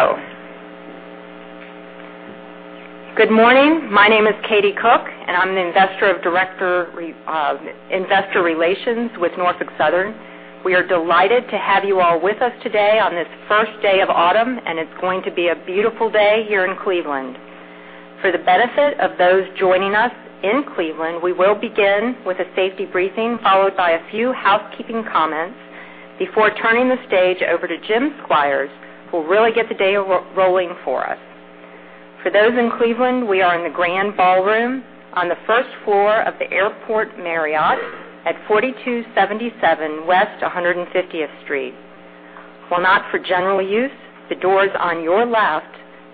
Oh! Good morning. My name is Katie Cook, and I'm the Director of Investor Relations with Norfolk Southern. We are delighted to have you all with us today on this first day of autumn, and it's going to be a beautiful day here in Cleveland. For the benefit of those joining us in Cleveland, we will begin with a safety briefing, followed by a few housekeeping comments before turning the stage over to Jim Squires, who will really get the day rolling for us. For those in Cleveland, we are in the Grand Ballroom on the first floor of the Airport Marriott at 4277 West 150th Street. While not for general use, the doors on your left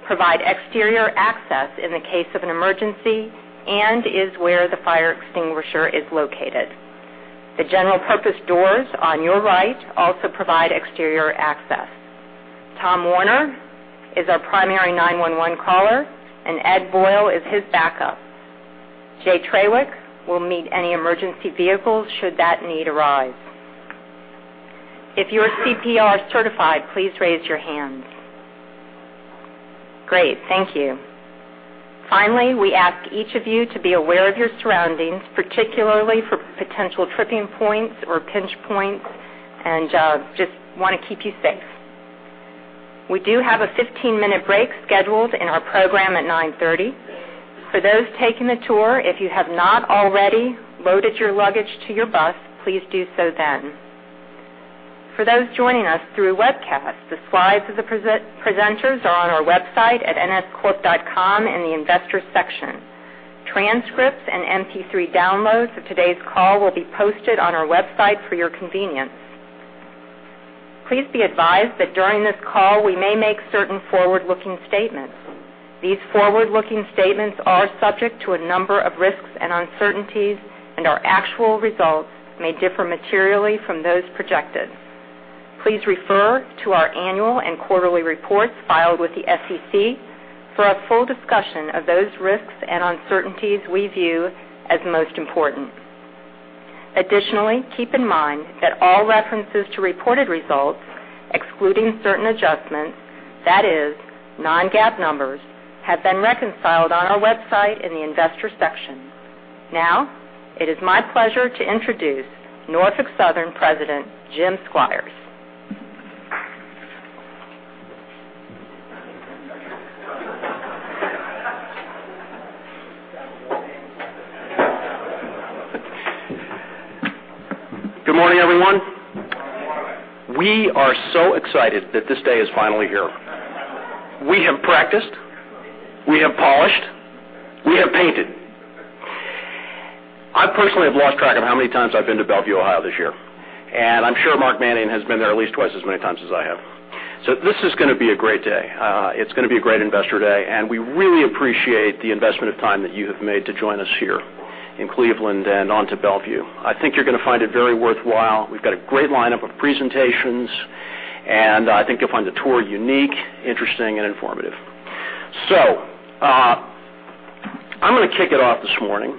provide exterior access in the case of an emergency and is where the fire extinguisher is located. The general-purpose doors on your right also provide exterior access. Tom Werner is our primary 911 caller, and Ed Boyle is his backup. Jay Traywick will meet any emergency vehicles should that need arise. If you are CPR certified, please raise your hand. Great, thank you. Finally, we ask each of you to be aware of your surroundings, particularly for potential tripping points or pinch points, and just want to keep you safe. We do have a 15-minute break scheduled in our program at 9:30. For those taking the tour, if you have not already loaded your luggage to your bus, please do so then. For those joining us through webcast, the slides of the presenters are on our website at nscorp.com in the Investors section. Transcripts and MP3 downloads of today's call will be posted on our website for your convenience. Please be advised that during this call, we may make certain forward-looking statements. These forward-looking statements are subject to a number of risks and uncertainties, and our actual results may differ materially from those projected. Please refer to our annual and quarterly reports filed with the SEC for a full discussion of those risks and uncertainties we view as most important. Additionally, keep in mind that all references to reported results, excluding certain adjustments, that is, non-GAAP numbers, have been reconciled on our website in the Investors section. Now, it is my pleasure to introduce Norfolk Southern President, Jim Squires. Good morning, everyone. Good morning. We are so excited that this day is finally here. We have practiced, we have polished, we have painted. I personally have lost track of how many times I've been to Bellevue, Ohio, this year, and I'm sure Mark Manion has been there at least twice as many times as I have. So this is gonna be a great day. It's gonna be a great Investor Day, and we really appreciate the investment of time that you have made to join us here in Cleveland and on to Bellevue. I think you're gonna find it very worthwhile. We've got a great lineup of presentations, and I think you'll find the tour unique, interesting, and informative. So, I'm gonna kick it off this morning,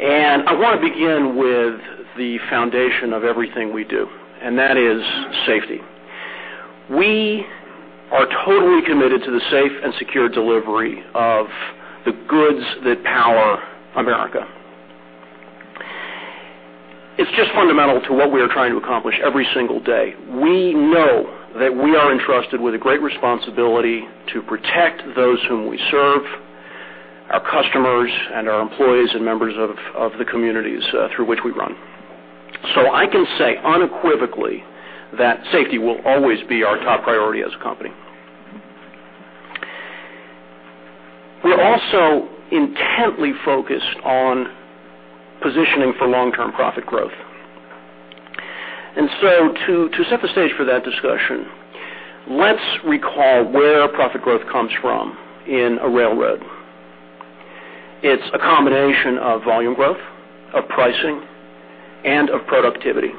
and I wanna begin with the foundation of everything we do, and that is safety. We are totally committed to the safe and secure delivery of the goods that power America. It's just fundamental to what we are trying to accomplish every single day. We know that we are entrusted with a great responsibility to protect those whom we serve, our customers, and our employees, and members of the communities through which we run. So I can say unequivocally that safety will always be our top priority as a company. We're also intently focused on positioning for long-term profit growth. So to set the stage for that discussion, let's recall where profit growth comes from in a railroad. It's a combination of volume growth, of pricing, and of productivity.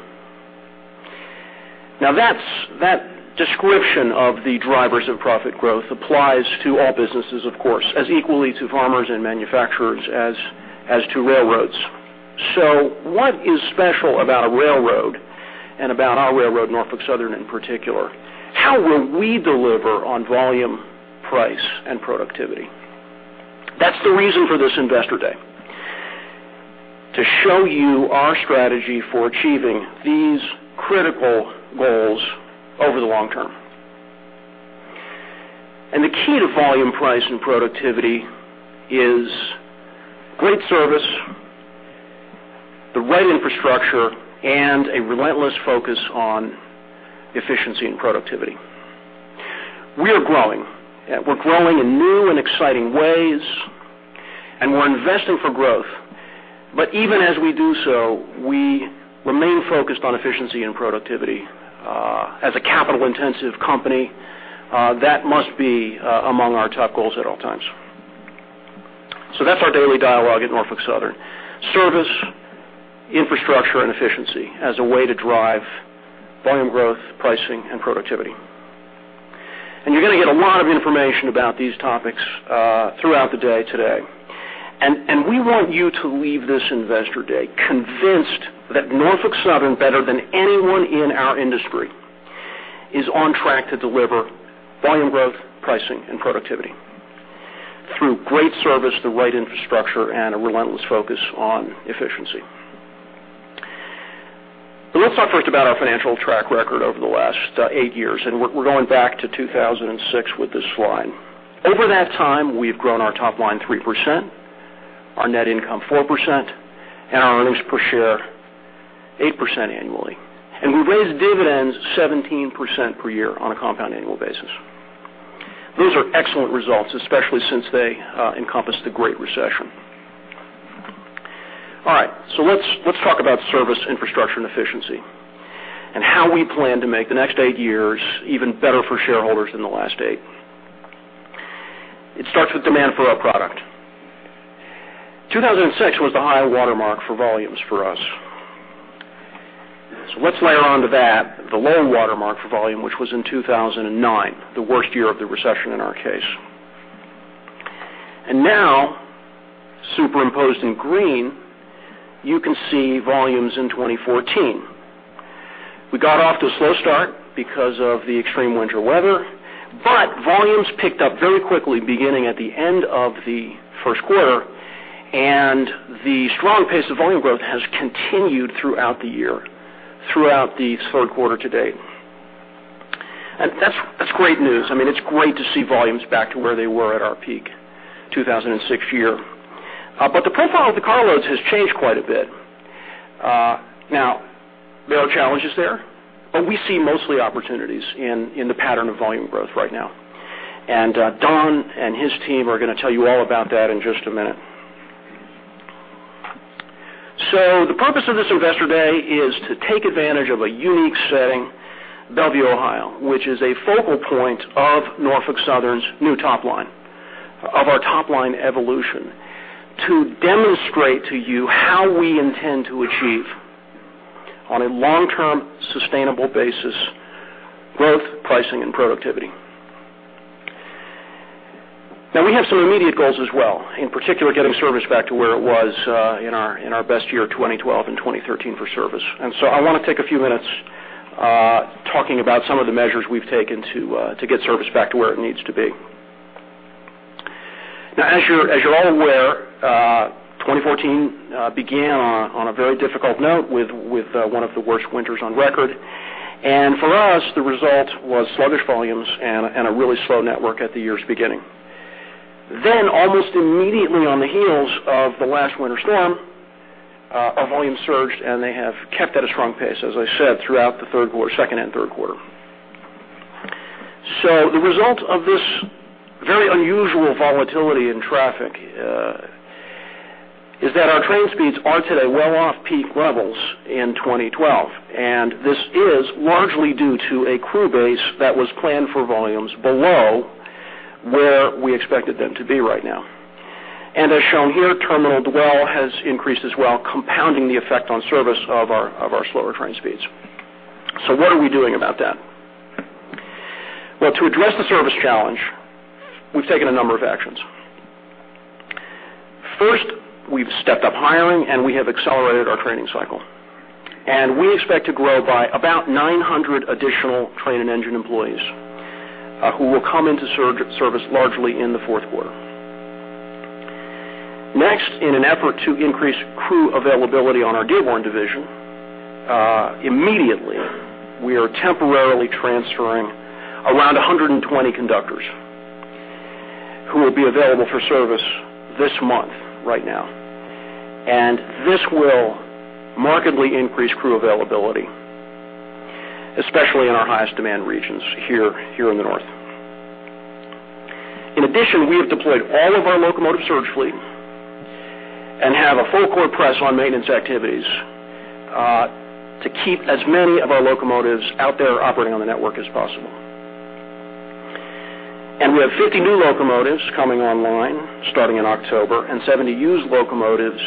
Now, that's that description of the drivers of profit growth applies to all businesses, of course, as equally to farmers and manufacturers as to railroads. So what is special about a railroad and about our railroad, Norfolk Southern, in particular? How will we deliver on volume, price, and productivity? That's the reason for this Investor Day, to show you our strategy for achieving these critical goals over the long term. And the key to volume, price, and productivity is great service, the right infrastructure, and a relentless focus on efficiency and productivity. We are growing. We're growing in new and exciting ways, and we're investing for growth. But even as we do so, we remain focused on efficiency and productivity. As a capital-intensive company, that must be among our top goals at all times. So that's our daily dialogue at Norfolk Southern: service, infrastructure, and efficiency as a way to drive volume growth, pricing, and productivity. And you're gonna get a lot of information about these topics throughout the day today... We want you to leave this Investor Day convinced that Norfolk Southern, better than anyone in our industry, is on track to deliver volume growth, pricing, and productivity through great service, the right infrastructure, and a relentless focus on efficiency. So let's talk first about our financial track record over the last 8 years, and we're going back to 2006 with this slide. Over that time, we've grown our top line 3%, our net income 4%, and our earnings per share 8% annually. And we've raised dividends 17% per year on a compound annual basis. Those are excellent results, especially since they encompass the Great Recession. All right, so let's talk about service, infrastructure, and efficiency, and how we plan to make the next 8 years even better for shareholders than the last 8. It starts with demand for our product. 2006 was the high watermark for volumes for us. So let's layer onto that the low watermark for volume, which was in 2009, the worst year of the recession in our case. And now, superimposed in green, you can see volumes in 2014. We got off to a slow start because of the extreme winter weather, but volumes picked up very quickly beginning at the end of the first quarter, and the strong pace of volume growth has continued throughout the year, throughout the third quarter to date. And that's, that's great news. I mean, it's great to see volumes back to where they were at our peak, 2006 year. But the profile of the carloads has changed quite a bit. Now, there are challenges there, but we see mostly opportunities in the pattern of volume growth right now. And, Don and his team are gonna tell you all about that in just a minute. So the purpose of this Investor Day is to take advantage of a unique setting, Bellevue, Ohio, which is a focal point of Norfolk Southern's new top line, of our top-line evolution, to demonstrate to you how we intend to achieve, on a long-term, sustainable basis, growth, pricing, and productivity. Now, we have some immediate goals as well, in particular, getting service back to where it was in our best year, 2012 and 2013, for service. And so I wanna take a few minutes talking about some of the measures we've taken to get service back to where it needs to be. Now, as you're all aware, 2014 began on a very difficult note with one of the worst winters on record. And for us, the result was sluggish volumes and a really slow network at the year's beginning. Then, almost immediately on the heels of the last winter storm, our volumes surged, and they have kept at a strong pace, as I said, throughout the third quarter—second and third quarter. So the result of this very unusual volatility in traffic is that our train speeds are today well off peak levels in 2012, and this is largely due to a crew base that was planned for volumes below where we expected them to be right now. As shown here, terminal dwell has increased as well, compounding the effect on service of our slower train speeds. So what are we doing about that? Well, to address the service challenge, we've taken a number of actions. First, we've stepped up hiring, and we have accelerated our training cycle, and we expect to grow by about 900 additional train and engine employees, who will come into service largely in the fourth quarter. Next, in an effort to increase crew availability on our Dearborn Division, immediately, we are temporarily transferring around 120 conductors who will be available for service this month, right now. And this will markedly increase crew availability, especially in our highest demand regions here in the north. In addition, we have deployed all of our locomotive surge fleet and have a full court press on maintenance activities to keep as many of our locomotives out there operating on the network as possible. We have 50 new locomotives coming online, starting in October, and 70 used locomotives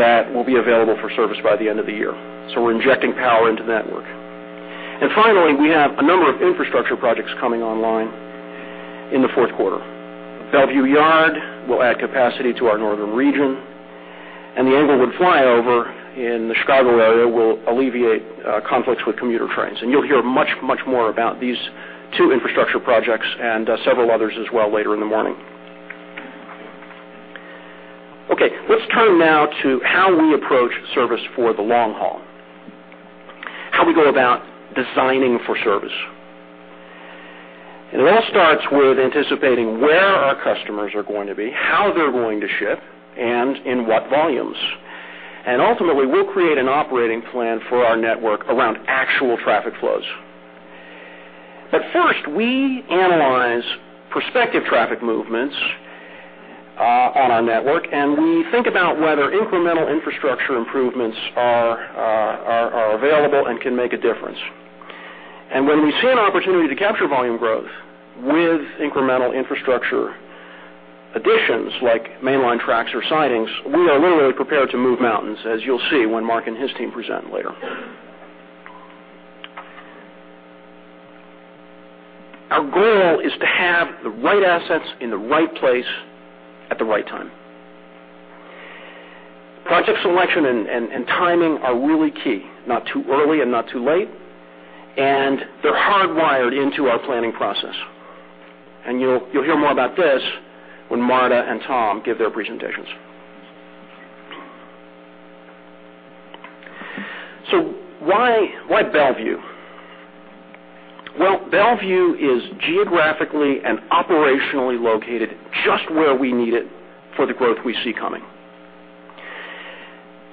that will be available for service by the end of the year. So we're injecting power into the network. Finally, we have a number of infrastructure projects coming online in the fourth quarter. Bellevue Yard will add capacity to our Northern Region, and the Englewood Flyover in the Chicago area will alleviate conflicts with commuter trains. You'll hear much, much more about these two infrastructure projects and several others as well later in the morning. Okay, let's turn now to how we approach service for the long haul, how we go about designing for service. It all starts with anticipating where our customers are going to be, how they're going to ship, and in what volumes. And ultimately, we'll create an operating plan for our network around actual traffic flows. But first, we analyze prospective traffic movements on our network, and we think about whether incremental infrastructure improvements are available and can make a difference. And when we see an opportunity to capture volume growth with incremental infrastructure additions, like mainline tracks or sidings, we are literally prepared to move mountains, as you'll see when Mark and his team present later. Our goal is to have the right assets in the right place at the right time. Project selection and timing are really key, not too early and not too late, and they're hardwired into our planning process. You'll hear more about this when Marta and Tom give their presentations. So why Bellevue? Well, Bellevue is geographically and operationally located just where we need it for the growth we see coming.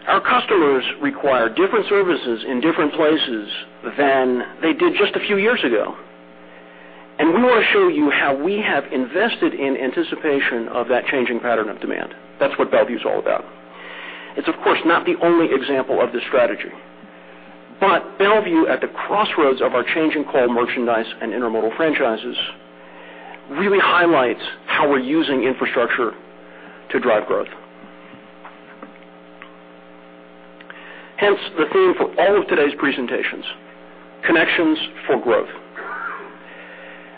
Our customers require different services in different places than they did just a few years ago, and we want to show you how we have invested in anticipation of that changing pattern of demand. That's what Bellevue is all about. It's, of course, not the only example of this strategy, but Bellevue, at the crossroads of our changing coal, merchandise, and intermodal franchises, really highlights how we're using infrastructure to drive growth. Hence, the theme for all of today's presentations, Connections for Growth.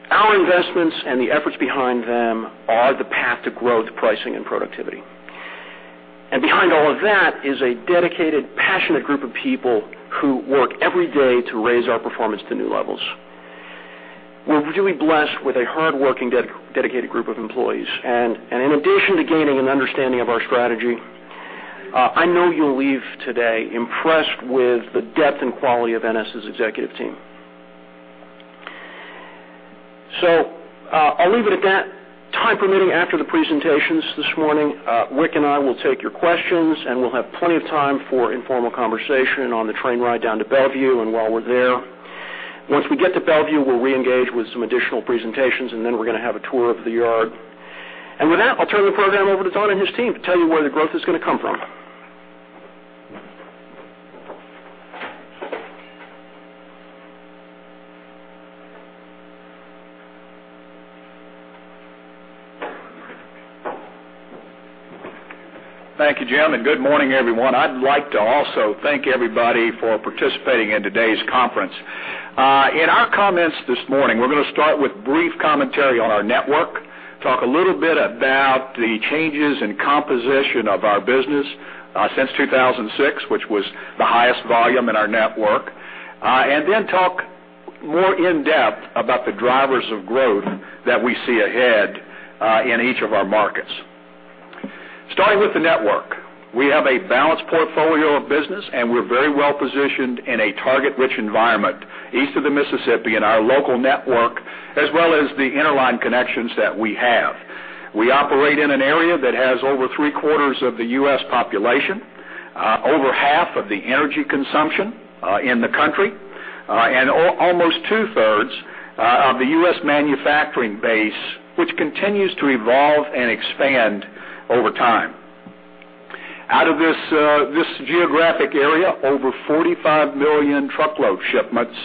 Our investments and the efforts behind them are the path to growth, pricing, and productivity. And behind all of that is a dedicated, passionate group of people who work every day to raise our performance to new levels. We're really blessed with a hardworking, dedicated group of employees, and in addition to gaining an understanding of our strategy, I know you'll leave today impressed with the depth and quality of NS's executive team. So, I'll leave it at that. Time permitting, after the presentations this morning, Wick and I will take your questions, and we'll have plenty of time for informal conversation on the train ride down to Bellevue and while we're there. Once we get to Bellevue, we'll reengage with some additional presentations, and then we're going to have a tour of the yard. And with that, I'll turn the program over to Don and his team to tell you where the growth is going to come from. Thank you, Jim, and good morning, everyone. I'd like to also thank everybody for participating in today's conference. In our comments this morning, we're going to start with brief commentary on our network, talk a little bit about the changes in composition of our business, since 2006, which was the highest volume in our network, and then talk more in-depth about the drivers of growth that we see ahead, in each of our markets. Starting with the network, we have a balanced portfolio of business, and we're very well-positioned in a target-rich environment east of the Mississippi in our local network, as well as the interline connections that we have. We operate in an area that has over three-quarters of the U.S. population, over half of the energy consumption in the country, and almost two-thirds of the U.S. manufacturing base, which continues to evolve and expand over time. Out of this geographic area, over 45 million truckload shipments,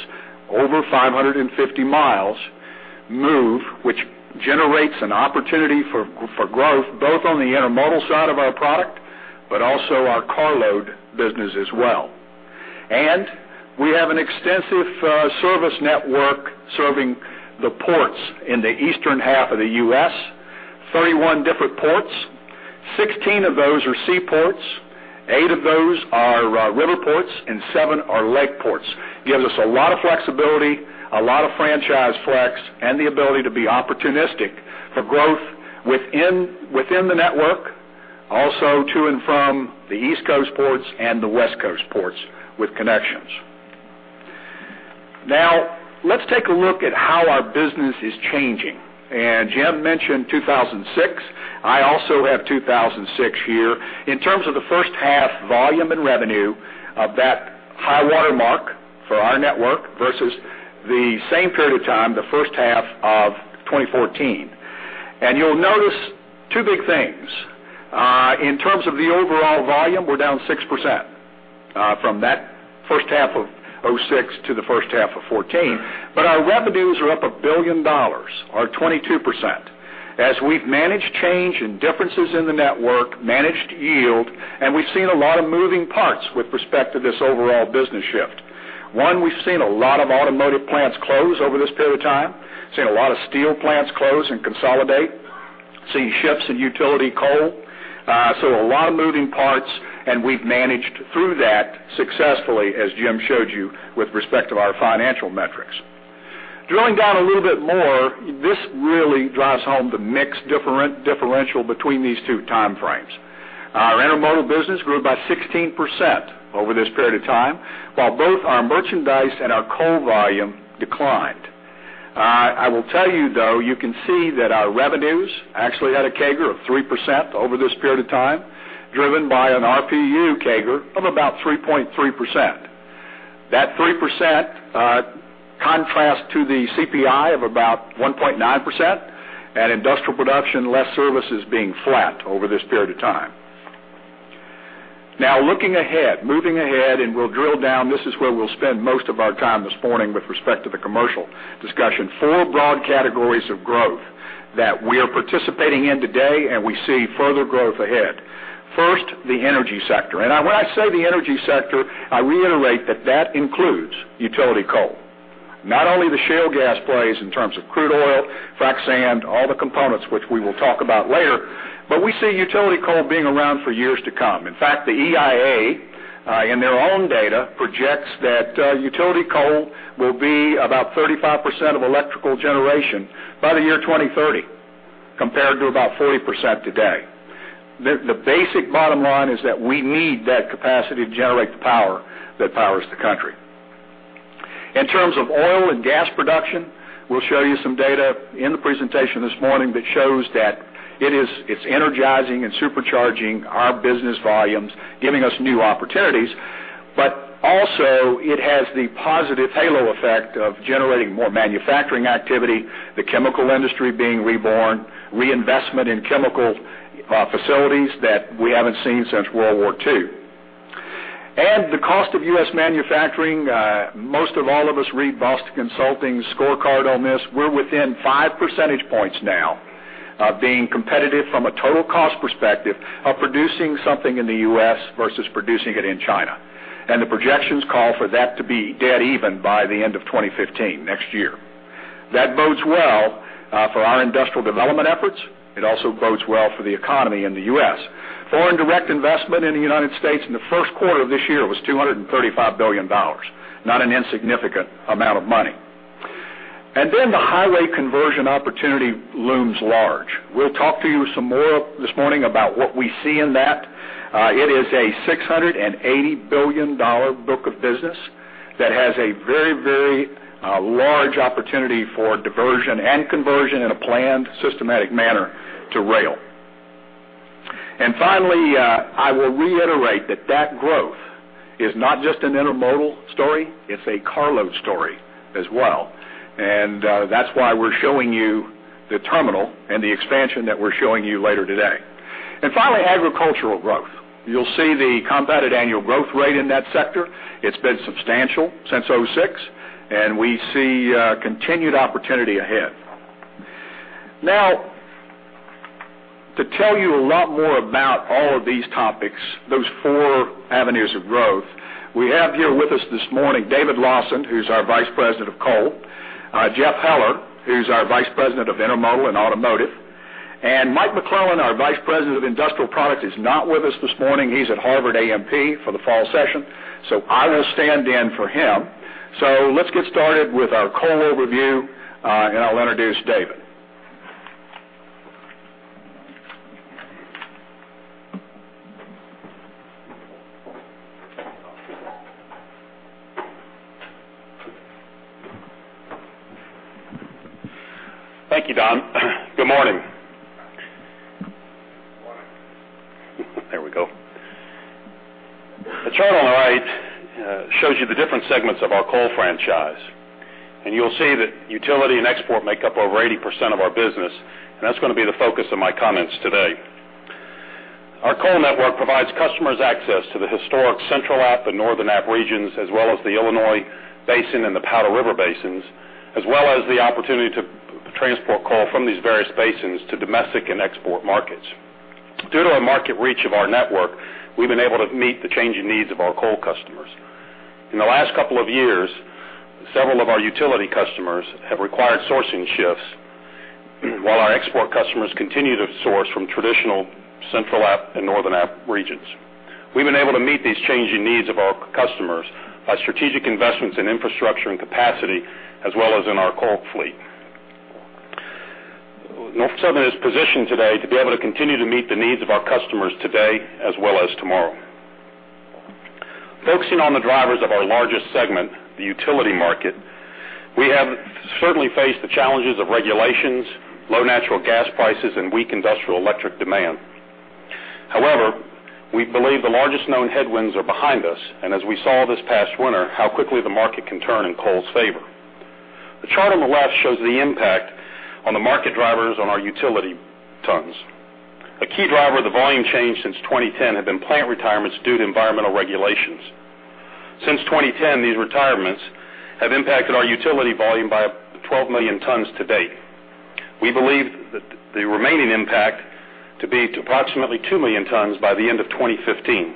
over 550 miles move, which generates an opportunity for growth, both on the intermodal side of our product, but also our carload business as well. We have an extensive service network serving the ports in the eastern half of the U.S. 31 different ports, 16 of those are seaports, 8 of those are river ports, and 7 are lake ports. Gives us a lot of flexibility, a lot of franchise flex, and the ability to be opportunistic for growth within, within the network, also to and from the East Coast ports and the West Coast ports with connections. Now, let's take a look at how our business is changing. Jim mentioned 2006. I also have 2006 here. In terms of the first half, volume and revenue of that high water mark for our network versus the same period of time, the first half of 2014. You'll notice two big things. In terms of the overall volume, we're down 6%, from that first half of 2006 to the first half of 2014, but our revenues are up $1 billion, or 22%, as we've managed change and differences in the network, managed yield, and we've seen a lot of moving parts with respect to this overall business shift. One, we've seen a lot of automotive plants close over this period of time, seen a lot of steel plants close and consolidate, seen shifts in utility coal, so a lot of moving parts, and we've managed through that successfully, as Jim showed you, with respect to our financial metrics. Drilling down a little bit more, this really drives home the mix differential between these two time frames. Our intermodal business grew by 16% over this period of time, while both our merchandise and our coal volume declined. I will tell you, though, you can see that our revenues actually had a CAGR of 3% over this period of time, driven by an RPU CAGR of about 3.3%. That 3%, contrasts to the CPI of about 1.9%, and industrial production, less services being flat over this period of time. Now, looking ahead, moving ahead, and we'll drill down, this is where we'll spend most of our time this morning with respect to the commercial discussion. Four broad categories of growth:... that we are participating in today, and we see further growth ahead. First, the energy sector, and when I say the energy sector, I reiterate that that includes utility coal, not only the shale gas plays in terms of crude oil, frac sand, all the components which we will talk about later, but we see utility coal being around for years to come. In fact, the EIA, in their own data, projects that, utility coal will be about 35% of electrical generation by the year 2030, compared to about 40% today. The basic bottom line is that we need that capacity to generate the power that powers the country. In terms of oil and gas production, we'll show you some data in the presentation this morning that shows that it is—it's energizing and supercharging our business volumes, giving us new opportunities, but also it has the positive halo effect of generating more manufacturing activity, the chemical industry being reborn, reinvestment in chemical facilities that we haven't seen since World War II. The cost of U.S. manufacturing, most of all of us read Boston Consulting's scorecard on this. We're within five percentage points now of being competitive from a total cost perspective of producing something in the U.S. versus producing it in China. The projections call for that to be dead even by the end of 2015, next year. That bodes well for our industrial development efforts. It also bodes well for the economy in the U.S. Foreign direct investment in the United States in the first quarter of this year was $235 billion, not an insignificant amount of money. And then the highway conversion opportunity looms large. We'll talk to you some more this morning about what we see in that. It is a $680 billion book of business that has a very, very large opportunity for diversion and conversion in a planned, systematic manner to rail. And finally, I will reiterate that that growth is not just an intermodal story, it's a carload story as well. And, that's why we're showing you the terminal and the expansion that we're showing you later today. And finally, agricultural growth. You'll see the compounded annual growth rate in that sector. It's been substantial since 2006, and we see continued opportunity ahead. Now, to tell you a lot more about all of these topics, those four avenues of growth, we have here with us this morning David Lawson, who's our Vice President of Coal, Jeff Heller, who's our Vice President of Intermodal and Automotive, and Mike McClellan, our Vice President of Industrial Products, is not with us this morning. He's at Harvard AMP for the fall session, so I will stand in for him. So let's get started with our coal overview, and I'll introduce David. Thank you, Don. Good morning. Good morning. There we go. The chart on the right shows you the different segments of our coal franchise, and you'll see that utility and export make up over 80% of our business, and that's gonna be the focus of my comments today. Our coal network provides customers access to the historic Central App and Northern App regions, as well as the Illinois Basin and the Powder River Basins, as well as the opportunity to transport coal from these various basins to domestic and export markets. Due to our market reach of our network, we've been able to meet the changing needs of our coal customers. In the last couple of years, several of our utility customers have required sourcing shifts, while our export customers continue to source from traditional Central App and Northern App regions. We've been able to meet these changing needs of our customers by strategic investments in infrastructure and capacity, as well as in our coal fleet. Norfolk Southern is positioned today to be able to continue to meet the needs of our customers today as well as tomorrow. Focusing on the drivers of our largest segment, the utility market, we have certainly faced the challenges of regulations, low natural gas prices, and weak industrial electric demand. However, we believe the largest known headwinds are behind us, and as we saw this past winter, how quickly the market can turn in coal's favor. The chart on the left shows the impact on the market drivers on our utility tons. A key driver of the volume change since 2010 have been plant retirements due to environmental regulations. Since 2010, these retirements have impacted our utility volume by 12 million tons to date. We believe that the remaining impact to be to approximately 2 million tons by the end of 2015.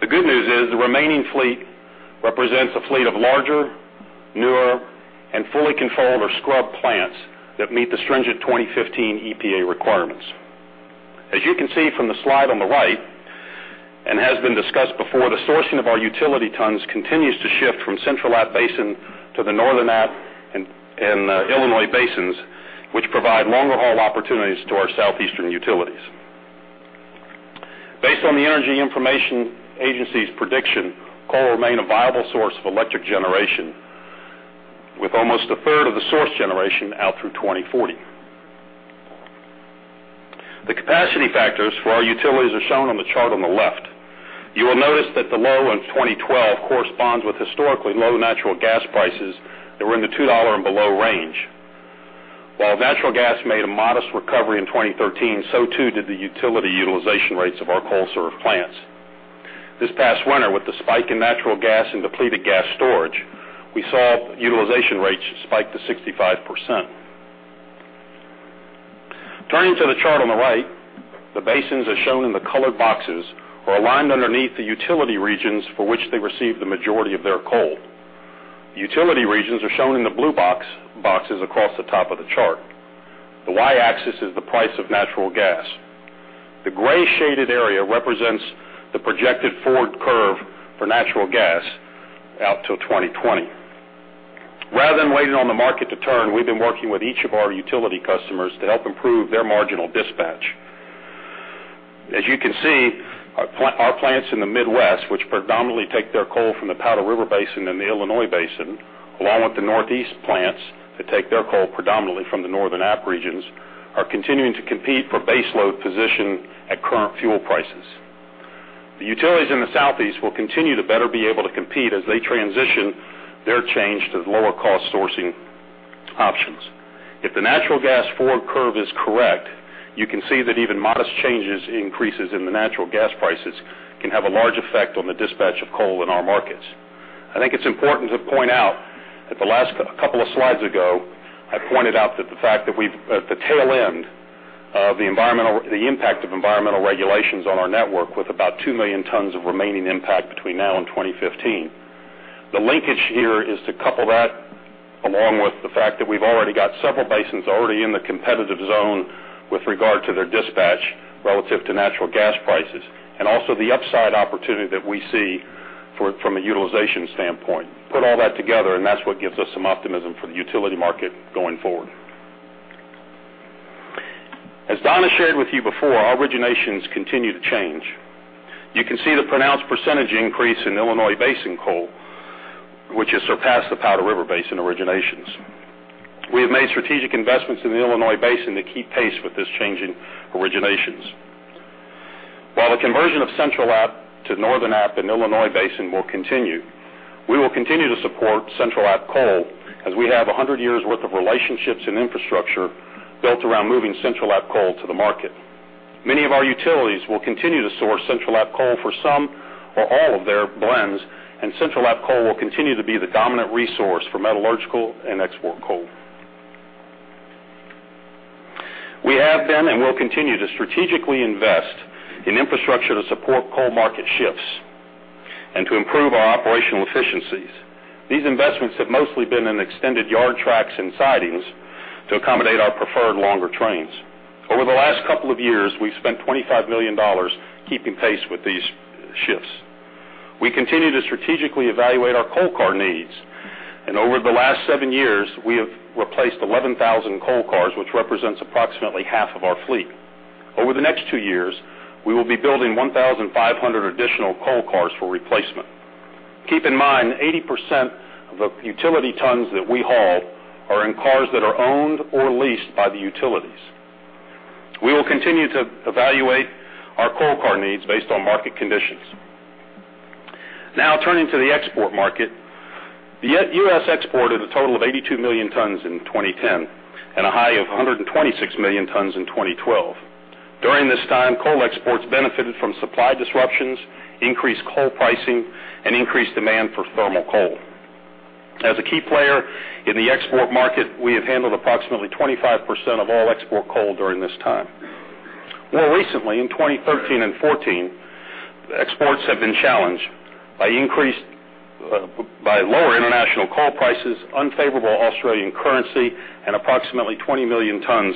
The good news is, the remaining fleet represents a fleet of larger, newer, and fully controlled or scrubbed plants that meet the stringent 2015 EPA requirements. As you can see from the slide on the right, and has been discussed before, the sourcing of our utility tons continues to shift from Central App Basin to the Northern App. and Illinois Basin, which provide longer-haul opportunities to our southeastern utilities. Based on the Energy Information Administration's prediction, coal will remain a viable source of electric generation, with almost a third of the source generation out through 2040. The capacity factors for our utilities are shown on the chart on the left. You will notice that the low in 2012 corresponds with historically low natural gas prices that were in the $2 and below range. While natural gas made a modest recovery in 2013, so too, did the utility utilization rates of our coal-served plants. This past winter, with the spike in natural gas and depleted gas storage, we saw utilization rates spike to 65%. Turning to the chart on the right, the basins, as shown in the colored boxes, are aligned underneath the utility regions for which they receive the majority of their coal. Utility regions are shown in the blue box, boxes across the top of the chart. The Y-axis is the price of natural gas. The gray shaded area represents the projected forward curve for natural gas out till 2020. Rather than waiting on the market to turn, we've been working with each of our utility customers to help improve their marginal dispatch. As you can see, our plants in the Midwest, which predominantly take their coal from the Powder River Basin and the Illinois Basin, along with the Northeast plants that take their coal predominantly from the Northern App regions, are continuing to compete for baseload position at current fuel prices. The utilities in the Southeast will continue to better be able to compete as they transition their change to lower cost sourcing options. If the natural gas forward curve is correct, you can see that even modest changes increases in the natural gas prices can have a large effect on the dispatch of coal in our markets. I think it's important to point out that the last couple of slides ago, I pointed out that the fact that we've, at the tail end of the environmental, the impact of environmental regulations on our network, with about 2 million tons of remaining impact between now and 2015. The linkage here is to couple that, along with the fact that we've already got several basins already in the competitive zone with regard to their dispatch relative to natural gas prices, and also the upside opportunity that we see for, from a utilization standpoint. Put all that together, and that's what gives us some optimism for the utility market going forward. As Don has shared with you before, our originations continue to change. You can see the pronounced percentage increase in Illinois Basin coal, which has surpassed the Powder River Basin originations. We have made strategic investments in the Illinois Basin to keep pace with this change in originations. While the conversion of Central App to Northern App and Illinois Basin will continue, we will continue to support Central App coal as we have 100 years' worth of relationships and infrastructure built around moving Central App coal to the market. Many of our utilities will continue to source Central App coal for some or all of their blends, and Central App coal will continue to be the dominant resource for metallurgical and export coal. We have been and will continue to strategically invest in infrastructure to support coal market shifts and to improve our operational efficiencies. These investments have mostly been in extended yard tracks and sidings to accommodate our preferred longer trains. Over the last couple of years, we've spent $25 million keeping pace with these shifts. We continue to strategically evaluate our coal car needs, and over the last 7 years, we have replaced 11,000 coal cars, which represents approximately half of our fleet. Over the next 2 years, we will be building 1,500 additional coal cars for replacement. Keep in mind, 80% of the utility tons that we haul are in cars that are owned or leased by the utilities. We will continue to evaluate our coal car needs based on market conditions. Now, turning to the export market. The U.S. exported a total of 82 million tons in 2010, and a high of 126 million tons in 2012. During this time, coal exports benefited from supply disruptions, increased coal pricing, and increased demand for thermal coal. As a key player in the export market, we have handled approximately 25% of all export coal during this time. More recently, in 2013 and 2014, exports have been challenged by increased by lower international coal prices, unfavorable Australian currency, and approximately 20 million tons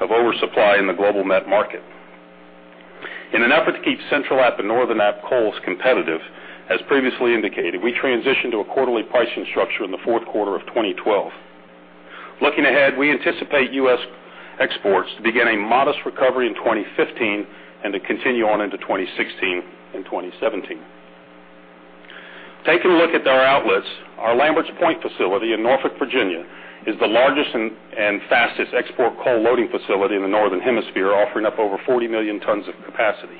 of oversupply in the global net market. In an effort to keep Central App and Northern App coals competitive, as previously indicated, we transitioned to a quarterly pricing structure in the fourth quarter of 2012. Looking ahead, we anticipate U.S. exports to begin a modest recovery in 2015 and to continue on into 2016 and 2017. Taking a look at our outlets, our Lamberts Point facility in Norfolk, Virginia, is the largest and fastest export coal loading facility in the Northern Hemisphere, offering up over 40 million tons of capacity.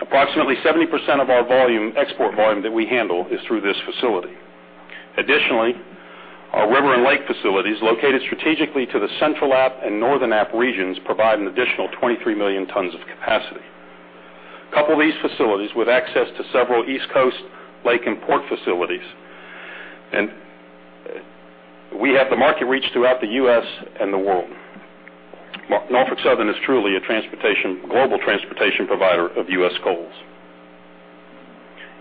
Approximately 70% of our volume, export volume that we handle is through this facility. Additionally, our river and lake facilities, located strategically to the Central App and Northern App regions, provide an additional 23 million tons of capacity. Couple these facilities with access to several East Coast lake and port facilities, and we have the market reach throughout the U.S. and the world. Norfolk Southern is truly a global transportation provider of U.S. coals.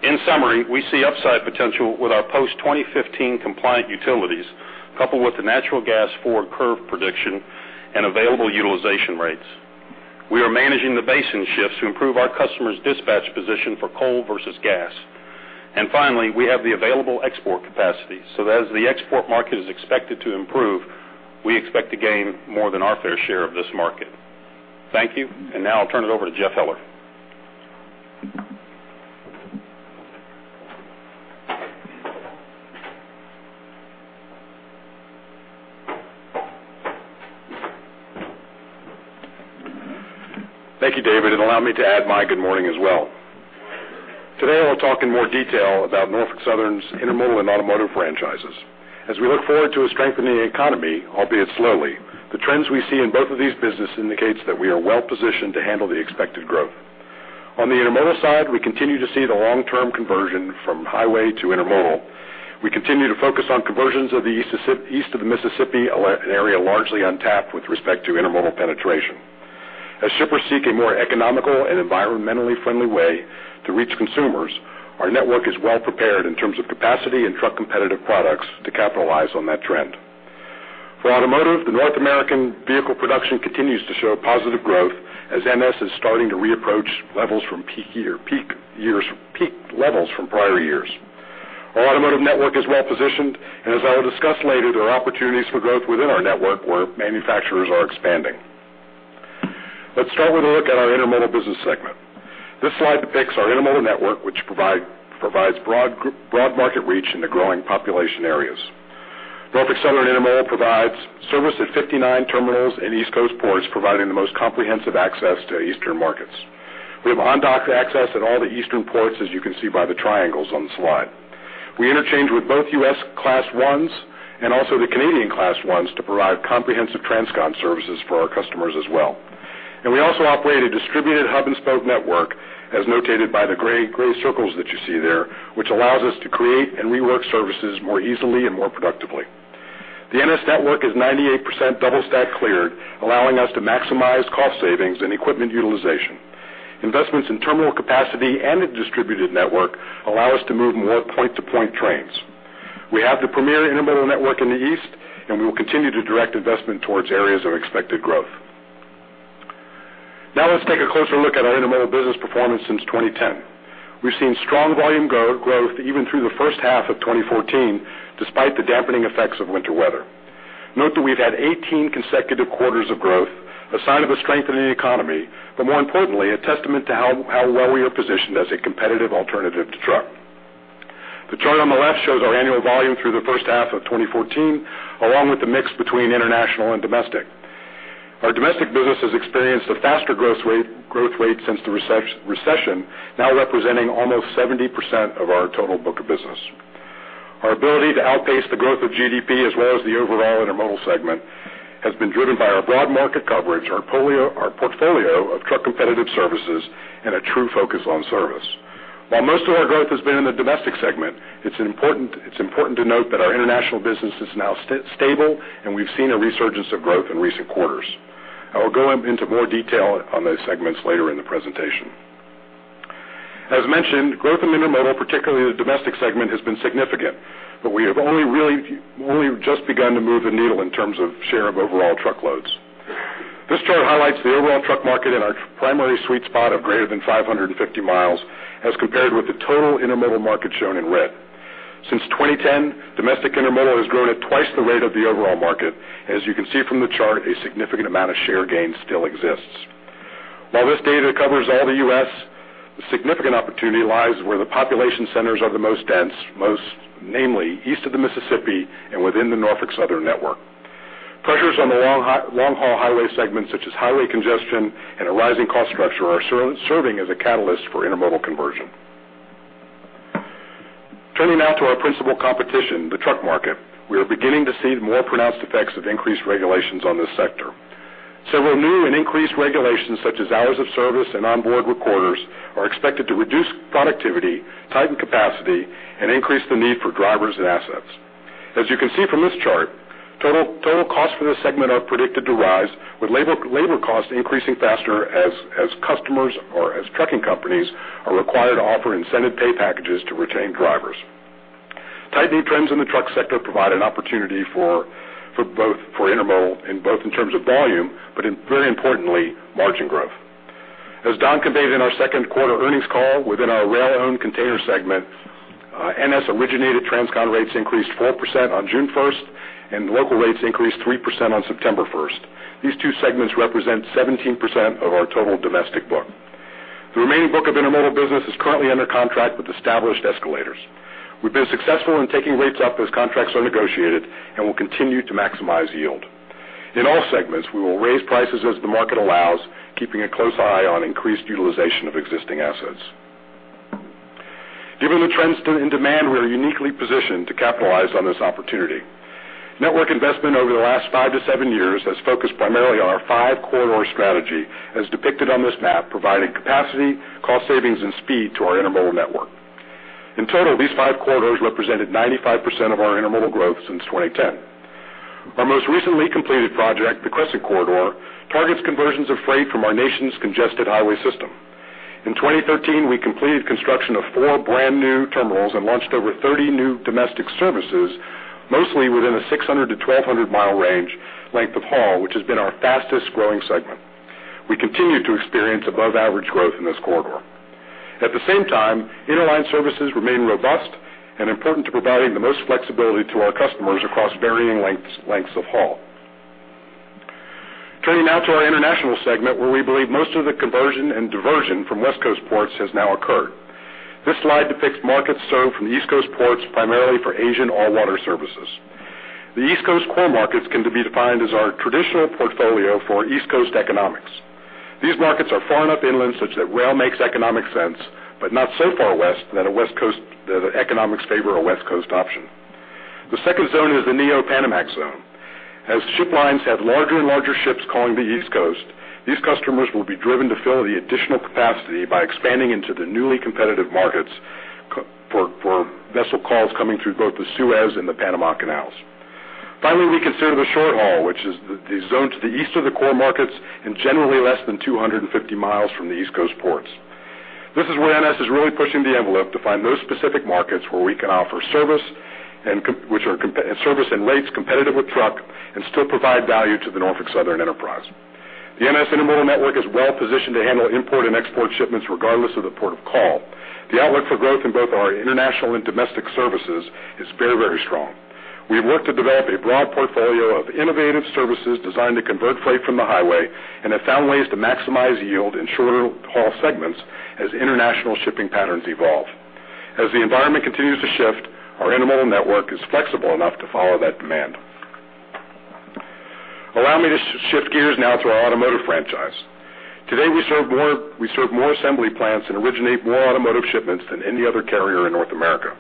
In summary, we see upside potential with our post-2015 compliant utilities, coupled with the natural gas forward curve prediction and available utilization rates. We are managing the basin shifts to improve our customers' dispatch position for coal versus gas. Finally, we have the available export capacity, so as the export market is expected to improve, we expect to gain more than our fair share of this market. Thank you, and now I'll turn it over to Jeff Heller. Thank you, David, and allow me to add my good morning as well. ...Today, I want to talk in more detail about Norfolk Southern's intermodal and automotive franchises. As we look forward to a strengthening economy, albeit slowly, the trends we see in both of these businesses indicates that we are well-positioned to handle the expected growth. On the intermodal side, we continue to see the long-term conversion from highway to intermodal. We continue to focus on conversions of the East of the Mississippi, an area largely untapped with respect to intermodal penetration. As shippers seek a more economical and environmentally friendly way to reach consumers, our network is well-prepared in terms of capacity and truck competitive products to capitalize on that trend. For automotive, the North American vehicle production continues to show positive growth as NS is starting to reapproach levels from peak levels from prior years. Our automotive network is well-positioned, and as I will discuss later, there are opportunities for growth within our network where manufacturers are expanding. Let's start with a look at our intermodal business segment. This slide depicts our intermodal network, which provides broad market reach in the growing population areas. Norfolk Southern Intermodal provides service at 59 terminals in East Coast ports, providing the most comprehensive access to eastern markets. We have on-dock access at all the eastern ports, as you can see by the triangles on the slide. We interchange with both U.S. Class I's and also the Canadian Class I's to provide comprehensive transcon services for our customers as well. And we also operate a distributed hub-and-spoke network, as notated by the gray circles that you see there, which allows us to create and rework services more easily and more productively. The NS network is 98% double-stack cleared, allowing us to maximize cost savings and equipment utilization. Investments in terminal capacity and a distributed network allow us to move more point-to-point trains. We have the premier intermodal network in the East, and we will continue to direct investment towards areas of expected growth. Now, let's take a closer look at our intermodal business performance since 2010. We've seen strong volume growth, even through the first half of 2014, despite the dampening effects of winter weather. Note that we've had 18 consecutive quarters of growth, a sign of a strengthening economy, but more importantly, a testament to how well we are positioned as a competitive alternative to truck. The chart on the left shows our annual volume through the first half of 2014, along with the mix between international and domestic. Our domestic business has experienced a faster growth rate since the recession, now representing almost 70% of our total book of business. Our ability to outpace the growth of GDP, as well as the overall intermodal segment, has been driven by our broad market coverage, our portfolio of truck competitive services, and a true focus on service. While most of our growth has been in the domestic segment, it's important to note that our international business is now stable, and we've seen a resurgence of growth in recent quarters. I will go into more detail on those segments later in the presentation. As mentioned, growth in intermodal, particularly the domestic segment, has been significant, but we have only just begun to move the needle in terms of share of overall truckloads. This chart highlights the overall truck market in our primary sweet spot of greater than 550 miles, as compared with the total intermodal market shown in red. Since 2010, domestic intermodal has grown at twice the rate of the overall market. As you can see from the chart, a significant amount of share gain still exists. While this data covers all the U.S., the significant opportunity lies where the population centers are the most dense, most namely east of the Mississippi and within the Norfolk Southern network. Pressures on the long-haul highway segments, such as highway congestion and a rising cost structure, are serving as a catalyst for intermodal conversion. Turning now to our principal competition, the truck market, we are beginning to see more pronounced effects of increased regulations on this sector. Several new and increased regulations, such as hours of service and onboard recorders, are expected to reduce productivity, tighten capacity, and increase the need for drivers and assets. As you can see from this chart, total costs for this segment are predicted to rise, with labor costs increasing faster as customers or as trucking companies are required to offer incentive pay packages to retain drivers. Tightening trends in the truck sector provide an opportunity for both intermodal in both in terms of volume, but very importantly, margin growth. As Don conveyed in our second quarter earnings call, within our rail-owned container segment, NS-originated transcon rates increased 4% on June first, and local rates increased 3% on September first. These two segments represent 17% of our total domestic book. The remaining book of intermodal business is currently under contract with established escalators. We've been successful in taking rates up as contracts are negotiated and will continue to maximize yield. In all segments, we will raise prices as the market allows, keeping a close eye on increased utilization of existing assets. Given the trends in demand, we are uniquely positioned to capitalize on this opportunity. Network investment over the last 5-7 years has focused primarily on our 5 corridor strategy, as depicted on this map, providing capacity, cost savings, and speed to our intermodal network. In total, these 5 corridors represented 95% of our intermodal growth since 2010. Our most recently completed project, the Crescent Corridor, targets conversions of freight from our nation's congested highway system. In 2013, we completed construction of 4 brand-new terminals and launched over 30 new domestic services, mostly within a 600-1,200-mile range length of haul, which has been our fastest-growing segment. We continue to experience above-average growth in this corridor. At the same time, interline services remain robust and important to providing the most flexibility to our customers across varying lengths, lengths of haul. Turning now to our international segment, where we believe most of the conversion and diversion from West Coast ports has now occurred. This slide depicts markets served from the East Coast ports, primarily for Asian all-water services. The East Coast core markets can be defined as our traditional portfolio for East Coast economics. These markets are far enough inland such that rail makes economic sense, but not so far west that the economics favor a West Coast option. The second zone is the Neo-Panamax zone. As ship lines have larger and larger ships calling the East Coast, these customers will be driven to fill the additional capacity by expanding into the newly competitive markets for vessel calls coming through both the Suez and the Panama Canals. Finally, we consider the short haul, which is the zone to the east of the core markets and generally less than 250 miles from the East Coast ports. This is where NS is really pushing the envelope to find those specific markets where we can offer competitive service and rates competitive with truck and still provide value to the Norfolk Southern enterprise. The NS intermodal network is well-positioned to handle import and export shipments regardless of the port of call. The outlook for growth in both our international and domestic services is very, very strong. We've worked to develop a broad portfolio of innovative services designed to convert freight from the highway, and have found ways to maximize yield in shorter haul segments as international shipping patterns evolve. As the environment continues to shift, our intermodal network is flexible enough to follow that demand. Allow me to shift gears now to our automotive franchise. Today, we serve more, we serve more assembly plants and originate more automotive shipments than any other carrier in North America.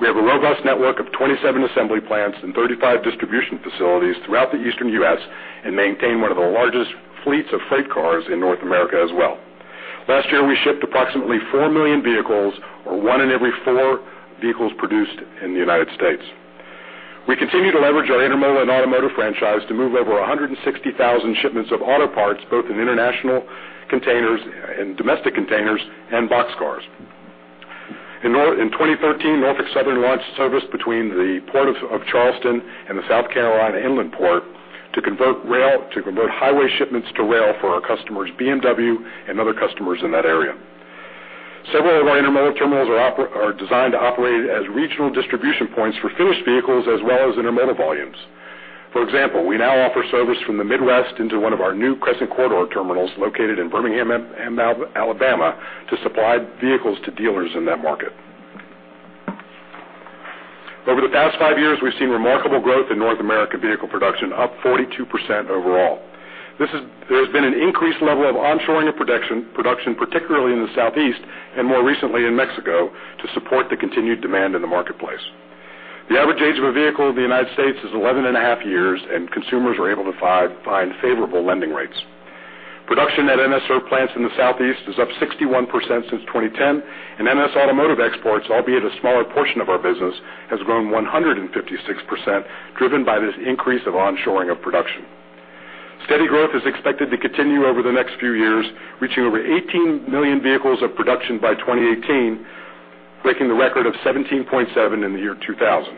We have a robust network of 27 assembly plants and 35 distribution facilities throughout the Eastern U.S., and maintain one of the largest fleets of freight cars in North America as well. Last year, we shipped approximately 4 million vehicles, or one in every four vehicles produced in the United States. We continue to leverage our intermodal and automotive franchise to move over 160,000 shipments of auto parts, both in international containers and domestic containers and boxcars. In 2013, Norfolk Southern launched service between the Port of Charleston and the South Carolina Inland Port to convert highway shipments to rail for our customers, BMW and other customers in that area. Several of our intermodal terminals are designed to operate as regional distribution points for finished vehicles as well as intermodal volumes. For example, we now offer service from the Midwest into one of our new Crescent Corridor terminals, located in Birmingham, Alabama, to supply vehicles to dealers in that market. Over the past 5 years, we've seen remarkable growth in North American vehicle production, up 42% overall. There has been an increased level of onshoring of production, particularly in the Southeast and more recently in Mexico, to support the continued demand in the marketplace. The average age of a vehicle in the United States is 11.5 years, and consumers are able to find favorable lending rates. Production at NS served plants in the Southeast is up 61% since 2010, and NS automotive exports, albeit a smaller portion of our business, has grown 156%, driven by this increase of onshoring of production. Steady growth is expected to continue over the next few years, reaching over 18 million vehicles of production by 2018, breaking the record of 17.7 in the year 2000.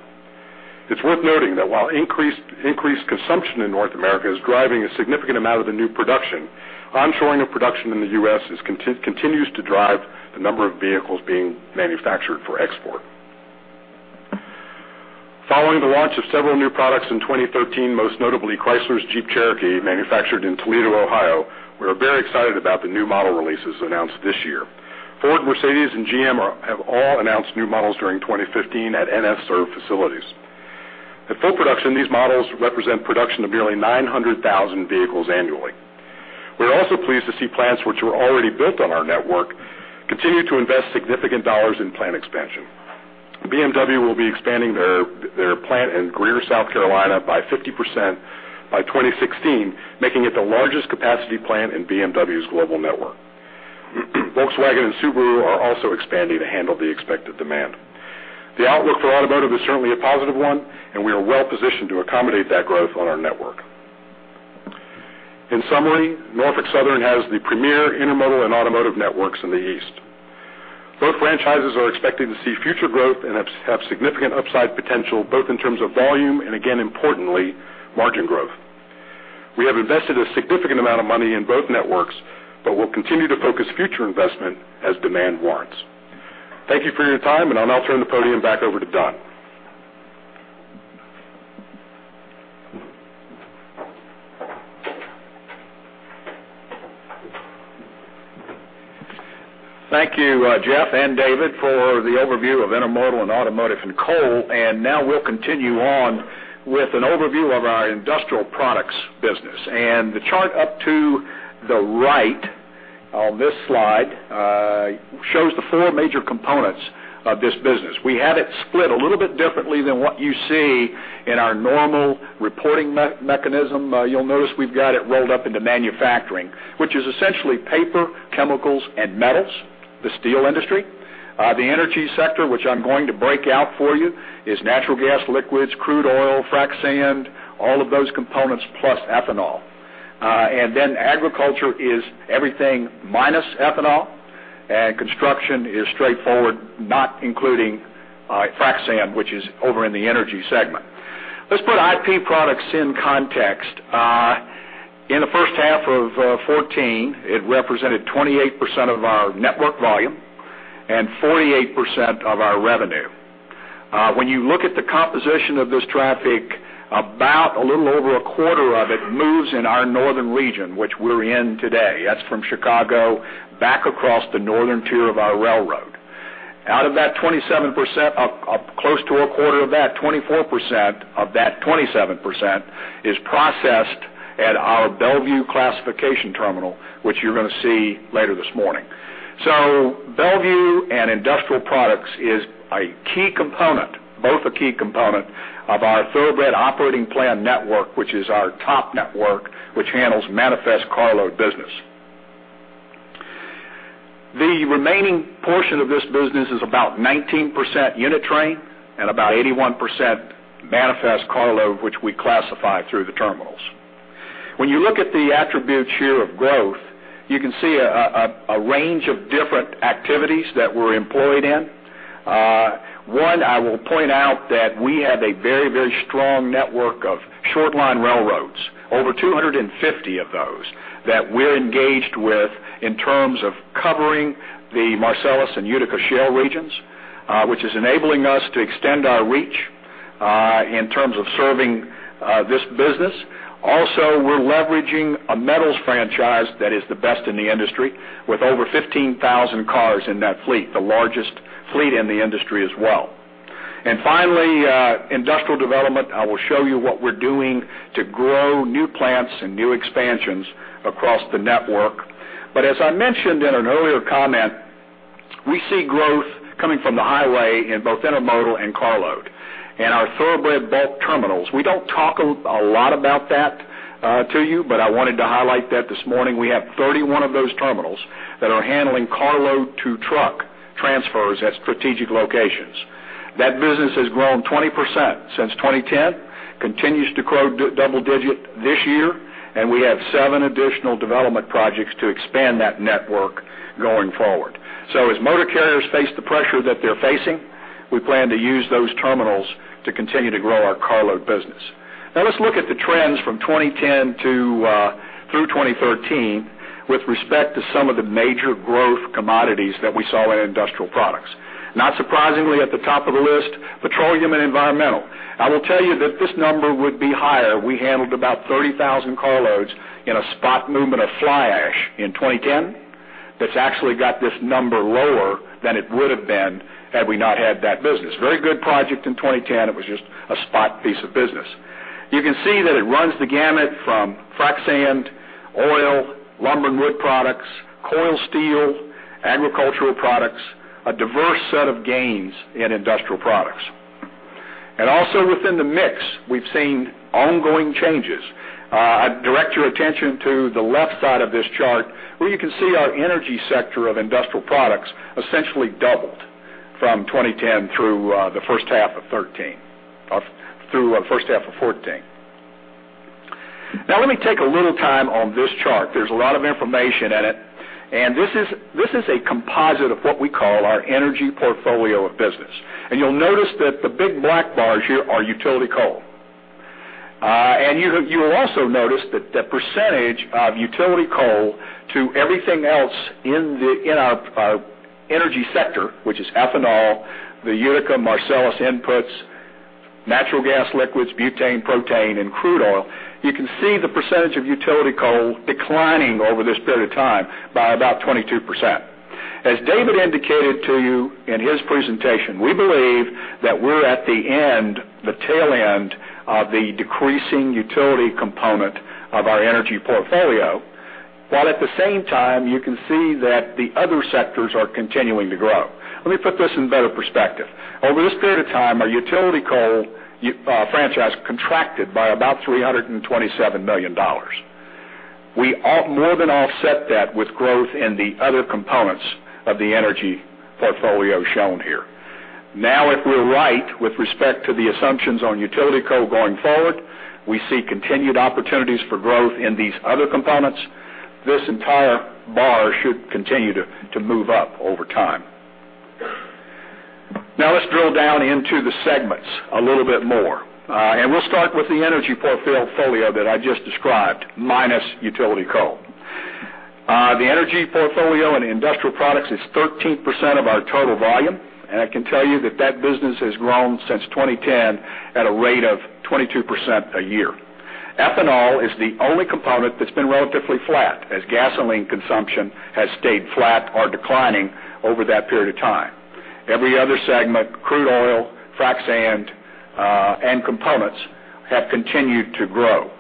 It's worth noting that while increased consumption in North America is driving a significant amount of the new production, onshoring of production in the US continues to drive the number of vehicles being manufactured for export. Following the launch of several new products in 2013, most notably Chrysler's Jeep Cherokee, manufactured in Toledo, Ohio, we are very excited about the new model releases announced this year. Ford, Mercedes, and GM have all announced new models during 2015 at NS served facilities. At full production, these models represent production of nearly 900,000 vehicles annually. We're also pleased to see plants which were already built on our network, continue to invest significant dollars in plant expansion. BMW will be expanding their plant in Greer, South Carolina, by 50% by 2016, making it the largest capacity plant in BMW's global network. Volkswagen and Subaru are also expanding to handle the expected demand. The outlook for automotive is certainly a positive one, and we are well positioned to accommodate that growth on our network. In summary, Norfolk Southern has the premier intermodal and automotive networks in the East. Both franchises are expected to see future growth and have significant upside potential, both in terms of volume and again, importantly, margin growth. We have invested a significant amount of money in both networks, but we'll continue to focus future investment as demand warrants. Thank you for your time, and I'll now turn the podium back over to Don. Thank you, Jeff and David, for the overview of intermodal and automotive and coal. Now we'll continue on with an overview of our industrial products business. The chart up to the right on this slide shows the four major components of this business. We have it split a little bit differently than what you see in our normal reporting mechanism. You'll notice we've got it rolled up into manufacturing, which is essentially paper, chemicals, and metals, the steel industry. The energy sector, which I'm going to break out for you, is natural gas, liquids, crude oil, frac sand, all of those components, plus ethanol. And then agriculture is everything minus ethanol, and construction is straightforward, not including frac sand, which is over in the energy segment. Let's put IP products in context. In the first half of 2014, it represented 28% of our network volume and 48% of our revenue. When you look at the composition of this traffic, about a little over a quarter of it moves in our northern region, which we're in today. That's from Chicago back across the northern tier of our railroad. Out of that 27%, close to a quarter of that, 24% of that 27% is processed at our Bellevue Classification Terminal, which you're going to see later this morning. So Bellevue and Industrial Products is a key component, both a key component of our Thoroughbred Operating Plan network, which is our TOP network, which handles manifest carload business. The remaining portion of this business is about 19% unit train and about 81% manifest carload, which we classify through the terminals. When you look at the attributes here of growth, you can see a range of different activities that we're employed in. One, I will point out that we have a very, very strong network of short line railroads, over 250 of those, that we're engaged with in terms of covering the Marcellus and Utica Shale regions, which is enabling us to extend our reach in terms of serving this business. Also, we're leveraging a metals franchise that is the best in the industry, with over 15,000 cars in that fleet, the largest fleet in the industry as well. And finally, industrial development. I will show you what we're doing to grow new plants and new expansions across the network. But as I mentioned in an earlier comment, we see growth coming from the highway in both intermodal and carload. Our Thoroughbred Bulk Terminals, we don't talk a lot about that to you, but I wanted to highlight that this morning. We have 31 of those terminals that are handling carload-to-truck transfers at strategic locations. That business has grown 20% since 2010, continues to grow double-digit this year, and we have 7 additional development projects to expand that network going forward. So as motor carriers face the pressure that they're facing, we plan to use those terminals to continue to grow our carload business. Now, let's look at the trends from 2010 to through 2013, with respect to some of the major growth commodities that we saw in industrial products. Not surprisingly, at the top of the list, petroleum and environmental. I will tell you that this number would be higher. We handled about 30,000 carloads in a spot movement of fly ash in 2010. That's actually got this number lower than it would've been had we not had that business. Very good project in 2010. It was just a spot piece of business. You can see that it runs the gamut from frac sand, oil, lumber and wood products, coil steel, agricultural products, a diverse set of gains in industrial products. And also within the mix, we've seen ongoing changes. I'd direct your attention to the left side of this chart, where you can see our energy sector of industrial products essentially doubled from 2010 through the first half of 2013 through first half of 2014. Now, let me take a little time on this chart. There's a lot of information in it, and this is, this is a composite of what we call our energy portfolio of business. And you'll notice that the big black bars here are utility coal. And you, you will also notice that the percentage of utility coal to everything else in the, in our, our energy sector, which is ethanol, the Utica Marcellus inputs, natural gas liquids, butane, propane, and crude oil, you can see the percentage of utility coal declining over this period of time by about 22%. As David indicated to you in his presentation, we believe that we're at the end, the tail end of the decreasing utility component of our energy portfolio, while at the same time, you can see that the other sectors are continuing to grow. Let me put this in better perspective. Over this period of time, our utility coal franchise contracted by about $327 million. We more than offset that with growth in the other components of the energy portfolio shown here. Now, if we're right with respect to the assumptions on utility coal going forward, we see continued opportunities for growth in these other components. This entire bar should continue to move up over time. Now, let's drill down into the segments a little bit more, and we'll start with the energy portfolio that I just described, minus utility coal. The energy portfolio in industrial products is 13% of our total volume, and I can tell you that that business has grown since 2010 at a rate of 22% a year. Ethanol is the only component that's been relatively flat, as gasoline consumption has stayed flat or declining over that period of time. Every other segment, crude oil, frac sand, and components, have continued to grow.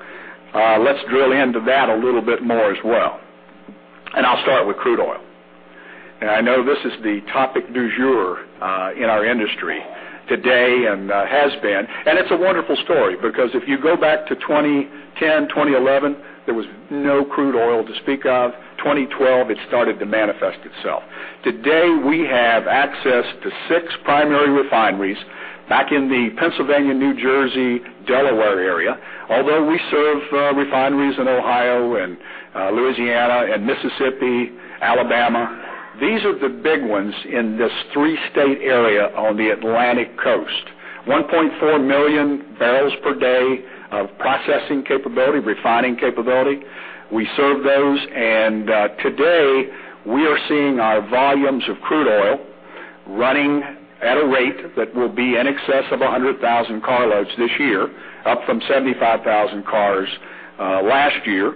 Let's drill into that a little bit more as well, and I'll start with crude oil. I know this is the topic du jour in our industry today and has been. It's a wonderful story, because if you go back to 2010, 2011, there was no crude oil to speak of. 2012, it started to manifest itself. Today, we have access to 6 primary refineries back in the Pennsylvania, New Jersey, Delaware area. Although we serve refineries in Ohio and Louisiana and Mississippi, Alabama, these are the big ones in this 3-state area on the Atlantic Coast. 1.4 million barrels per day of processing capability, refining capability. We serve those, and today, we are seeing our volumes of crude oil running at a rate that will be in excess of 100,000 carloads this year, up from 75,000 cars last year.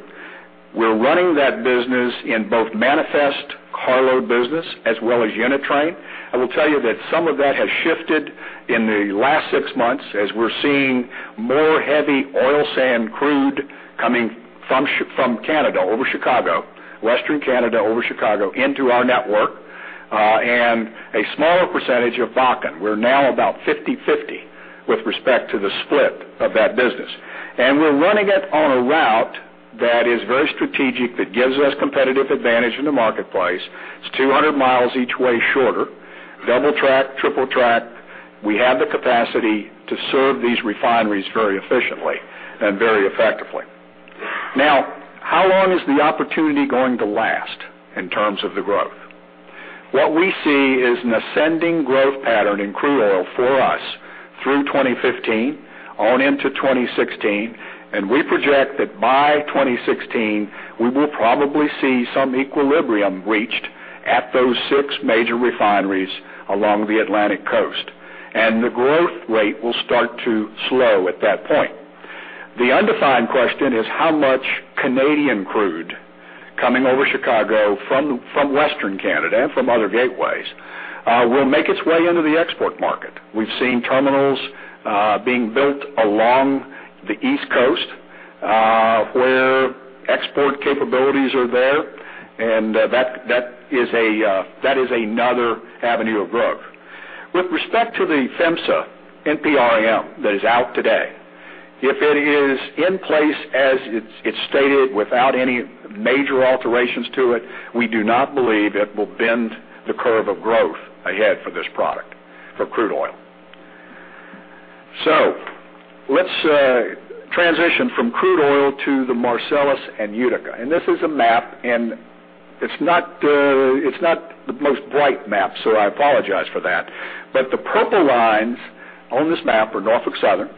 We're running that business in both manifest carload business as well as unit train. I will tell you that some of that has shifted in the last 6 months as we're seeing more heavy oil sand crude coming from Canada over Chicago, Western Canada over Chicago into our network, and a smaller percentage of Bakken. We're now about 50/50 with respect to the split of that business. And we're running it on a route that is very strategic, that gives us competitive advantage in the marketplace. It's 200 miles each way shorter, double track, triple track. We have the capacity to serve these refineries very efficiently and very effectively. Now, how long is the opportunity going to last in terms of the growth? What we see is an ascending growth pattern in crude oil for us through 2015 on into 2016, and we project that by 2016, we will probably see some equilibrium reached at those six major refineries along the Atlantic Coast, and the growth rate will start to slow at that point. The undefined question is how much Canadian crude coming over Chicago from Western Canada and from other gateways will make its way into the export market. We've seen terminals being built along the East Coast where export capabilities are there, and that is another avenue of growth. With respect to the PHMSA NPRM that is out today, if it is in place as it's, it's stated, without any major alterations to it, we do not believe it will bend the curve of growth ahead for this product, for crude oil. So let's transition from crude oil to the Marcellus and Utica. This is a map, and it's not, it's not the most bright map, so I apologize for that. But the purple lines on this map are Norfolk Southern.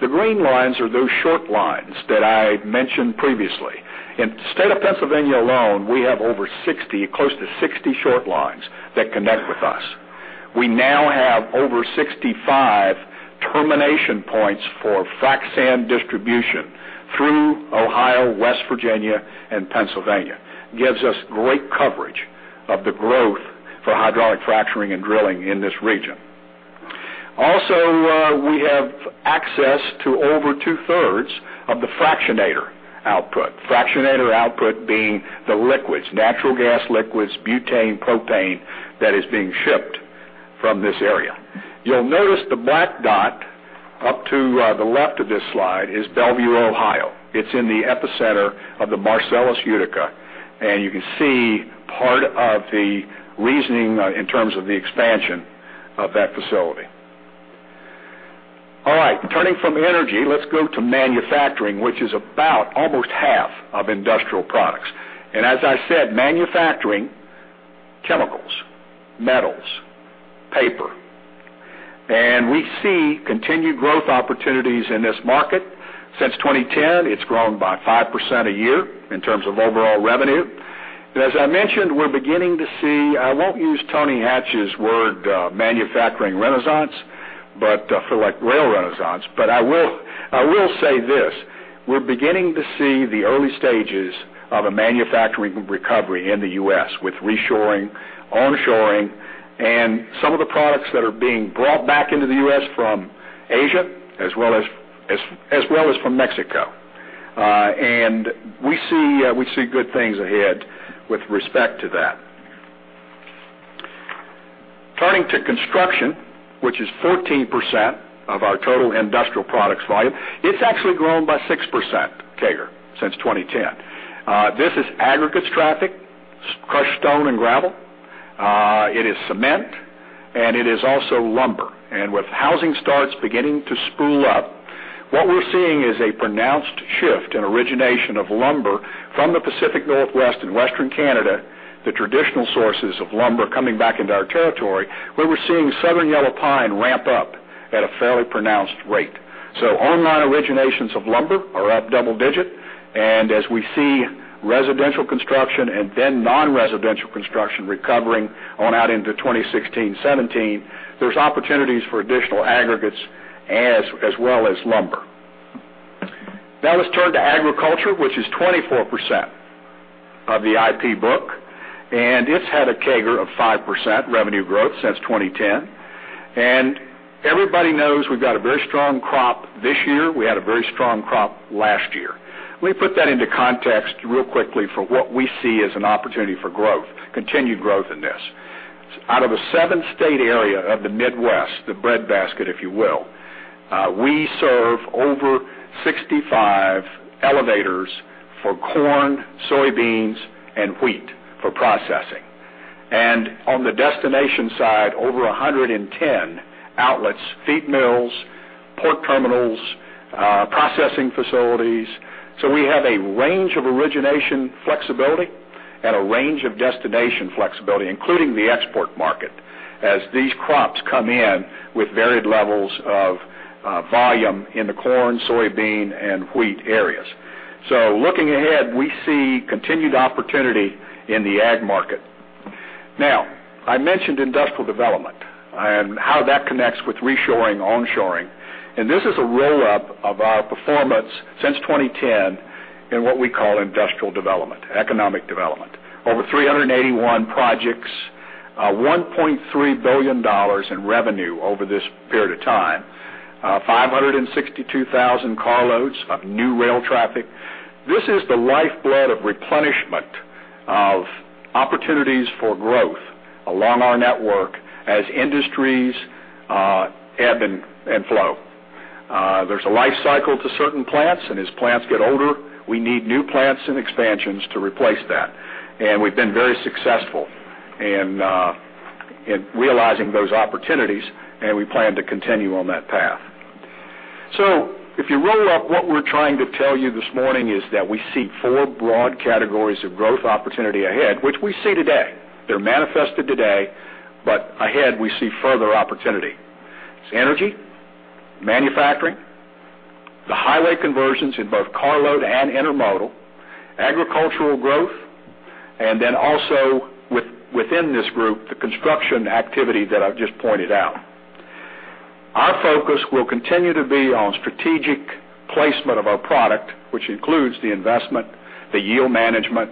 The green lines are those short lines that I mentioned previously. In the state of Pennsylvania alone, we have over 60, close to 60 short lines that connect with us. We now have over 65 termination points for frac sand distribution through Ohio, West Virginia, and Pennsylvania. Gives us great coverage of the growth for hydraulic fracturing and drilling in this region. Also, we have access to over two-thirds of the fractionator output, fractionator output being the liquids, natural gas liquids, butane, propane, that is being shipped from this area. You'll notice the black dot up to, the left of this slide is Bellevue, Ohio. It's in the epicenter of the Marcellus Utica, and you can see part of the reasoning, in terms of the expansion of that facility. All right, turning from energy, let's go to manufacturing, which is about almost half of industrial products. And as I said, manufacturing, chemicals, metals, paper, and we see continued growth opportunities in this market. Since 2010, it's grown by 5% a year in terms of overall revenue. And as I mentioned, we're beginning to see, I won't use Tony Hatch's word, manufacturing renaissance, but feel like rail renaissance, but I will, I will say this: we're beginning to see the early stages of a manufacturing recovery in the U.S. with reshoring, onshoring, and some of the products that are being brought back into the U.S. from Asia as well as from Mexico. And we see good things ahead with respect to that. Turning to construction, which is 14% of our total industrial products volume, it's actually grown by 6% CAGR since 2010. This is aggregates traffic, crushed stone and gravel, it is cement, and it is also lumber. And with housing starts beginning to spool up, what we're seeing is a pronounced shift in origination of lumber from the Pacific Northwest and Western Canada, the traditional sources of lumber coming back into our territory, where we're seeing southern yellow pine ramp up at a fairly pronounced rate. So online originations of lumber are up double-digit, and as we see residential construction and then non-residential construction recovering on out into 2016, 2017, there's opportunities for additional aggregates as well as lumber. Now, let's turn to agriculture, which is 24% of the IP book, and it's had a CAGR of 5% revenue growth since 2010. And everybody knows we've got a very strong crop this year. We had a very strong crop last year. Let me put that into context real quickly for what we see as an opportunity for growth, continued growth in this. Out of a seven-state area of the Midwest, the breadbasket, if you will, we serve over 65 elevators for corn, soybeans, and wheat for processing. On the destination side, over 110 outlets, feed mills, port terminals, processing facilities. We have a range of origination flexibility and a range of destination flexibility, including the export market, as these crops come in with varied levels of volume in the corn, soybean, and wheat areas. Looking ahead, we see continued opportunity in the ag market. Now, I mentioned industrial development and how that connects with reshoring, onshoring, and this is a roll-up of our performance since 2010 in what we call industrial development, economic development. Over 381 projects, $1.3 billion in revenue over this period of time, 562,000 carloads of new rail traffic. This is the lifeblood of replenishment, of opportunities for growth along our network as industries ebb and flow. There's a life cycle to certain plants, and as plants get older, we need new plants and expansions to replace that. And we've been very successful in realizing those opportunities, and we plan to continue on that path. So if you roll up, what we're trying to tell you this morning is that we see four broad categories of growth opportunity ahead, which we see today. They're manifested today, but ahead, we see further opportunity. It's energy, manufacturing, the highway conversions in both carload and intermodal, agricultural growth, and then also, within this group, the construction activity that I've just pointed out. Our focus will continue to be on strategic placement of our product, which includes the investment, the yield management,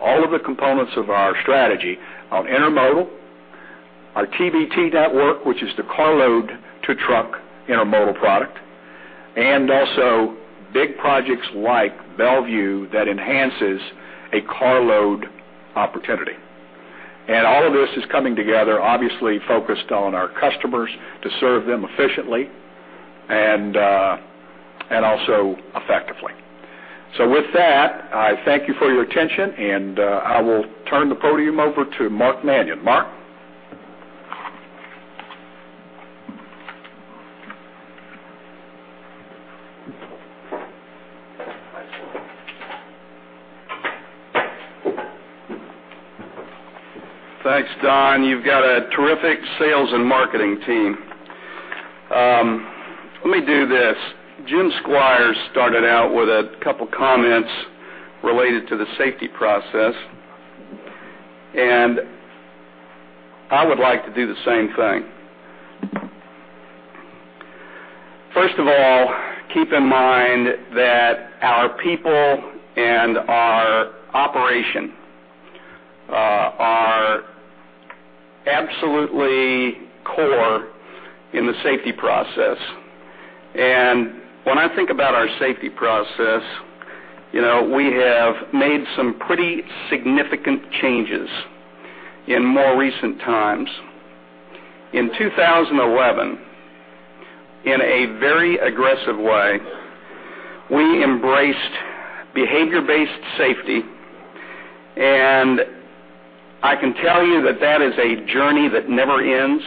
all of the components of our strategy on intermodal, our TBT network, which is the carload-to-truck intermodal product, and also big projects like Bellevue, that enhances a carload opportunity. All of this is coming together, obviously focused on our customers to serve them efficiently and also effectively. With that, I thank you for your attention, and I will turn the podium over to Mark Manion. Mark? Thanks, Don. You've got a terrific sales and marketing team. Let me do this. Jim Squires started out with a couple comments related to the safety process, and I would like to do the same thing. First of all, keep in mind that our people and our operation are absolutely core in the safety process. And when I think about our safety process, you know, we have made some pretty significant changes in more recent times. In 2011, in a very aggressive way, we embraced behavior-based safety, and I can tell you that that is a journey that never ends.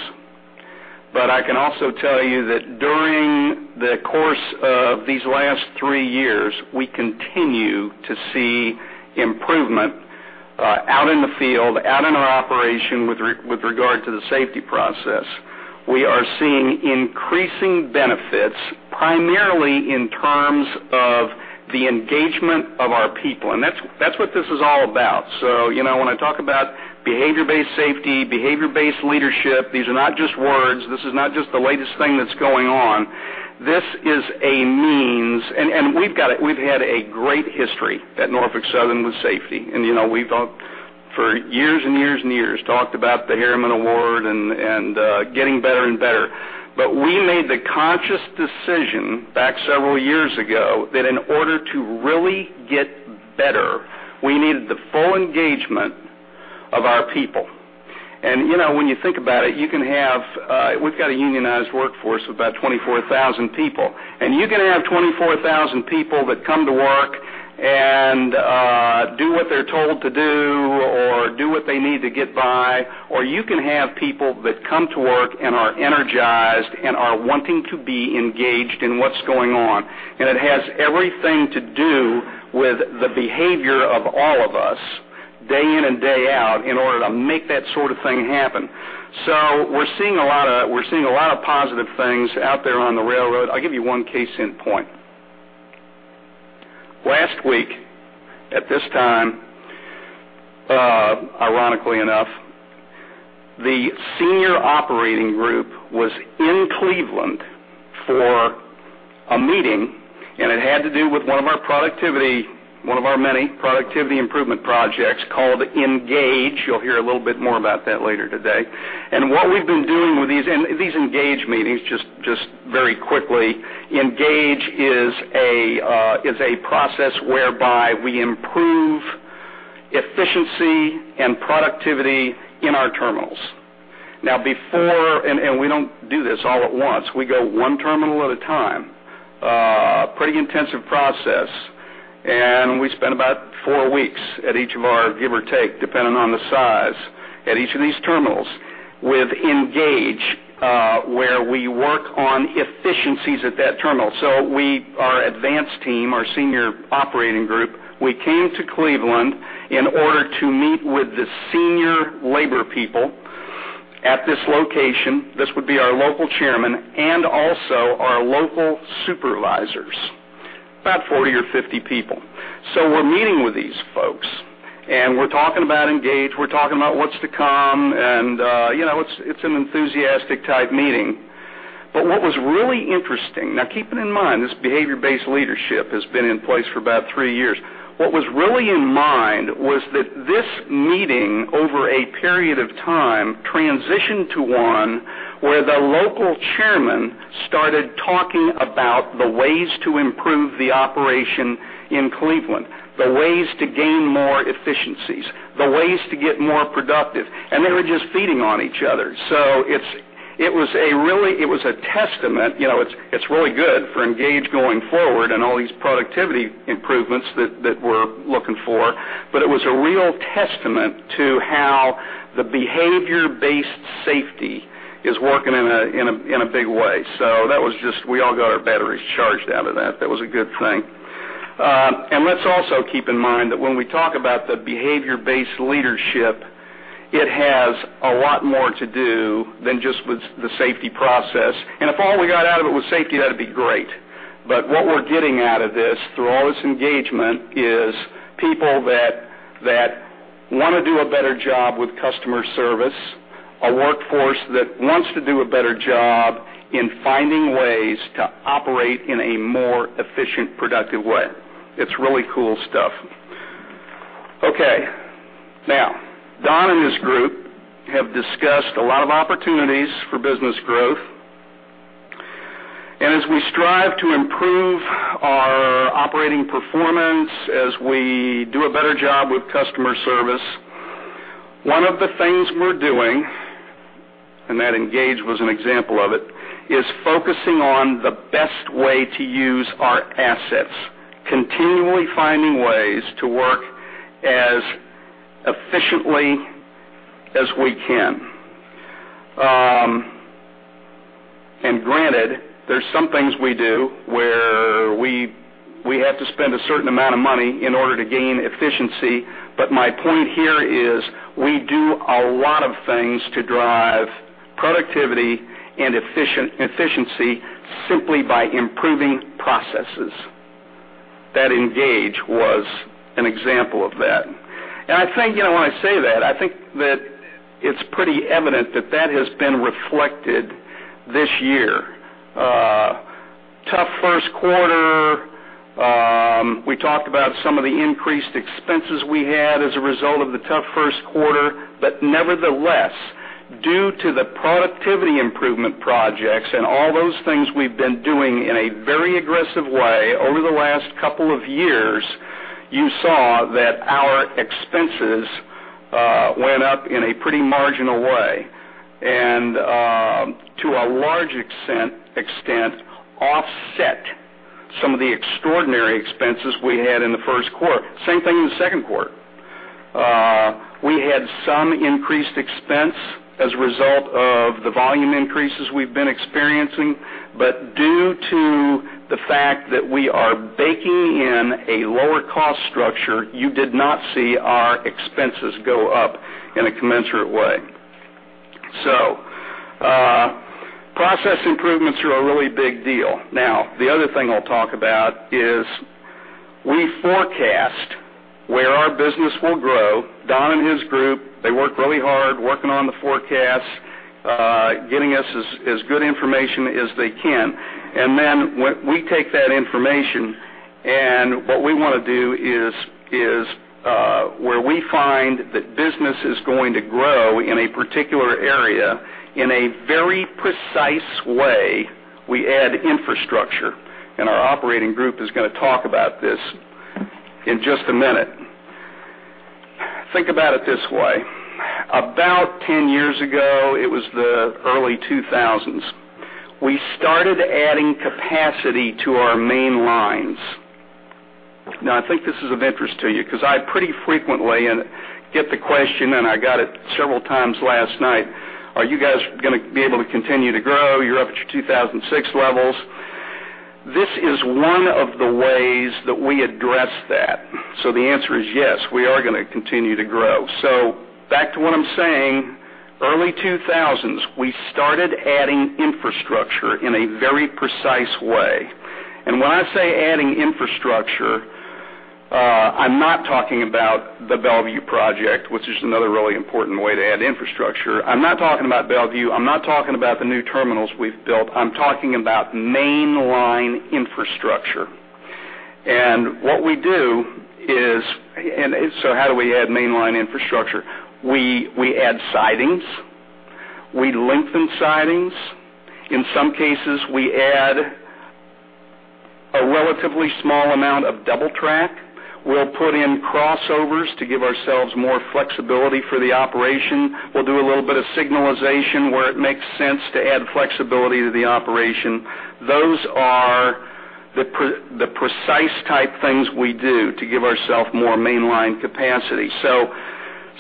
But I can also tell you that during the course of these last three years, we continue to see improvement out in the field, out in our operation with regard to the safety process. We are seeing increasing benefits, primarily in terms of the engagement of our people, and that's, that's what this is all about. So, you know, when I talk about behavior-based safety, behavior-based leadership, these are not just words. This is not just the latest thing that's going on. This is a means. And we've had a great history at Norfolk Southern with safety, and, you know, we've talked for years and years and years, talked about the Harriman Award and getting better and better. But we made the conscious decision back several years ago that in order to really get better, we needed the full engagement of our people. And, you know, when you think about it, you can have... We've got a unionized workforce of about 24,000 people, and you can have 24,000 people that come to work and, do what they're told to do or do what they need to get by, or you can have people that come to work and are energized and are wanting to be engaged in what's going on. And it has everything to do with the behavior of all of us, day in and day out, in order to make that sort of thing happen. So we're seeing a lot of positive things out there on the railroad. I'll give you one case in point. Last week, at this time, ironically enough, the senior operating group was in Cleveland for a meeting, and it had to do with one of our many productivity improvement projects called Engage. You'll hear a little bit more about that later today. And what we've been doing with these, and these Engage meetings, just, just very quickly, Engage is a process whereby we improve efficiency and productivity in our terminals. Now, we don't do this all at once, we go one terminal at a time, pretty intensive process, and we spend about four weeks at each of our, give or take, depending on the size, at each of these terminals with Engage, where we work on efficiencies at that terminal. So we, our advance team, our senior operating group, we came to Cleveland in order to meet with the senior labor people at this location, this would be our local chairman and also our local supervisors, about 40 or 50 people. So we're meeting with these folks, and we're talking about Engage, we're talking about what's to come, and, you know, it's, it's an enthusiastic type meeting. But what was really interesting, now, keeping in mind, this behavior-based leadership has been in place for about three years. What was really in mind was that this meeting, over a period of time, transitioned to one where the local chairman started talking about the ways to improve the operation in Cleveland, the ways to gain more efficiencies, the ways to get more productive, and they were just feeding on each other. So it was a really, it was a testament, you know, it's, it's really good for Engage going forward and all these productivity improvements that, that we're looking for, but it was a real testament to how the behavior-based safety is working in a, in a, in a big way. So that was just, we all got our batteries charged out of that. That was a good thing. And let's also keep in mind that when we talk about the behavior-based leadership, it has a lot more to do than just with the safety process. And if all we got out of it was safety, that'd be great. But what we're getting out of this, through all this engagement, is people that, that want to do a better job with customer service, a workforce that wants to do a better job in finding ways to operate in a more efficient, productive way. It's really cool stuff. Okay, now, Don and his group have discussed a lot of opportunities for business growth. As we strive to improve our operating performance, as we do a better job with customer service, one of the things we're doing, and that Engage was an example of it, is focusing on the best way to use our assets, continually finding ways to work as efficiently as we can. And granted, there's some things we do where we have to spend a certain amount of money in order to gain efficiency, but my point here is, we do a lot of things to drive productivity and efficiency simply by improving processes. That Engage was an example of that. I think, you know, when I say that, I think that it's pretty evident that that has been reflected this year. Tough first quarter, we talked about some of the increased expenses we had as a result of the tough first quarter, but nevertheless, due to the productivity improvement projects and all those things we've been doing in a very aggressive way over the last couple of years, you saw that our expenses went up in a pretty marginal way, and to a large extent offset some of the extraordinary expenses we had in the first quarter. Same thing in the second quarter. We had some increased expense as a result of the volume increases we've been experiencing, but due to the fact that we are baking in a lower cost structure, you did not see our expenses go up in a commensurate way. Process improvements are a really big deal. Now, the other thing I'll talk about is we forecast where our business will grow. Don and his group, they work really hard working on the forecast, getting us as, as good information as they can. And then when we take that information, and what we want to do is, where we find that business is going to grow in a particular area, in a very precise way, we add infrastructure, and our operating group is going to talk about this in just a minute. Think about it this way. About 10 years ago, it was the early 2000s, we started adding capacity to our main lines. Now, I think this is of interest to you because I pretty frequently get the question, and I got it several times last night: Are you guys going to be able to continue to grow? You're up at your 2006 levels. This is one of the ways that we address that. So the answer is yes, we are going to continue to grow. So back to what I'm saying, early 2000s, we started adding infrastructure in a very precise way. And when I say adding infrastructure, I'm not talking about the Bellevue project, which is another really important way to add infrastructure. I'm not talking about Bellevue. I'm not talking about the new terminals we've built. I'm talking about mainline infrastructure. And what we do is... And so how do we add mainline infrastructure? We add sidings, we lengthen sidings, in some cases, we add a relatively small amount of double track. We'll put in crossovers to give ourselves more flexibility for the operation. We'll do a little bit of signalization where it makes sense to add flexibility to the operation. Those are the precise type things we do to give ourself more mainline capacity.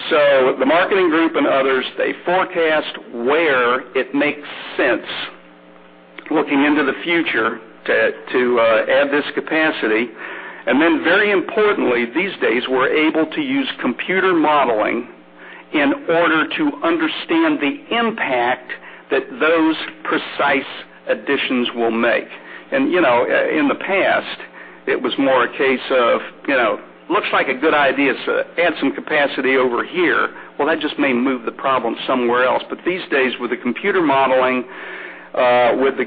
So the marketing group and others, they forecast where it makes sense looking into the future to add this capacity. And then, very importantly, these days, we're able to use computer modeling in order to understand the impact that those precise additions will make. And, you know, in the past, it was more a case of, you know, looks like a good idea to add some capacity over here. Well, that just may move the problem somewhere else. But these days, with the computer modeling, with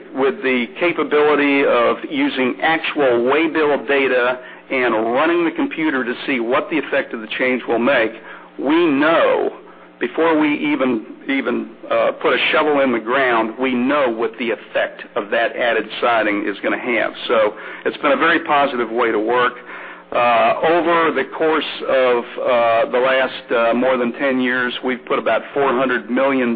the capability of using actual waybill data and running the computer to see what the effect of the change will make, we know, before we even put a shovel in the ground, we know what the effect of that added siding is gonna have. So it's been a very positive way to work. Over the course of the last more than 10 years, we've put about $400 million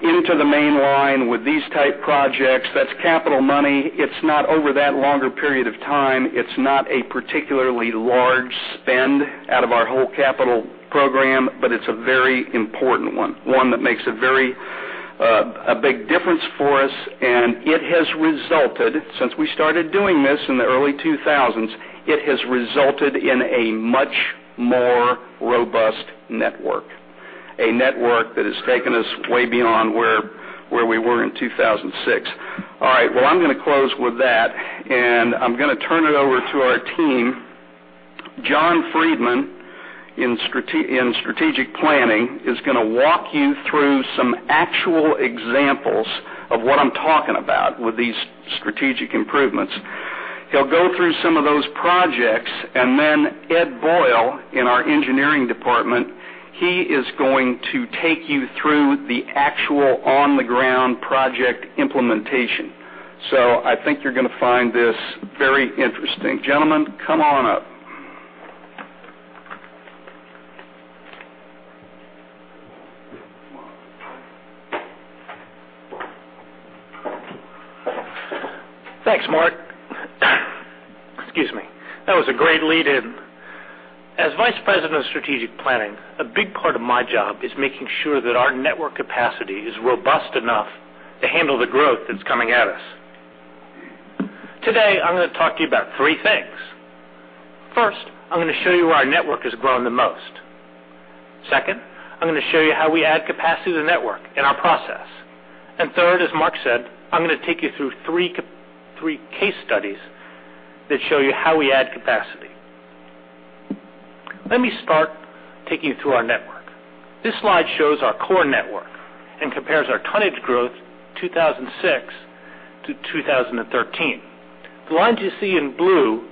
into the main line with these type projects. That's capital money. It's not over that longer period of time. It's not a particularly large spend out of our whole capital program, but it's a very important one, one that makes a very a big difference for us, and it has resulted, since we started doing this in the early 2000s, it has resulted in a much more robust network, a network that has taken us way beyond where, where we were in 2006. All right, well, I'm gonna close with that, and I'm gonna turn it over to our team. John Friedmann, in Strategic, in Strategic Planning, is gonna walk you through some actual examples of what I'm talking about with these strategic improvements. He'll go through some of those projects, and then Ed Boyle, in our engineering department, he is going to take you through the actual on-the-ground project implementation. So I think you're gonna find this very interesting. Gentlemen, come on up. Thanks, Mark. Excuse me. That was a great lead-in. As Vice President of Strategic Planning, a big part of my job is making sure that our network capacity is robust enough to handle the growth that's coming at us. Today, I'm gonna talk to you about three things. First, I'm gonna show you where our network has grown the most. Second, I'm gonna show you how we add capacity to the network and our process. And third, as Mark said, I'm gonna take you through three case studies that show you how we add capacity. Let me start taking you through our network. This slide shows our core network and compares our tonnage growth, 2006 to 2013. The lines you see in blue,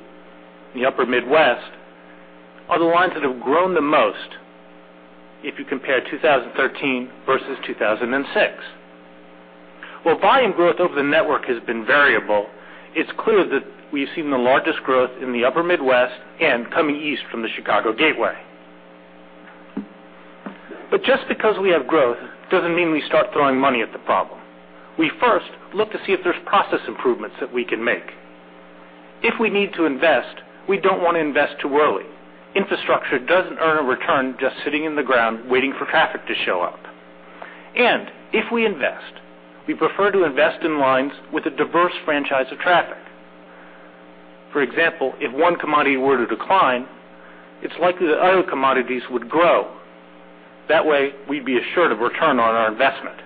in the upper Midwest, are the lines that have grown the most if you compare 2013 versus 2006. While volume growth over the network has been variable, it's clear that we've seen the largest growth in the upper Midwest and coming east from the Chicago gateway. Just because we have growth doesn't mean we start throwing money at the problem. We first look to see if there's process improvements that we can make. If we need to invest, we don't want to invest too early. Infrastructure doesn't earn a return just sitting in the ground, waiting for traffic to show up. If we invest, we prefer to invest in lines with a diverse franchise of traffic. For example, if one commodity were to decline, it's likely that other commodities would grow. That way, we'd be assured of return on our investment.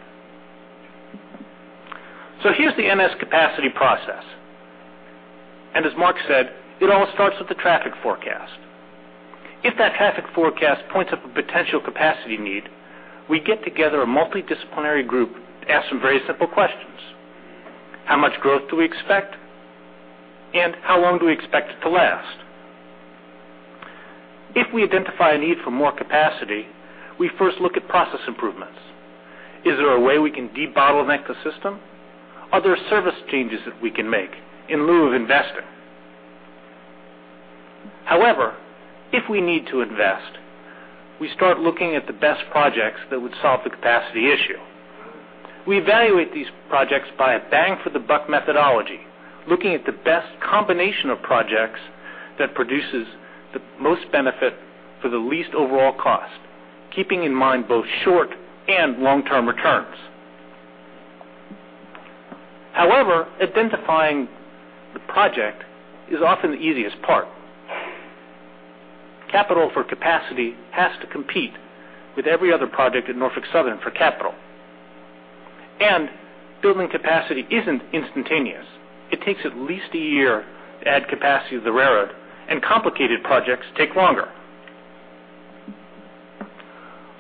So here's the NS capacity process, and as Mark said, it all starts with the traffic forecast. If that traffic forecast points up a potential capacity need, we get together a multidisciplinary group to ask some very simple questions: How much growth do we expect, and how long do we expect it to last? If we identify a need for more capacity, we first look at process improvements. Is there a way we can debottleneck the system? Are there service changes that we can make in lieu of investing? However, if we need to invest, we start looking at the best projects that would solve the capacity issue. We evaluate these projects by a bang for the buck methodology, looking at the best combination of projects that produces the most benefit for the least overall cost, keeping in mind both short- and long-term returns. However, identifying the project is often the easiest part. Capital for capacity has to compete with every other project at Norfolk Southern for capital. Building capacity isn't instantaneous. It takes at least a year to add capacity to the railroad, and complicated projects take longer.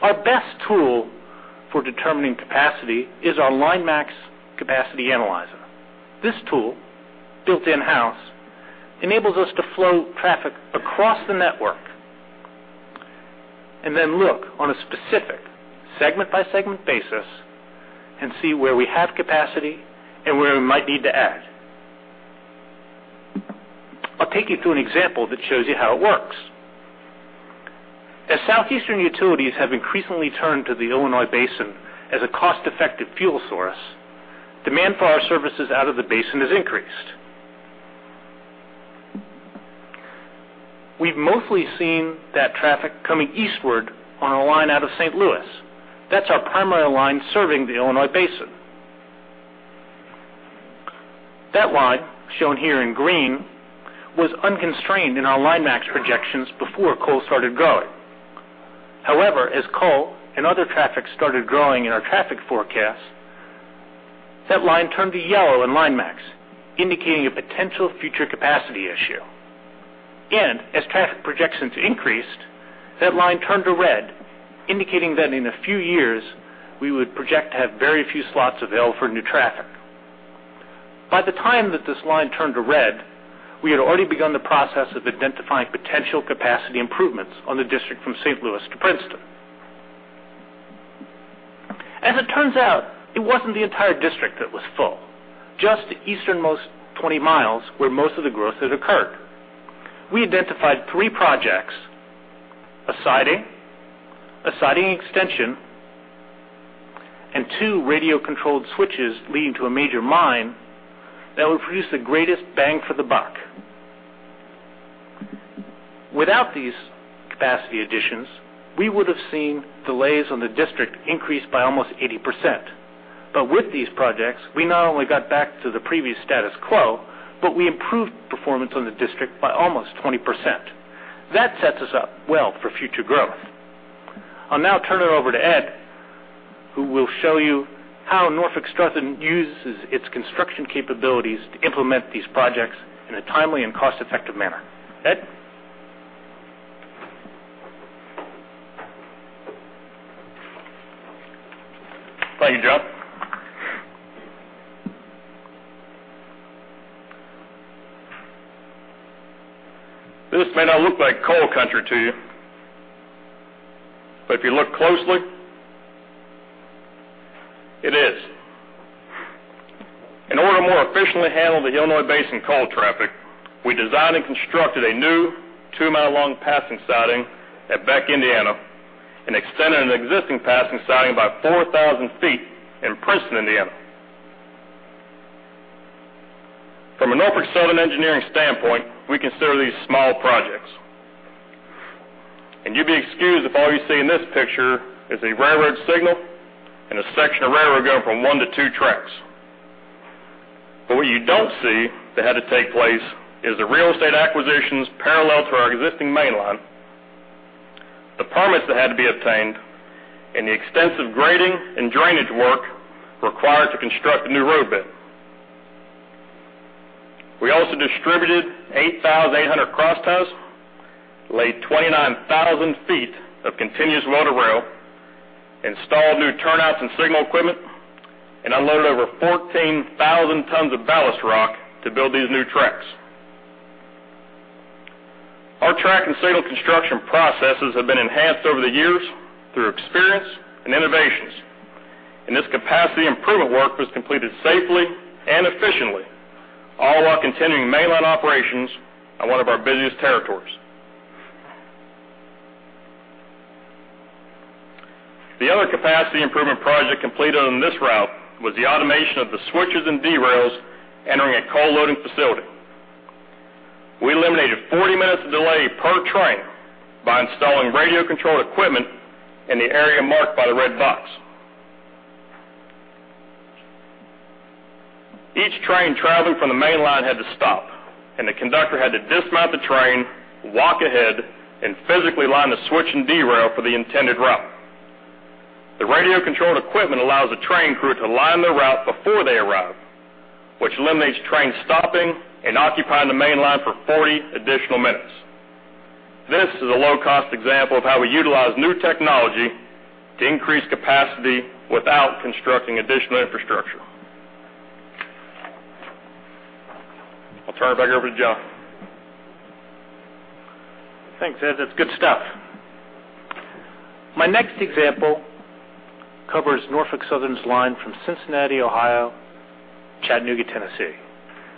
Our best tool for determining capacity is our LineMax Capacity Analyzer. This tool, built in-house, enables us to flow traffic across the network and then look on a specific segment-by-segment basis and see where we have capacity and where we might need to add. I'll take you through an example that shows you how it works. As southeastern utilities have increasingly turned to the Illinois Basin as a cost-effective fuel source, demand for our services out of the basin has increased. We've mostly seen that traffic coming eastward on a line out of St. Louis. That's our primary line serving the Illinois Basin. That line, shown here in green, was unconstrained in our LineMax projections before coal started growing. However, as coal and other traffic started growing in our traffic forecast, that line turned to yellow in LineMax, indicating a potential future capacity issue. As traffic projections increased, that line turned to red, indicating that in a few years, we would project to have very few slots available for new traffic. By the time that this line turned to red, we had already begun the process of identifying potential capacity improvements on the district from St. Louis to Princeton. As it turns out, it wasn't the entire district that was full, just the easternmost 20 miles where most of the growth had occurred. We identified three projects: a siding, a siding extension, and two radio-controlled switches leading to a major mine that would produce the greatest bang for the buck. Without these capacity additions, we would have seen delays on the district increase by almost 80%. But with these projects, we not only got back to the previous status quo, but we improved performance on the district by almost 20%. That sets us up well for future growth. I'll now turn it over to Ed, who will show you how Norfolk Southern uses its construction capabilities to implement these projects in a timely and cost-effective manner. Ed? Thank you, John. This may not look like coal country to you, but if you look closely, it is. In order to more efficiently handle the Illinois Basin coal traffic, we designed and constructed a new 2-mile-long passing siding at Beck, Indiana, and extended an existing passing siding by 4,000 feet in Princeton, Indiana. From a Norfolk Southern engineering standpoint, we consider these small projects. And you'd be excused if all you see in this picture is a railroad signal and a section of railroad going from 1 to 2 tracks. But what you don't see that had to take place is the real estate acquisitions parallel to our existing mainline, the permits that had to be obtained, and the extensive grading and drainage work required to construct a new roadbed. We also distributed 8,800 crossties, laid 29,000 feet of continuous welded rail, installed new turnouts and signal equipment, and unloaded over 14,000 tons of ballast rock to build these new tracks. Our track and signal construction processes have been enhanced over the years through experience and innovations, and this capacity improvement work was completed safely and efficiently, all while continuing mainline operations on one of our busiest territories. The other capacity improvement project completed on this route was the automation of the switches and derails entering a coal loading facility. We eliminated 40 minutes of delay per train by installing radio-controlled equipment in the area marked by the red box. Each train traveling from the mainline had to stop, and the conductor had to dismount the train, walk ahead, and physically line the switch and derail for the intended route. The radio-controlled equipment allows the train crew to line their route before they arrive, which eliminates trains stopping and occupying the mainline for 40 additional minutes. This is a low-cost example of how we utilize new technology to increase capacity without constructing additional infrastructure. I'll turn it back over to John. Thanks, Ed. That's good stuff. My next example covers Norfolk Southern's line from Cincinnati, Ohio, to Chattanooga, Tennessee.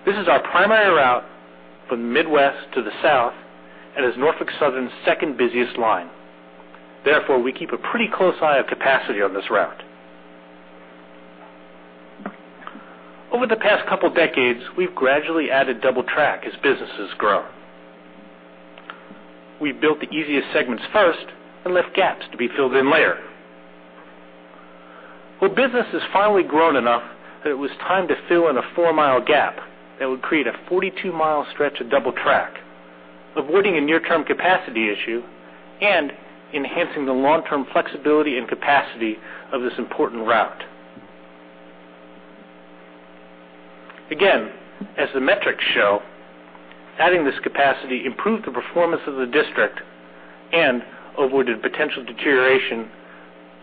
This is our primary route from the Midwest to the South and is Norfolk Southern's second busiest line. Therefore, we keep a pretty close eye on capacity on this route. Over the past couple of decades, we've gradually added double track as business has grown. We built the easiest segments first and left gaps to be filled in later. Well, business has finally grown enough that it was time to fill in a 4-mile gap that would create a 42-mile stretch of double track, avoiding a near-term capacity issue and enhancing the long-term flexibility and capacity of this important route. Again, as the metrics show, adding this capacity improved the performance of the district and avoided potential deterioration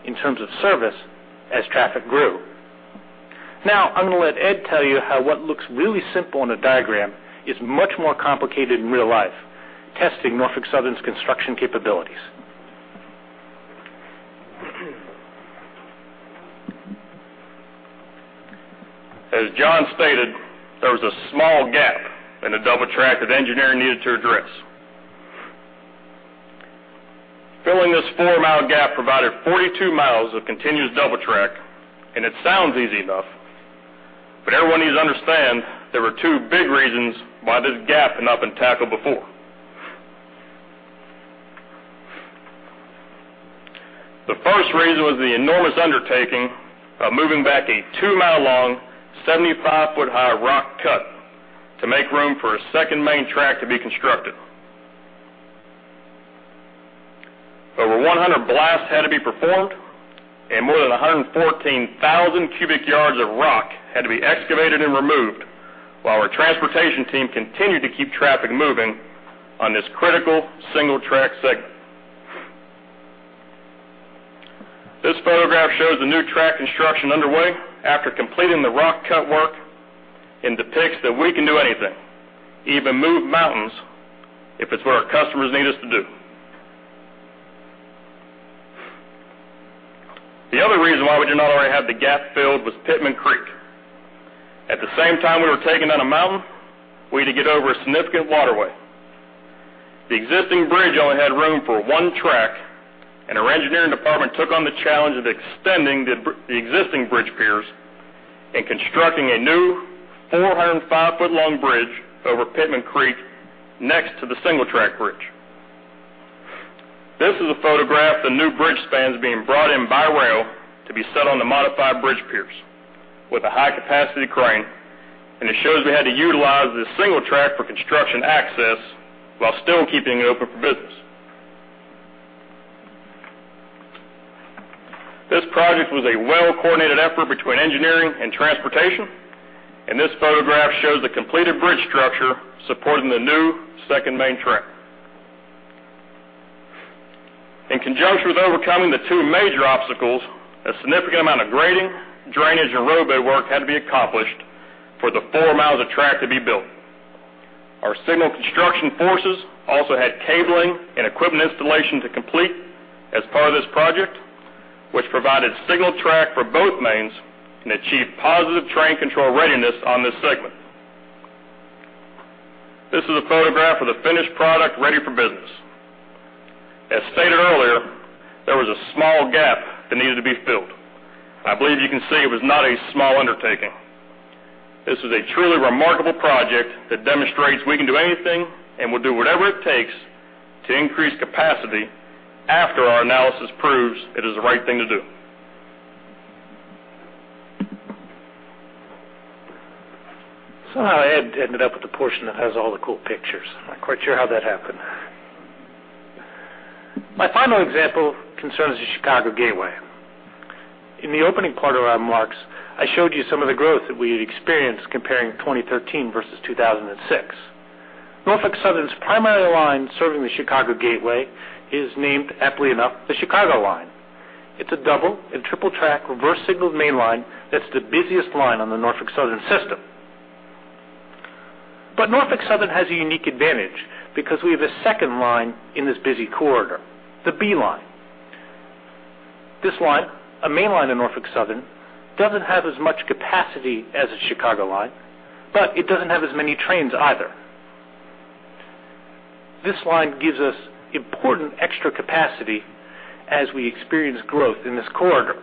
in terms of service as traffic grew. Now, I'm going to let Ed tell you how what looks really simple in a diagram is much more complicated in real life, testing Norfolk Southern's construction capabilities. As John stated, there was a small gap in the double track that engineering needed to address. Filling this 4-mile gap provided 42 miles of continuous double track, and it sounds easy enough, but everyone needs to understand there were two big reasons why this gap had not been tackled before. The first reason was the enormous undertaking of moving back a 2-mile long, 75-foot high rock cut to make room for a second main track to be constructed. Over 100 blasts had to be performed, and more than 114,000 cubic yards of rock had to be excavated and removed while our transportation team continued to keep traffic moving on this critical single track segment. This photograph shows the new track construction underway after completing the rock cut work and depicts that we can do anything, even move mountains, if it's what our customers need us to do. The other reason why we did not already have the gap filled was Pitman Creek. At the same time we were taking down a mountain, we had to get over a significant waterway. The existing bridge only had room for one track, and our engineering department took on the challenge of extending the existing bridge piers and constructing a new 405-foot long bridge over Pitman Creek next to the single track bridge. This is a photograph of the new bridge spans being brought in by rail to be set on the modified bridge piers with a high-capacity crane, and it shows we had to utilize this single track for construction access while still keeping it open for business. This project was a well-coordinated effort between engineering and transportation, and this photograph shows the completed bridge structure supporting the new second main track. In conjunction with overcoming the two major obstacles, a significant amount of grading, drainage, and roadbed work had to be accomplished for the four miles of track to be built. Our signal construction forces also had cabling and equipment installation to complete as part of this project, which provided signal track for both mains and achieved Positive Train Control readiness on this segment. This is a photograph of the finished product ready for business. As stated earlier, there was a small gap that needed to be filled. I believe you can see it was not a small undertaking. This was a truly remarkable project that demonstrates we can do anything, and we'll do whatever it takes to increase capacity after our analysis proves it is the right thing to do. Somehow, Ed ended up with the portion that has all the cool pictures. I'm not quite sure how that happened. My final example concerns the Chicago Gateway. In the opening part of our remarks, I showed you some of the growth that we had experienced comparing 2013 versus 2006. Norfolk Southern's primary line serving the Chicago Gateway is named, aptly enough, the Chicago Line. It's a double and triple-track, reverse signaled main line that's the busiest line on the Norfolk Southern system. But Norfolk Southern has a unique advantage because we have a second line in this busy corridor, the B Line. This line, a main line in Norfolk Southern, doesn't have as much capacity as the Chicago Line, but it doesn't have as many trains either. This line gives us important extra capacity as we experience growth in this corridor.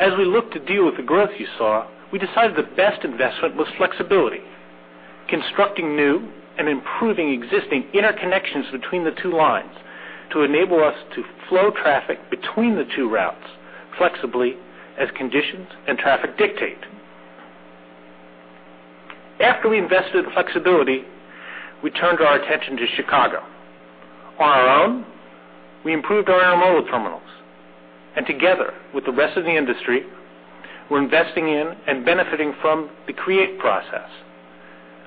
As we look to deal with the growth you saw, we decided the best investment was flexibility, constructing new and improving existing interconnections between the two lines to enable us to flow traffic between the two routes flexibly as conditions and traffic dictate. After we invested in flexibility, we turned our attention to Chicago. On our own, we improved our intermodal terminals, and together with the rest of the industry, we're investing in and benefiting from the CREATE process,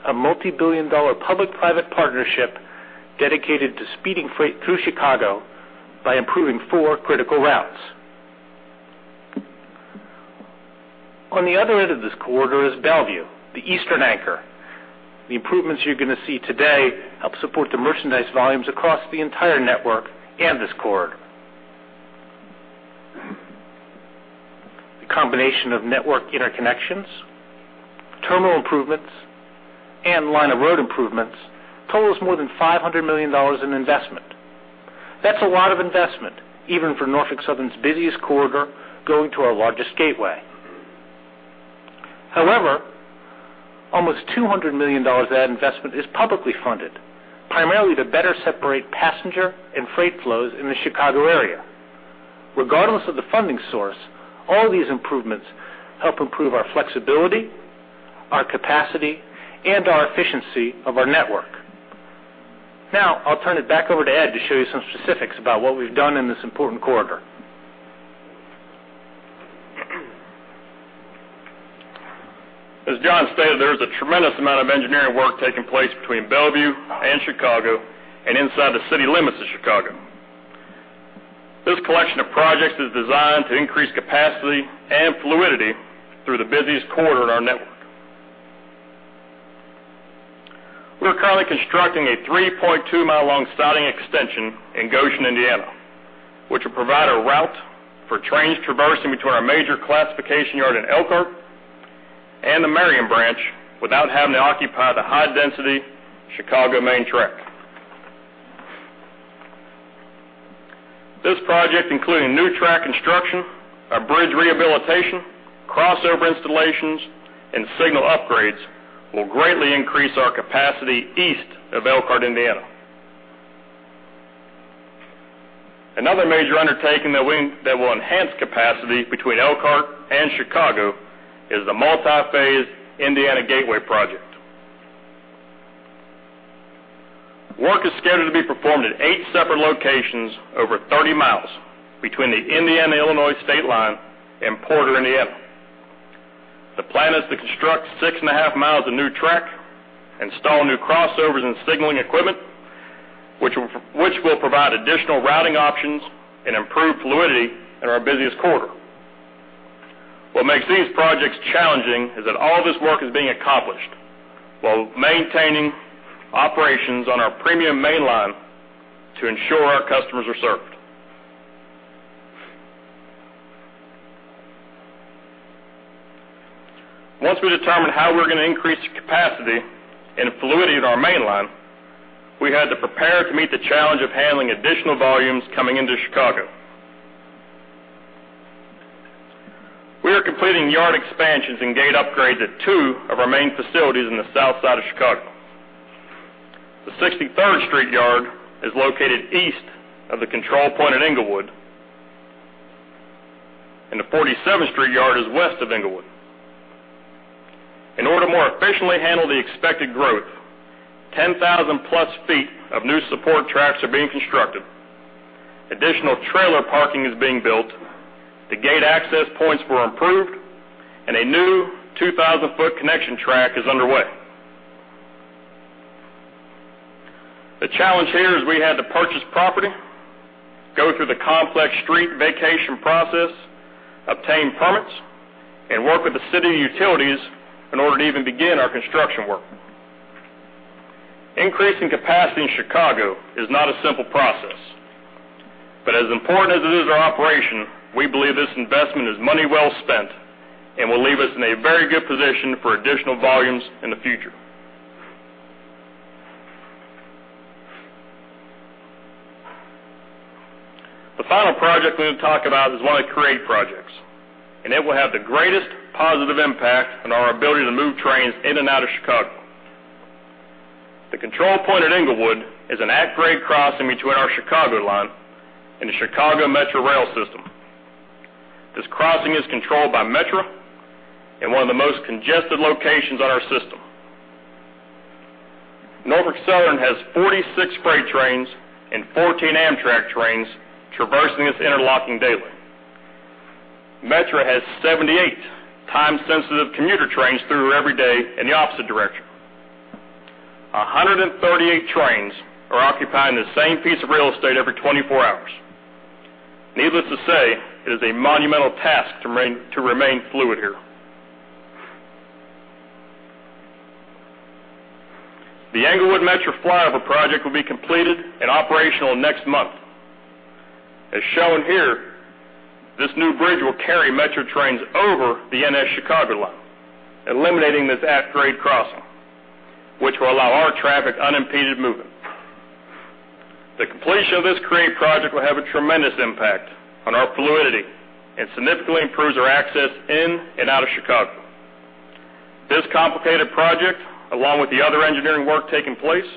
a multibillion-dollar public-private partnership dedicated to speeding freight through Chicago by improving four critical routes. On the other end of this corridor is Bellevue, the eastern anchor. The improvements you're going to see today help support the merchandise volumes across the entire network and this corridor. The combination of network interconnections, terminal improvements, and line of road improvements totals more than $500 million in investment. That's a lot of investment, even for Norfolk Southern's busiest corridor, going to our largest gateway. However, almost $200 million of that investment is publicly funded, primarily to better separate passenger and freight flows in the Chicago area. Regardless of the funding source, all these improvements help improve our flexibility, our capacity, and our efficiency of our network. Now, I'll turn it back over to Ed to show you some specifics about what we've done in this important corridor. As John stated, there is a tremendous amount of engineering work taking place between Bellevue and Chicago and inside the city limits of Chicago. This collection of projects is designed to increase capacity and fluidity through the busiest corridor in our network. We are currently constructing a 3.2-mile connection in Goshen, Indiana, which will provide a route for trains traversing between our major classification yard in Elkhart and the Marion Branch without having to occupy the high-density Chicago main track. This project, including new track construction, a bridge rehabilitation, crossover installations, and signal upgrades, will greatly increase our capacity east of Elkhart, Indiana. Another major undertaking that will enhance capacity between Elkhart and Chicago is the multi-phase Indiana Gateway Project. Work is scheduled to be performed at eight separate locations over 30 miles between the Indiana-Illinois state line and Porter, Indiana. The plan is to construct 6.5 miles of new track, install new crossovers and signaling equipment, which will provide additional routing options and improve fluidity in our busiest quarter. What makes these projects challenging is that all this work is being accomplished while maintaining operations on our premium mainline to ensure our customers are served. Once we determine how we're going to increase the capacity and fluidity of our mainline, we had to prepare to meet the challenge of handling additional volumes coming into Chicago. We are completing yard expansions and gate upgrades at two of our main facilities in the South Side of Chicago. The 63rd Street Yard is located east of the control point at Englewood, and the 47th Street Yard is west of Englewood. In order to more efficiently handle the expected growth, 10,000-plus feet of new support tracks are being constructed. Additional trailer parking is being built, the gate access points were improved, and a new 2,000-foot connection track is underway. The challenge here is we had to purchase property, go through the complex street vacation process, obtain permits, and work with the city utilities in order to even begin our construction work. Increasing capacity in Chicago is not a simple process, but as important as it is our operation, we believe this investment is money well spent and will leave us in a very good position for additional volumes in the future. The final project we're going to talk about is one of the CREATE projects, and it will have the greatest positive impact on our ability to move trains in and out of Chicago. The control point at Englewood is an at-grade crossing between our Chicago line and the Metra rail system. This crossing is controlled by Metra and one of the most congested locations on our system. Norfolk Southern has 46 freight trains and 14 Amtrak trains traversing this interlocking daily. Metra has 78 time-sensitive commuter trains through every day in the opposite direction. 138 trains are occupying the same piece of real estate every 24 hours. Needless to say, it is a monumental task to remain fluid here. The Englewood Flyover project will be completed and operational next month. As shown here, this new bridge will carry Metra trains over the NS Chicago line, eliminating this at-grade crossing, which will allow our traffic unimpeded movement. The completion of this CREATE project will have a tremendous impact on our fluidity and significantly improves our access in and out of Chicago. This complicated project, along with the other engineering work taking place,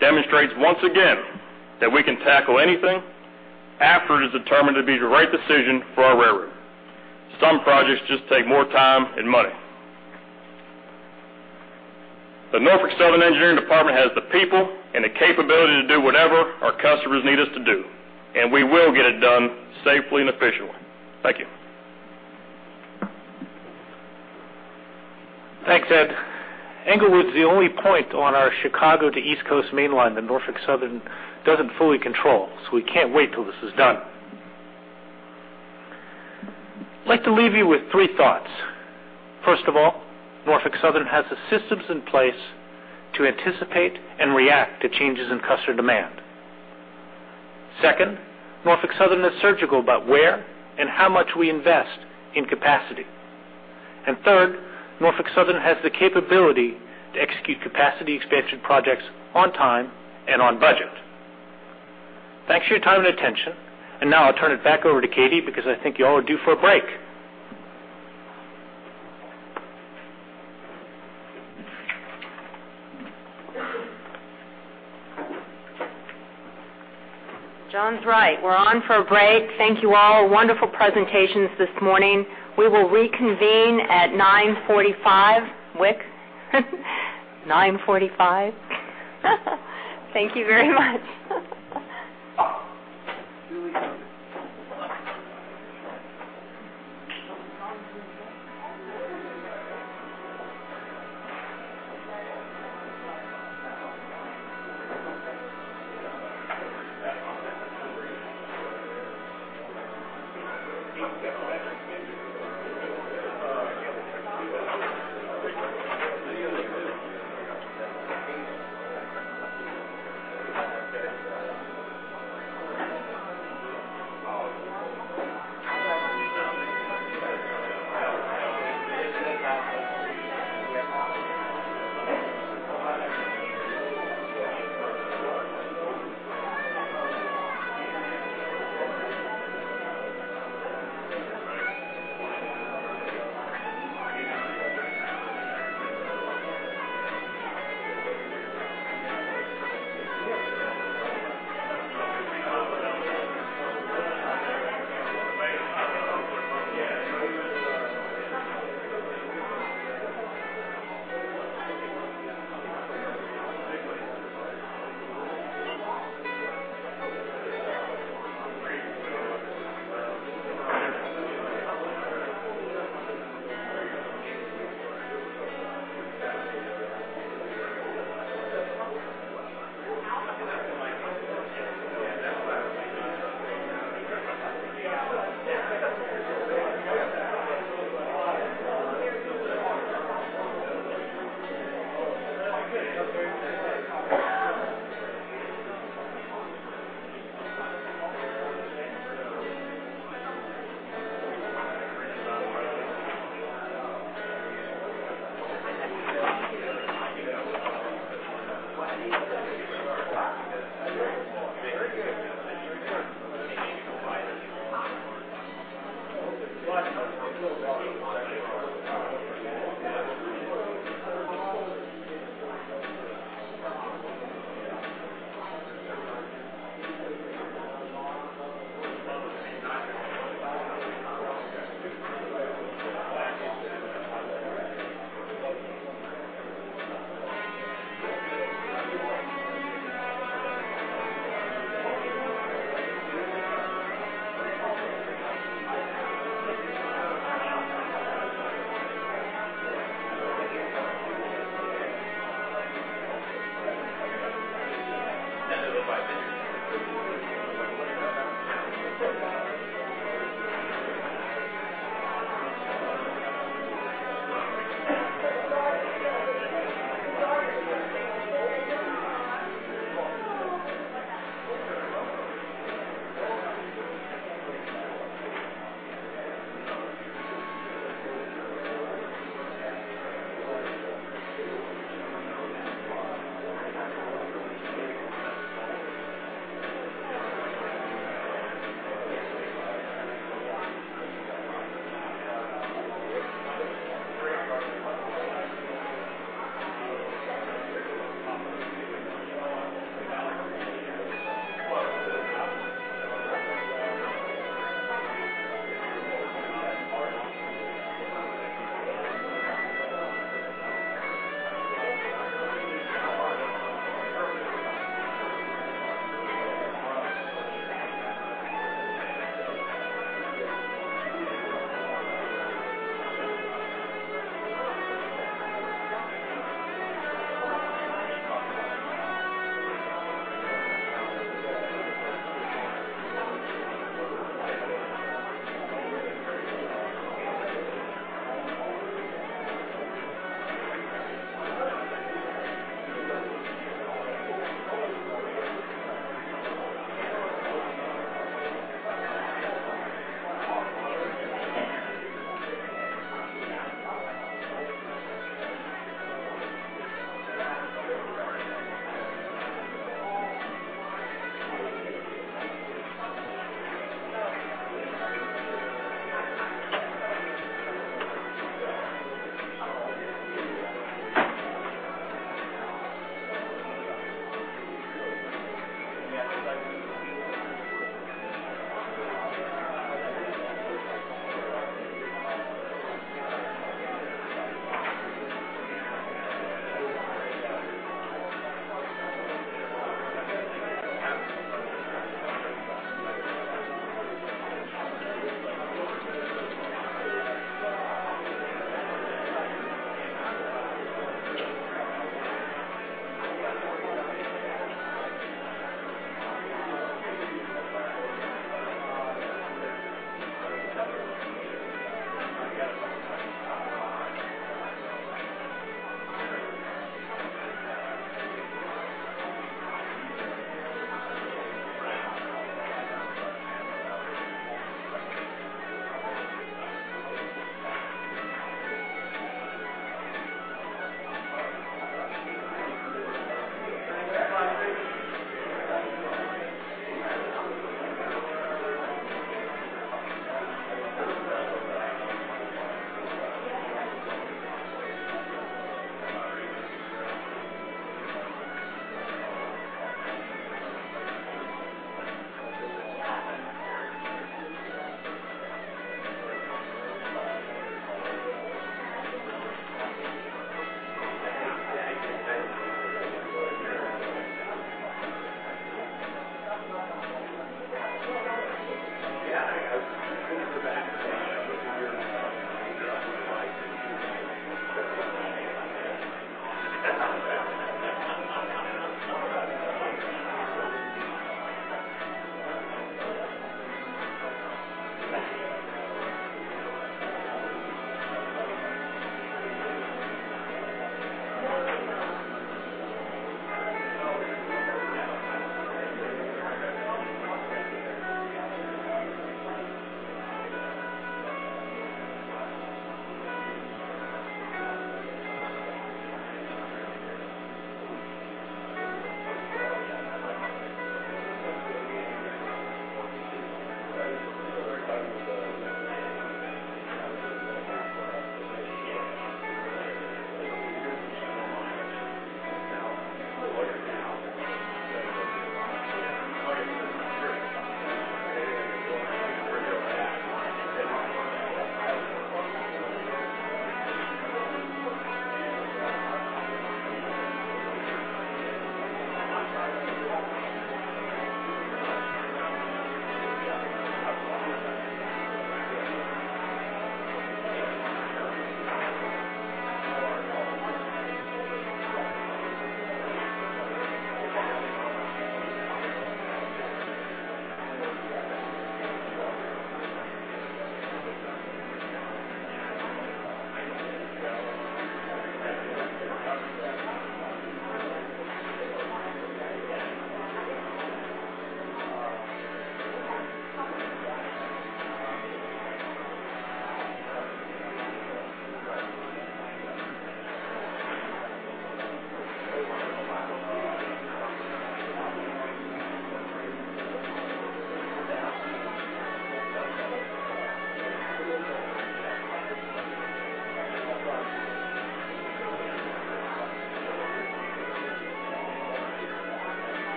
demonstrates once again that we can tackle anything after it is determined to be the right decision for our railroad. Some projects just take more time and money. The Norfolk Southern engineering department has the people and the capability to do whatever our customers need us to do, and we will get it done safely and efficiently. Thank you. Thanks, Ed. Englewood is the only point on our Chicago to East Coast mainline that Norfolk Southern doesn't fully control, so we can't wait till this is done. I'd like to leave you with three thoughts. First of all, Norfolk Southern has the systems in place to anticipate and react to changes in customer demand. Second, Norfolk Southern is surgical about where and how much we invest in capacity. And third, Norfolk Southern has the capability to execute capacity expansion projects on time and on budget. Thanks for your time and attention, and now I'll turn it back over to Katie, because I think you all are due for a break. John's right. We're on for a break. Thank you all. Wonderful presentations this morning. We will reconvene at 9:45 A.M., [Wick]. 9:45 A.M. Thank you very much.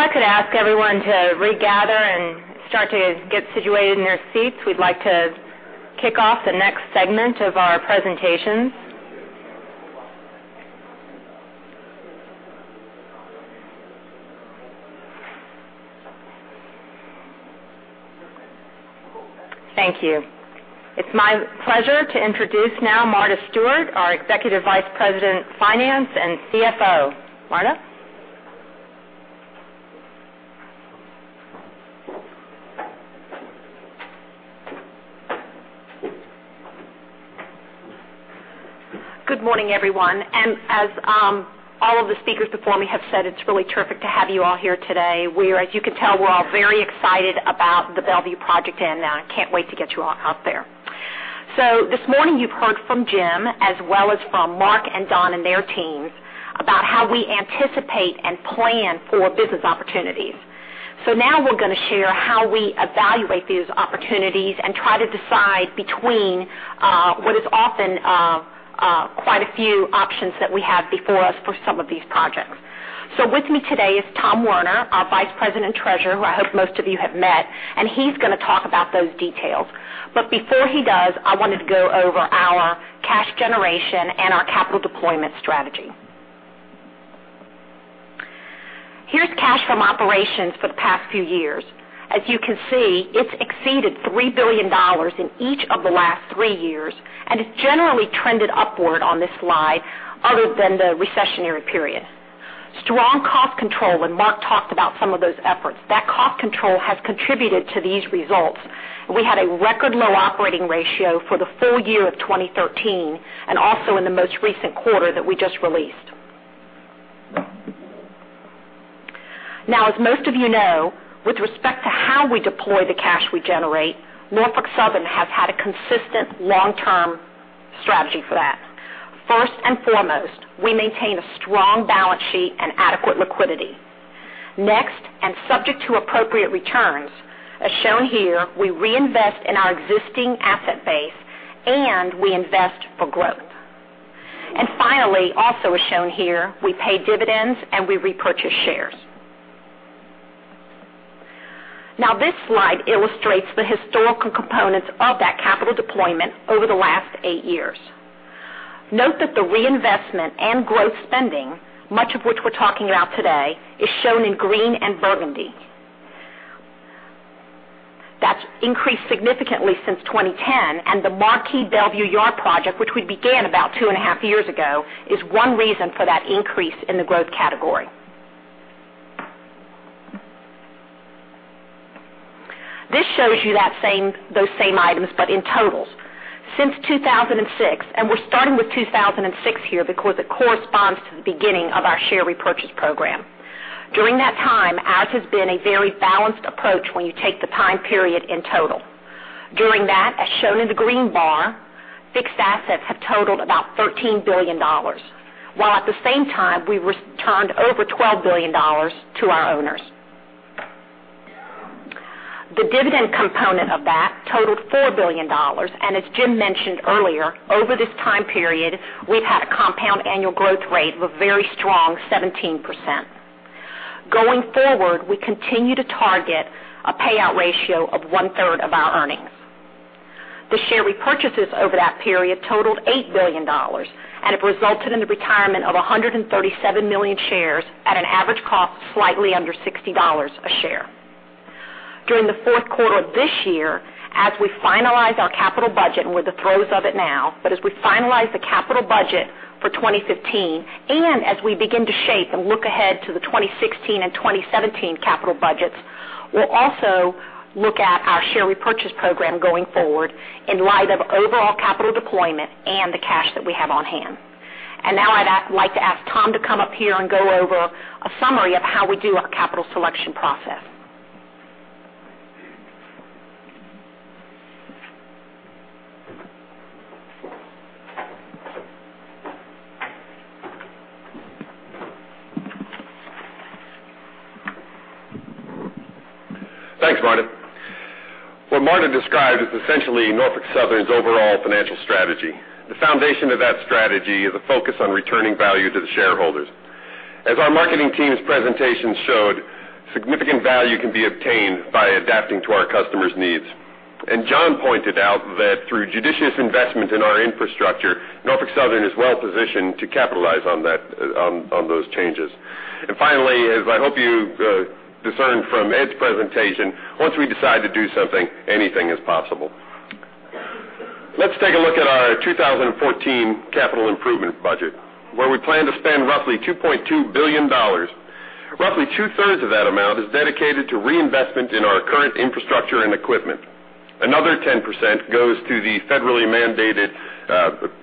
If I could ask everyone to regather and start to get situated in their seats, we'd like to kick off the next segment of our presentation. Thank you. It's my pleasure to introduce now Marta Stewart, our Executive Vice President, Finance and CFO. Marta? Good morning, everyone. And as all of the speakers before me have said, it's really terrific to have you all here today. As you can tell, we're all very excited about the Bellevue project, and I can't wait to get you all out there. So this morning, you've heard from Jim, as well as from Mark and Don and their teams, about how we anticipate and plan for business opportunities. So now we're gonna share how we evaluate these opportunities and try to decide between what is often quite a few options that we have before us for some of these projects. So with me today is Tom Werner, our Vice President Treasurer, who I hope most of you have met, and he's gonna talk about those details. But before he does, I wanted to go over our cash generation and our capital deployment strategy. Here's cash from operations for the past few years. As you can see, it's exceeded $3 billion in each of the last three years, and it's generally trended upward on this slide other than the recessionary period. Strong cost control, when Mark talked about some of those efforts, that cost control has contributed to these results. We had a record low operating ratio for the full year of 2013 and also in the most recent quarter that we just released. Now, as most of you know, with respect to how we deploy the cash we generate, Norfolk Southern has had a consistent long-term strategy for that. First and foremost, we maintain a strong balance sheet and adequate liquidity. Next, and subject to appropriate returns, as shown here, we reinvest in our existing asset base, and we invest for growth. And finally, also as shown here, we pay dividends, and we repurchase shares. Now, this slide illustrates the historical components of that capital deployment over the last 8 years. Note that the reinvestment and growth spending, much of which we're talking about today, is shown in green and burgundy. That's increased significantly since 2010, and the marquee Bellevue Yard project, which we began about 2.5 years ago, is one reason for that increase in the growth category. This shows you those same items, but in totals. Since 2006, and we're starting with 2006 here because it corresponds to the beginning of our share repurchase program. During that time, ours has been a very balanced approach when you take the time period in total. During that, as shown in the green bar, fixed assets have totaled about $13 billion, while at the same time, we returned over $12 billion to our owners. The dividend component of that totaled $4 billion, and as Jim mentioned earlier, over this time period, we've had a compound annual growth rate of a very strong 17%. Going forward, we continue to target a payout ratio of one-third of our earnings. The share repurchases over that period totaled $8 billion and have resulted in the retirement of 137 million shares at an average cost slightly under $60 a share. During the fourth quarter of this year, as we finalize our capital budget, and we're in the throes of it now, but as we finalize the capital budget for 2015, and as we begin to shape and look ahead to the 2016 and 2017 capital budgets, we'll also look at our share repurchase program going forward in light of overall capital deployment and the cash that we have on hand. Now I'd like to ask Tom to come up here and go over a summary of how we do our capital selection process. Thanks, Marta. What Marta described is essentially Norfolk Southern's overall financial strategy. The foundation of that strategy is a focus on returning value to the shareholders. As our marketing team's presentation showed, significant value can be obtained by adapting to our customers' needs. John pointed out that through judicious investment in our infrastructure, Norfolk Southern is well-positioned to capitalize on that, those changes. Finally, as I hope you discerned from Ed's presentation, once we decide to do something, anything is possible. Let's take a look at our 2014 capital improvement budget, where we plan to spend roughly $2.2 billion. Roughly two-thirds of that amount is dedicated to reinvestment in our current infrastructure and equipment. Another 10% goes to the federally mandated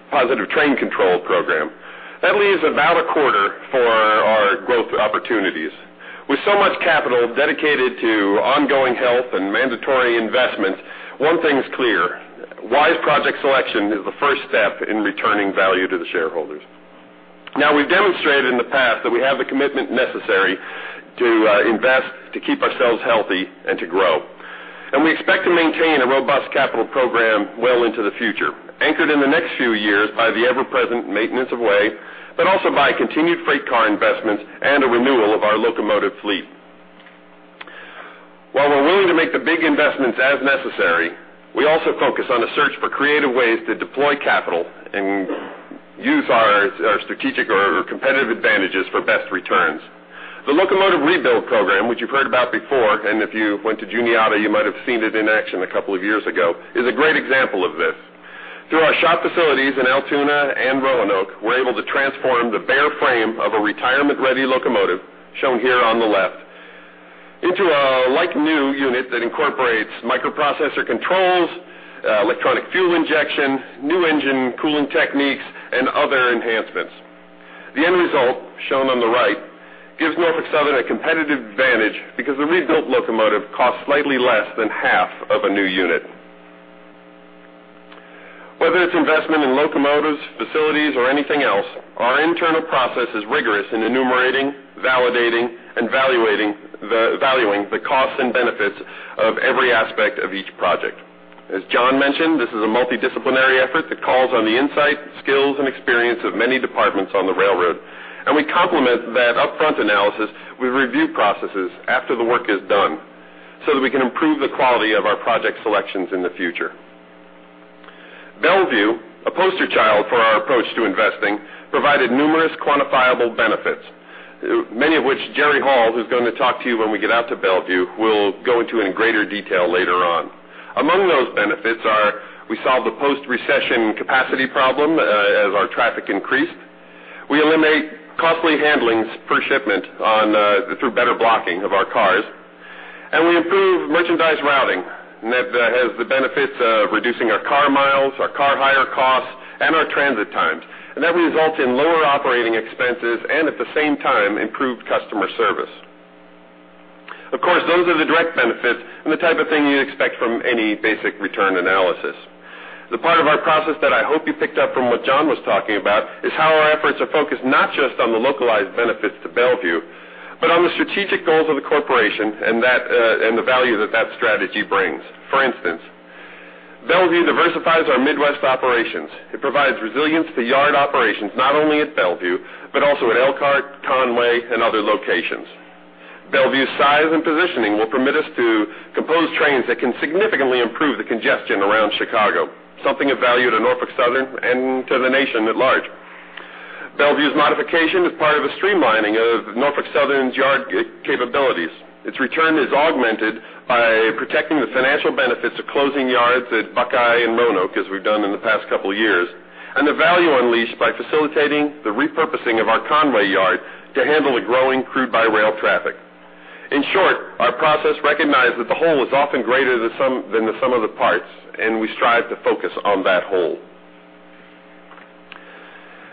Positive Train Control program. That leaves about a quarter for our growth opportunities. With so much capital dedicated to ongoing health and mandatory investments, one thing is clear: wise project selection is the first step in returning value to the shareholders. Now, we've demonstrated in the past that we have the commitment necessary to invest, to keep ourselves healthy and to grow. And we expect to maintain a robust capital program well into the future, anchored in the next few years by the ever-present maintenance of way, but also by continued freight car investments and a renewal of our locomotive fleet. While we're willing to make the big investments as necessary, we also focus on a search for creative ways to deploy capital and use our strategic or competitive advantages for best returns. The locomotive rebuild program, which you've heard about before, and if you went to Juniata, you might have seen it in action a couple of years ago, is a great example of this. Through our shop facilities in Altoona and Roanoke, we're able to transform the bare frame of a retirement-ready locomotive, shown here on the left, into a like-new unit that incorporates microprocessor controls, electronic fuel injection, new engine cooling techniques, and other enhancements. The end result, shown on the right, gives Norfolk Southern a competitive advantage because the rebuilt locomotive costs slightly less than half of a new unit. Whether it's investment in locomotives, facilities, or anything else, our internal process is rigorous in enumerating, validating, and valuing the costs and benefits of every aspect of each project. As John mentioned, this is a multidisciplinary effort that calls on the insight, skills, and experience of many departments on the railroad, and we complement that upfront analysis with review processes after the work is done, so that we can improve the quality of our project selections in the future. Bellevue, a poster child for our approach to investing, provided numerous quantifiable benefits, many of which Jerry Hall, who's going to talk to you when we get out to Bellevue, will go into in greater detail later on. Among those benefits are: we solve the post-recession capacity problem, as our traffic increased, we eliminate costly handlings per shipment on through better blocking of our cars, and we improve merchandise routing, and that has the benefits of reducing our car miles, our car hire costs, and our transit times. That results in lower operating expenses and, at the same time, improved customer service. Of course, those are the direct benefits and the type of thing you'd expect from any basic return analysis. The part of our process that I hope you picked up from what John was talking about is how our efforts are focused not just on the localized benefits to Bellevue, but on the strategic goals of the corporation and that and the value that that strategy brings. For instance, Bellevue diversifies our Midwest operations. It provides resilience to yard operations, not only at Bellevue, but also at Elkhart, Conway, and other locations. Bellevue's size and positioning will permit us to compose trains that can significantly improve the congestion around Chicago, something of value to Norfolk Southern and to the nation at large. Bellevue's modification is part of a streamlining of Norfolk Southern's yard capabilities. Its return is augmented by protecting the financial benefits of closing yards at Buckeye and Roanoke, as we've done in the past couple of years, and the value unleashed by facilitating the repurposing of our Conway yard to handle the growing crude by rail traffic. In short, our process recognized that the whole is often greater than the sum of the parts, and we strive to focus on that whole.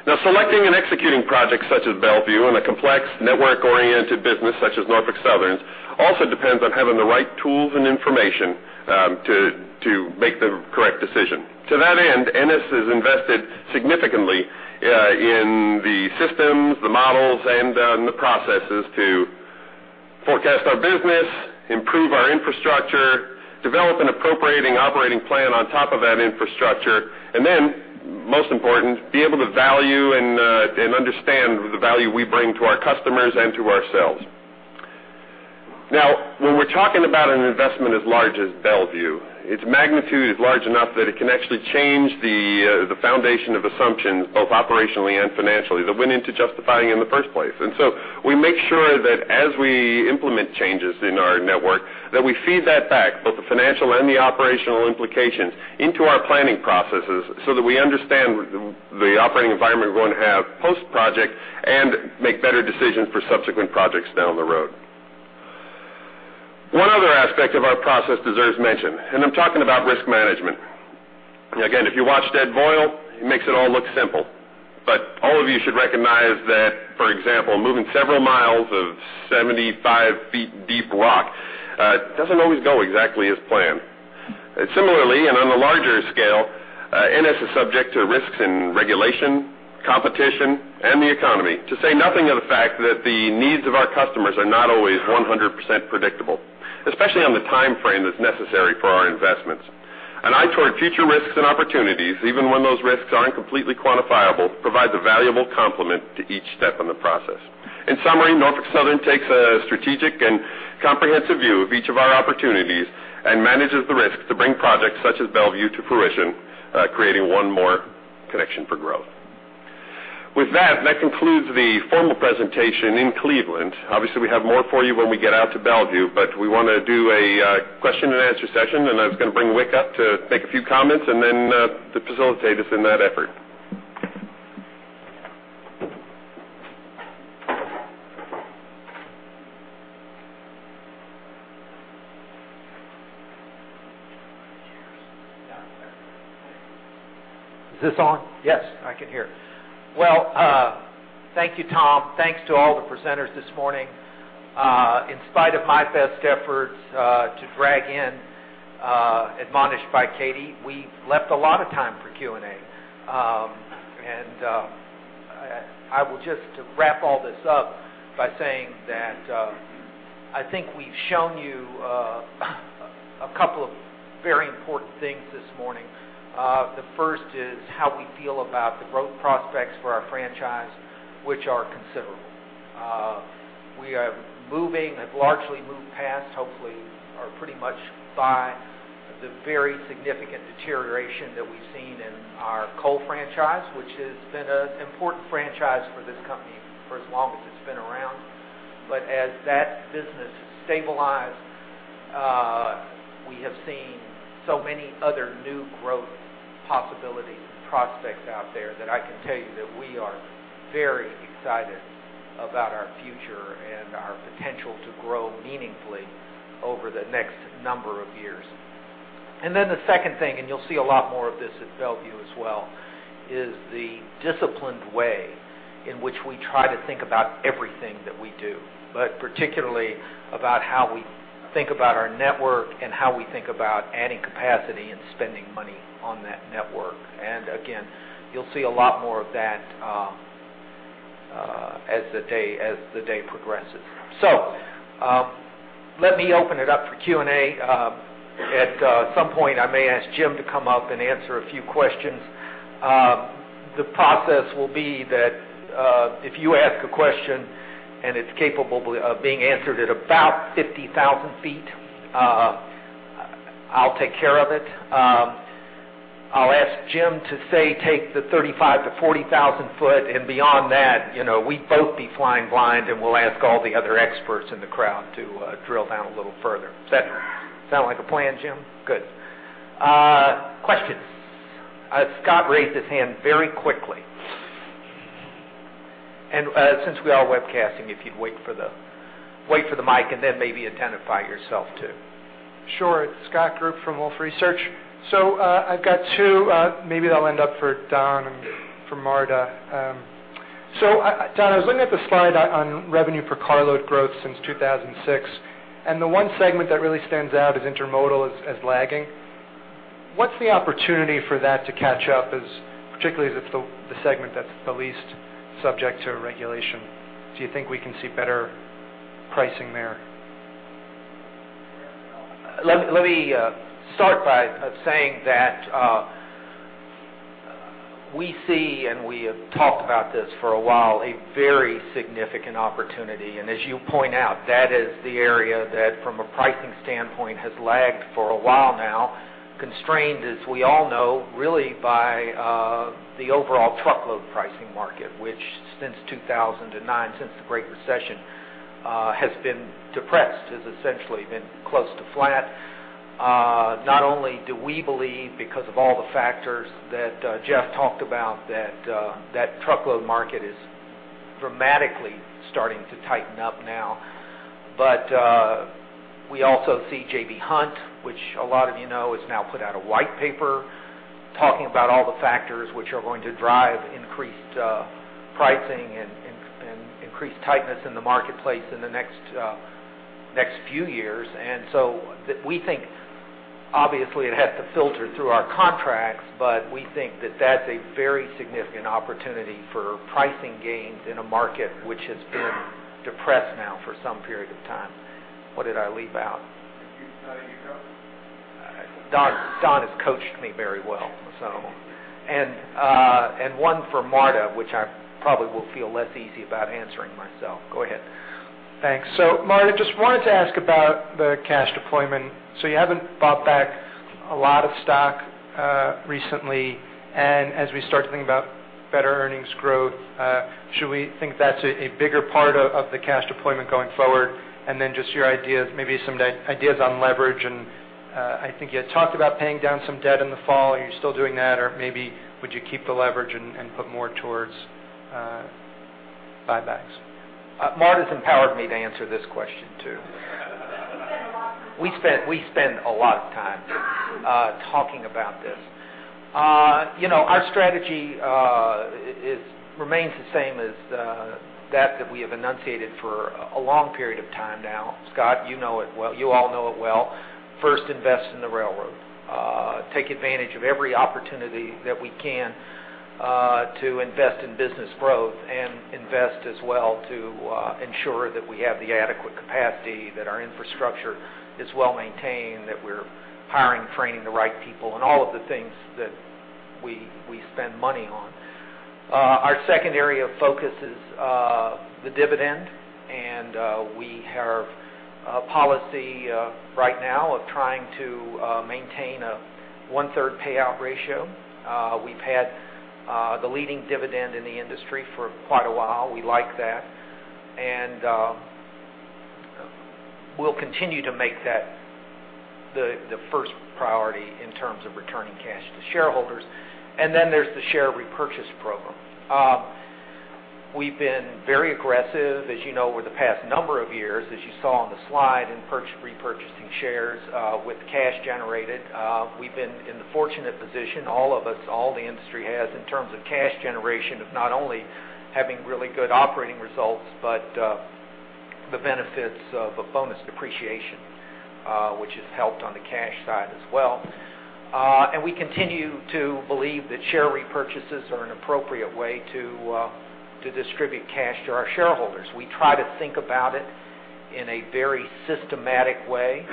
Now, selecting and executing projects such as Bellevue in a complex, network-oriented business such as Norfolk Southern's also depends on having the right tools and information to make the correct decision. To that end, NS has invested significantly in the systems, the models, and the processes to forecast our business, improve our infrastructure, develop an appropriate operating plan on top of that infrastructure, and then, most important, be able to value and understand the value we bring to our customers and to ourselves. Now, when we're talking about an investment as large as Bellevue, its magnitude is large enough that it can actually change the foundation of assumptions, both operationally and financially, that went into justifying in the first place. And so we make sure that as we implement changes in our network, that we feed that back, both the financial and the operational implications, into our planning processes so that we understand the operating environment we're going to have post-project and make better decisions for subsequent projects down the road. One other aspect of our process deserves mention, and I'm talking about risk management. Again, if you watch Ed Boyle, he makes it all look simple. But all of you should recognize that, for example, moving several miles of 75 feet deep rock doesn't always go exactly as planned. Similarly, and on a larger scale, NS is subject to risks in regulation, competition, and the economy, to say nothing of the fact that the needs of our customers are not always 100% predictable, especially on the time frame that's necessary for our investments. An eye toward future risks and opportunities, even when those risks aren't completely quantifiable, provides a valuable complement to each step in the process. In summary, Norfolk Southern takes a strategic and comprehensive view of each of our opportunities and manages the risk to bring projects such as Bellevue to fruition, creating one more connection for growth. With that, that concludes the formal presentation in Cleveland. Obviously, we have more for you when we get out to Bellevue, but we want to do a question-and-answer session, and I was going to bring Wick up to make a few comments and then to facilitate us in that effort.... Is this on? Yes, I can hear. Well, thank you, Tom. Thanks to all the presenters this morning. In spite of my best efforts to drag in, admonished by Katie, we left a lot of time for Q&A. And I will just to wrap all this up by saying that I think we've shown you a couple of very important things this morning. The first is how we feel about the growth prospects for our franchise, which are considerable. We are moving, have largely moved past, hopefully, are pretty much by the very significant deterioration that we've seen in our coal franchise, which has been an important franchise for this company for as long as it's been around. But as that business stabilized, we have seen so many other new growth possibilities and prospects out there that I can tell you that we are very excited about our future and our potential to grow meaningfully over the next number of years. And then the second thing, and you'll see a lot more of this at Bellevue as well, is the disciplined way in which we try to think about everything that we do, but particularly about how we think about our network and how we think about adding capacity and spending money on that network. And again, you'll see a lot more of that, as the day progresses. So, let me open it up for Q&A. At some point, I may ask Jim to come up and answer a few questions. The process will be that, if you ask a question and it's capable of being answered at about 50,000 feet, I'll take care of it. I'll ask Jim to say, take the 35,000-40,000 foot, and beyond that, you know, we'd both be flying blind, and we'll ask all the other experts in the crowd to drill down a little further. Does that sound like a plan, Jim? Good. Questions? Scott raised his hand very quickly. Since we are webcasting, if you'd wait for the mic and then maybe identify yourself, too. Sure. It's Scott Group from Wolfe Research. So, I've got two, maybe they'll end up for Don and for Marta. So I, Don, I was looking at the slide on revenue per carload growth since 2006, and the one segment that really stands out is intermodal as lagging. What's the opportunity for that to catch up, particularly as it's the segment that's the least subject to regulation? Do you think we can see better pricing there? Let me start by saying that we see, and we have talked about this for a while, a very significant opportunity. As you point out, that is the area that, from a pricing standpoint, has lagged for a while now, constrained, as we all know, really by the overall truckload pricing market, which since 2009, since the Great Recession, has been depressed, has essentially been close to flat. Not only do we believe, because of all the factors that Jeff talked about, that truckload market is dramatically starting to tighten up now, but we also see J.B. Hunt, which a lot of you know, has now put out a white paper talking about all the factors which are going to drive increased pricing and increased tightness in the marketplace in the next few years. And so we think, obviously, it has to filter through our contracts, but we think that that's a very significant opportunity for pricing gains in a market which has been depressed now for some period of time. What did I leave out? Could you tell me again? Don, Don has coached me very well, so... And, and one for Marta, which I probably will feel less easy about answering myself. Go ahead. Thanks. So, Marta, just wanted to ask about the cash deployment. So you haven't bought back a lot of stock, recently, and as we start to think about better earnings growth, should we think that's a bigger part of the cash deployment going forward? And then just your ideas, maybe some ideas on leverage. And, I think you had talked about paying down some debt in the fall. Are you still doing that, or maybe would you keep the leverage and put more towards buybacks? Marta's empowered me to answer this question, too. We spend a lot of time- We spend a lot of time talking about this. You know, our strategy remains the same as that we have enunciated for a long period of time now. Scott, you know it well. You all know it well. First, invest in the railroad. Take advantage of every opportunity that we can to invest in business growth and invest as well to ensure that we have the adequate capacity, that our infrastructure is well-maintained, that we're hiring, training the right people, and all of the things that we spend money on. Our second area of focus is the dividend, and we have a policy right now of trying to maintain a 1/3 payout ratio. We've had the leading dividend in the industry for quite a while. We like that. And... We'll continue to make that the first priority in terms of returning cash to shareholders. And then there's the share repurchase program. We've been very aggressive, as you know, over the past number of years, as you saw on the slide, in repurchasing shares with cash generated. We've been in the fortunate position, all of us, all the industry has, in terms of cash generation, of not only having really good operating results, but the benefits of a bonus depreciation, which has helped on the cash side as well. And we continue to believe that share repurchases are an appropriate way to distribute cash to our shareholders. We try to think about it in a very systematic way.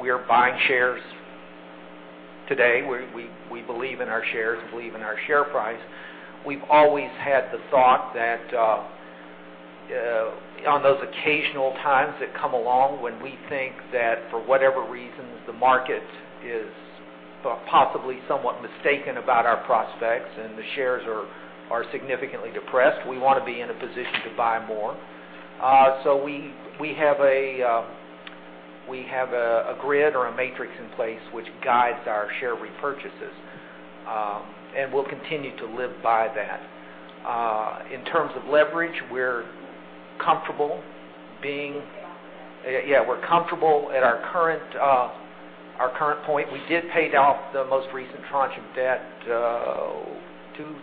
We are buying shares today. We believe in our shares, we believe in our share price. We've always had the thought that, on those occasional times that come along, when we think that for whatever reasons, the market is possibly somewhat mistaken about our prospects and the shares are significantly depressed, we wanna be in a position to buy more. So we have a grid or a matrix in place which guides our share repurchases, and we'll continue to live by that. In terms of leverage, we're comfortable being- yeah, we're comfortable at our current point. We did pay off the most recent tranche of debt, 2,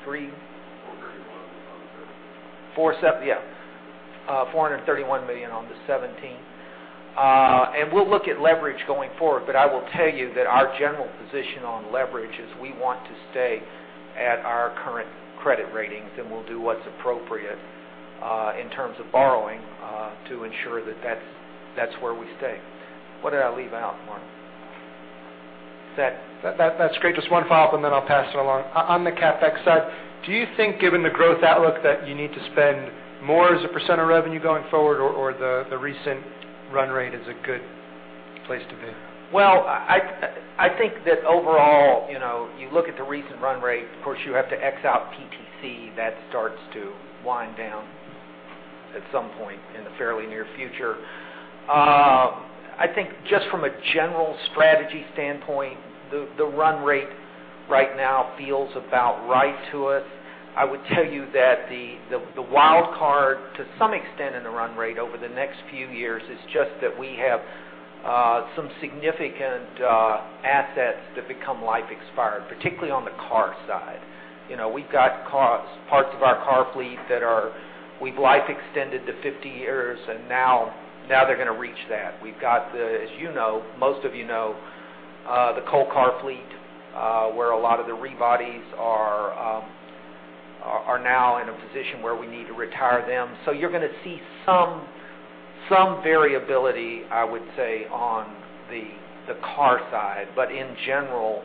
3? Four thirty-one. $431 million on the seventeenth. We'll look at leverage going forward, but I will tell you that our general position on leverage is we want to stay at our current credit ratings, and we'll do what's appropriate in terms of borrowing to ensure that that's where we stay. What did I leave out, Mark? That's great. Just one follow-up, and then I'll pass it along. On the CapEx side, do you think, given the growth outlook, that you need to spend more as a % of revenue going forward, or the recent run rate is a good place to be? Well, I think that overall, you know, you look at the recent run rate, of course, you have to X out PTC. That starts to wind down at some point in the fairly near future. I think just from a general strategy standpoint, the run rate right now feels about right to us. I would tell you that the wild card, to some extent in the run rate over the next few years, is just that we have some significant assets that become life expired, particularly on the car side. You know, we've got cars, parts of our car fleet that are. We've life extended to 50 years, and now they're gonna reach that. We've got the, as you know, most of you know, the coal car fleet, where a lot of the rebodies are, are now in a position where we need to retire them. So you're gonna see some variability, I would say, on the car side. But in general,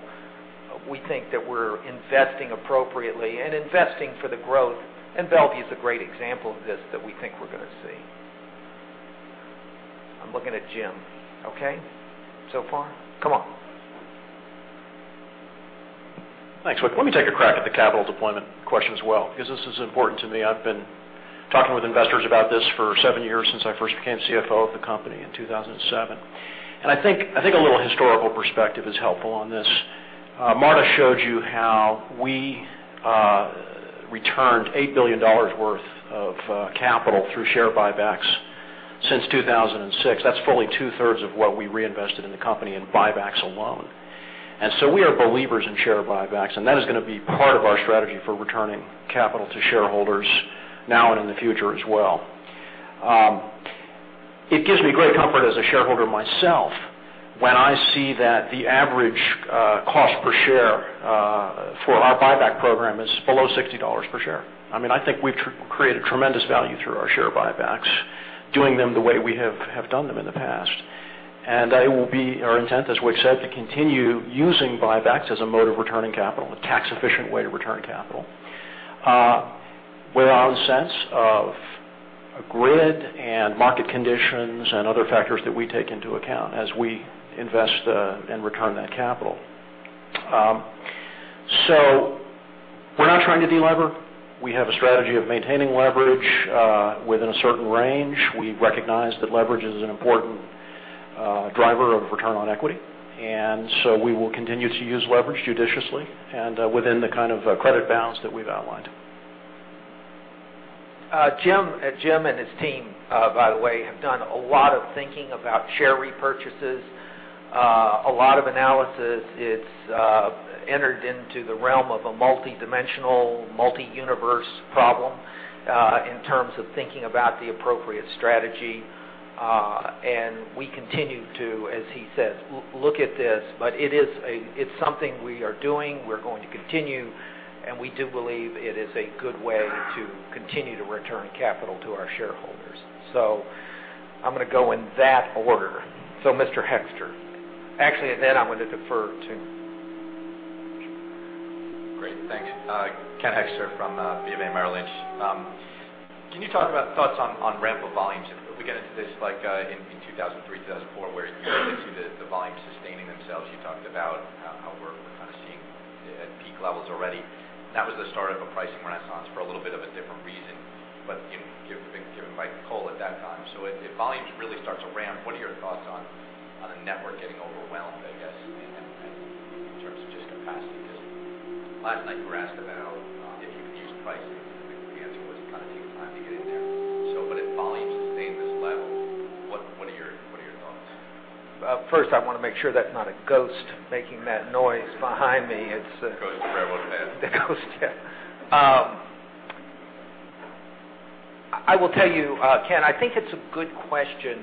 we think that we're investing appropriately and investing for the growth, and Bellevue is a great example of this, that we think we're gonna see. I'm looking at Jim. Okay? So far? Come on. Thanks, Wick. Let me take a crack at the capital deployment question as well, because this is important to me. I've been talking with investors about this for seven years since I first became CFO of the company in 2007. And I think, I think a little historical perspective is helpful on this. Marta showed you how we returned $8 billion worth of capital through share buybacks since 2006. That's fully two-thirds of what we reinvested in the company in buybacks alone. And so we are believers in share buybacks, and that is gonna be part of our strategy for returning capital to shareholders, now and in the future as well. It gives me great comfort as a shareholder myself, when I see that the average cost per share for our buyback program is below $60 per share. I mean, I think we've created tremendous value through our share buybacks, doing them the way we have done them in the past. It will be our intent, as Wick said, to continue using buybacks as a mode of returning capital, a tax-efficient way to return capital. With our sense of a grid and market conditions and other factors that we take into account as we invest and return that capital. So we're not trying to delever. We have a strategy of maintaining leverage within a certain range. We recognize that leverage is an important driver of return on equity, and so we will continue to use leverage judiciously and within the kind of credit bounds that we've outlined. Jim, Jim and his team, by the way, have done a lot of thinking about share repurchases. A lot of analysis. It's entered into the realm of a multidimensional, multi-universe problem, in terms of thinking about the appropriate strategy. And we continue to, as he says, look at this, but it is a—it's something we are doing, we're going to continue, and we do believe it is a good way to continue to return capital to our shareholders. So I'm gonna go in that order. So Mr. Hoexter. Actually, and then I'm going to defer to... Great, thanks. Ken Hoexter from BofA Merrill Lynch. Can you talk about thoughts on the ramp of volumes? Do we get into this like in 2003, 2004, where you get to the volumes sustaining themselves? You talked about how we're kind of seeing at peak levels already. That was the start of a pricing renaissance for a lot of reason, but you have a big, you have quite the coal at that time. So if volumes really starts to ramp, what are your thoughts on the network getting overwhelmed, I guess, in terms of just capacity? Because last night, you were asked about if you would use pricing, and the answer was, it kind of takes time to get in there. So, but if volumes stay at this level, what, what are your, what are your thoughts? First, I want to make sure that's not a ghost making that noise behind me. It's Ghost railroad man. The ghost, yeah. I will tell you, Ken, I think it's a good question.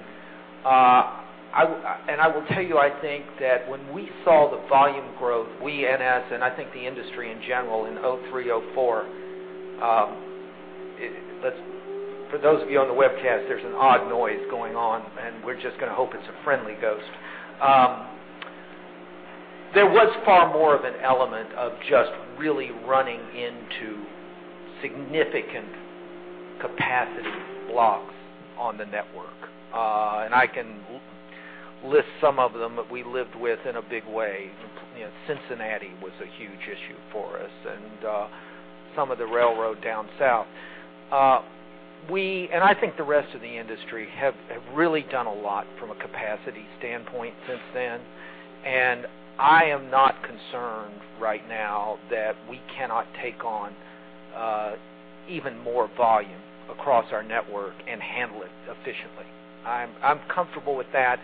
And I will tell you, I think that when we saw the volume growth, we, NS, and I think the industry in general, in 2003, 2004, for those of you on the webcast, there's an odd noise going on, and we're just going to hope it's a friendly ghost. There was far more of an element of just really running into significant capacity blocks on the network. And I can list some of them that we lived with in a big way. You know, Cincinnati was a huge issue for us, and some of the railroad down south. We, and I think the rest of the industry, have really done a lot from a capacity standpoint since then, and I am not concerned right now that we cannot take on even more volume across our network and handle it efficiently. I'm comfortable with that,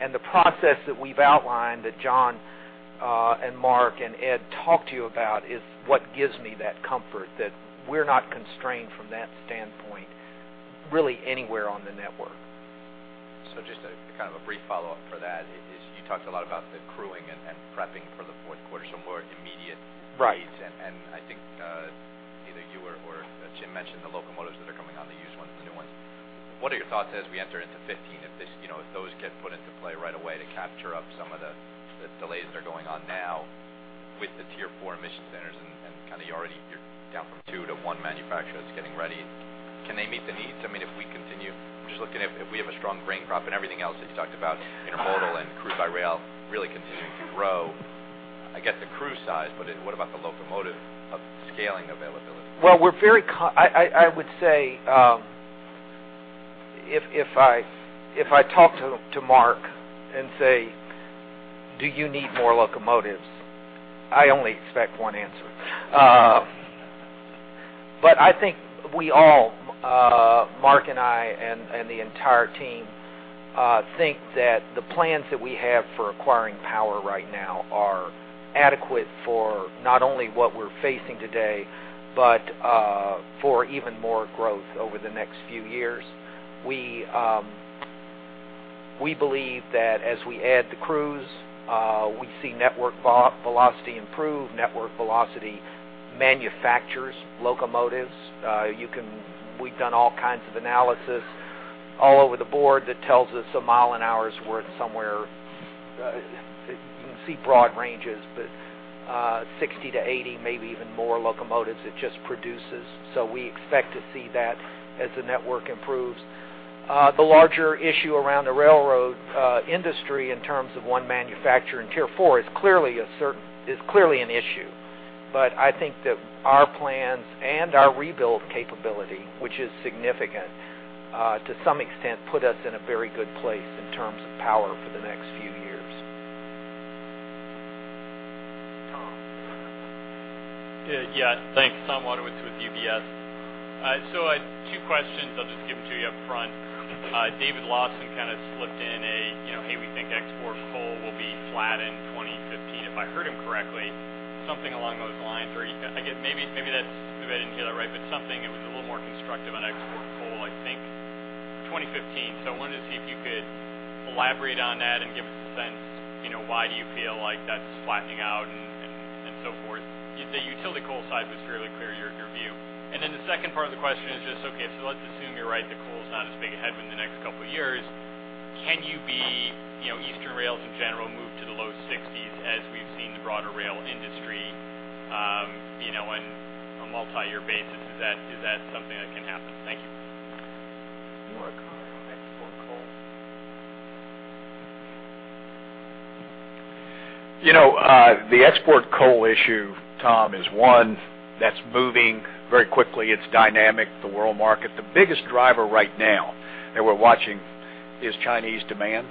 and the process that we've outlined, that John and Mark and Ed talked to you about, is what gives me that comfort that we're not constrained from that standpoint, really anywhere on the network. So just kind of a brief follow-up for that is, you talked a lot about the crewing and prepping for the fourth quarter, so more immediate- Right. needs, and I think either you or Jim mentioned the locomotives that are coming on, the used ones and the new ones. What are your thoughts as we enter into 2015, if this, you know, if those get put into play right away to catch up some of the delays that are going on now with the Tier 4 emissions standards and kind of you already, you're down from two to one manufacturer that's getting ready? Can they meet the needs? I mean, if we continue, just looking at if we have a strong grain crop and everything else that you talked about, intermodal and crude by rail really continuing to grow, I get the crude size, but what about the locomotive scaling availability? Well, we're very confident. I would say, if I talk to Mark and say, "Do you need more locomotives?" I only expect one answer. But I think we all, Mark and I, and the entire team, think that the plans that we have for acquiring power right now are adequate for not only what we're facing today, but for even more growth over the next few years. We believe that as we add the crews, we see network velocity improve, network velocity manufactures locomotives. We've done all kinds of analysis all over the board that tells us a mile an hour is worth somewhere, you can see broad ranges, but 60-80, maybe even more locomotives it just produces. So we expect to see that as the network improves. The larger issue around the railroad industry in terms of one manufacturer in Tier 4 is clearly an issue. But I think that our plans and our rebuild capability, which is significant, to some extent, put us in a very good place in terms of power for the next few years. Yeah, thanks. Tom Wadewitz with UBS. So I have two questions. I'll just give them to you up front. David Lawson kind of slipped in a, you know, "Hey, we think export coal will be flat in 2015," if I heard him correctly, something along those lines, or he, I guess, maybe that's - maybe I didn't hear that right, but something, it was a little more constructive on export coal, I think, 2015. So I wanted to see if you could elaborate on that and give us a sense, you know, why do you feel like that's flattening out and so forth? You'd say utility coal side was fairly clear, your view. And then the second part of the question is just, okay, so let's assume you're right, that coal is not as big ahead in the next couple of years. Can you be, you know, Eastern rails in general, move to the low sixties as we've seen the broader rail industry, you know, on a multi-year basis? Is that, is that something that can happen? Thank you. [Mark, on export coal? You know, the export coal issue, Tom, is one that's moving very quickly. It's dynamic, the world market. The biggest driver right now, that we're watching, is Chinese demand.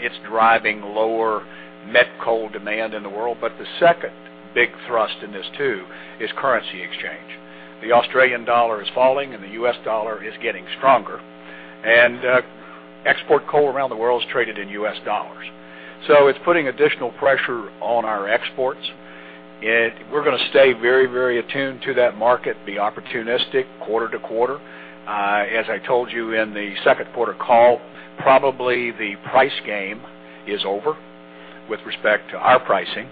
It's driving lower met coal demand in the world, but the second big thrust in this, too, is currency exchange. The Australian dollar is falling, and the US dollar is getting stronger, and export coal around the world is traded in US dollars. So it's putting additional pressure on our exports, and we're going to stay very, very attuned to that market, be opportunistic quarter to quarter. As I told you in the second quarter call, probably the price game is over with respect to our pricing,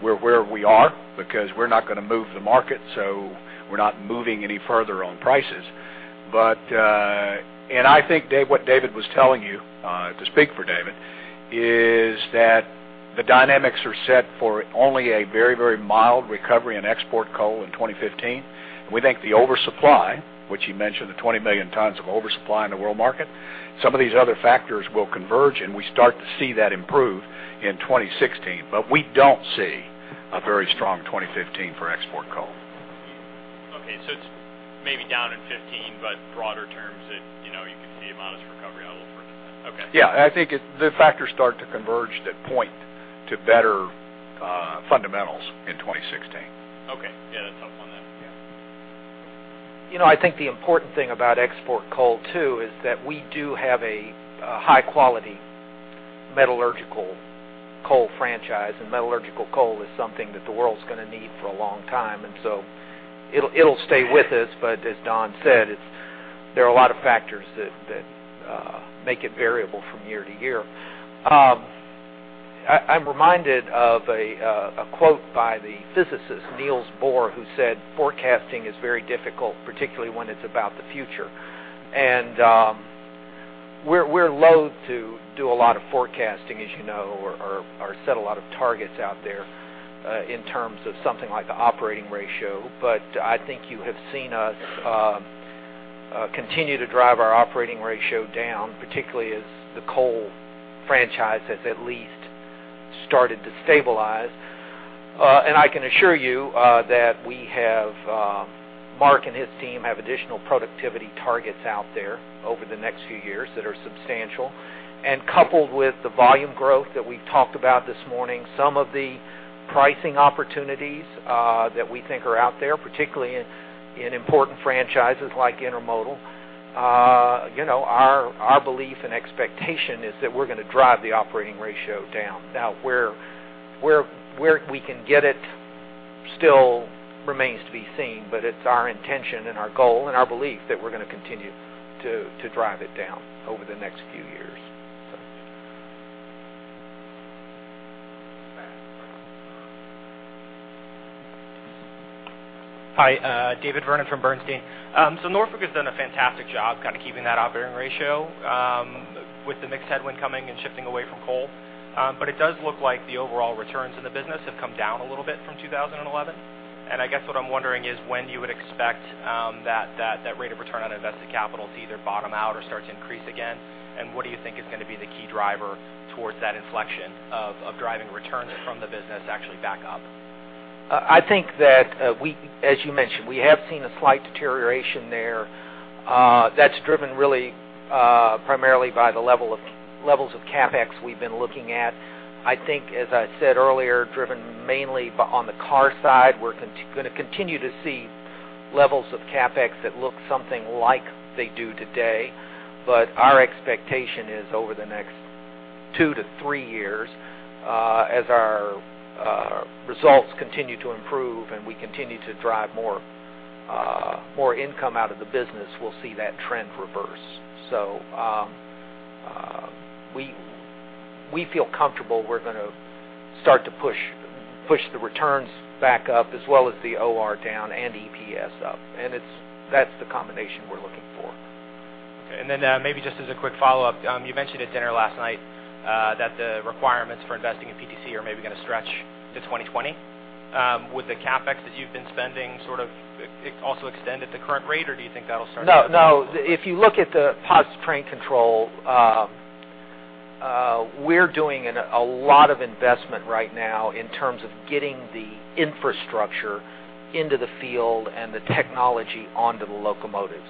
where, where we are, because we're not going to move the market, so we're not moving any further on prices. But, and I think, Dave, what David was telling you, to speak for David, is that the dynamics are set for only a very, very mild recovery in export coal in 2015. We think the oversupply, which he mentioned, the 20 million tons of oversupply in the world market, some of these other factors will converge, and we start to see that improve in 2016. But we don't see... a very strong 2015 for export coal. Okay, so it's maybe down in 15, but broader terms it, you know, you could see a modest recovery out a little further than that. Okay. Yeah, I think the factors start to converge that point to better fundamentals in 2016. Okay. Yeah, that's helpful on that. Yeah. You know, I think the important thing about export coal, too, is that we do have a high quality metallurgical coal franchise, and metallurgical coal is something that the world's gonna need for a long time, and so it'll, it'll stay with us. But as Don said, it's. There are a lot of factors that make it variable from year to year. I, I'm reminded of a quote by the physicist, Niels Bohr, who said, "Forecasting is very difficult, particularly when it's about the future." We're, we're loathe to do a lot of forecasting, as you know, or set a lot of targets out there, in terms of something like the Operating Ratio. But I think you have seen us continue to drive our Operating Ratio down, particularly as the coal franchise has at least started to stabilize. And I can assure you, that we have, Mark and his team have additional productivity targets out there over the next few years that are substantial. And coupled with the volume growth that we've talked about this morning, some of the pricing opportunities, that we think are out there, particularly in, in important franchises like Intermodal, you know, our, our belief and expectation is that we're gonna drive the Operating Ratio down. Now, where we can get it still remains to be seen, but it's our intention and our goal and our belief that we're gonna continue to drive it down over the next few years, so. Hi, David Vernon from Bernstein. So Norfolk has done a fantastic job kind of keeping that operating ratio with the mixed headwind coming and shifting away from coal. But it does look like the overall returns in the business have come down a little bit from 2011. And I guess what I'm wondering is when you would expect that rate of return on invested capital to either bottom out or start to increase again, and what do you think is gonna be the key driver towards that inflection of driving returns from the business actually back up? I think that, as you mentioned, we have seen a slight deterioration there, that's driven really, primarily by the levels of CapEx we've been looking at. I think, as I said earlier, driven mainly on the car side. We're gonna continue to see levels of CapEx that look something like they do today. But our expectation is over the next two to three years, as our results continue to improve and we continue to drive more income out of the business, we'll see that trend reverse. So, we feel comfortable we're gonna start to push the returns back up, as well as the OR down and EPS up, and that's the combination we're looking for. Okay. Then, maybe just as a quick follow-up, you mentioned at dinner last night that the requirements for investing in PTC are maybe gonna stretch to 2020. Would the CapEx that you've been spending sort of it also extend at the current rate, or do you think that'll start to- No, no. If you look at the Positive Train Control, we're doing a lot of investment right now in terms of getting the infrastructure into the field and the technology onto the locomotives,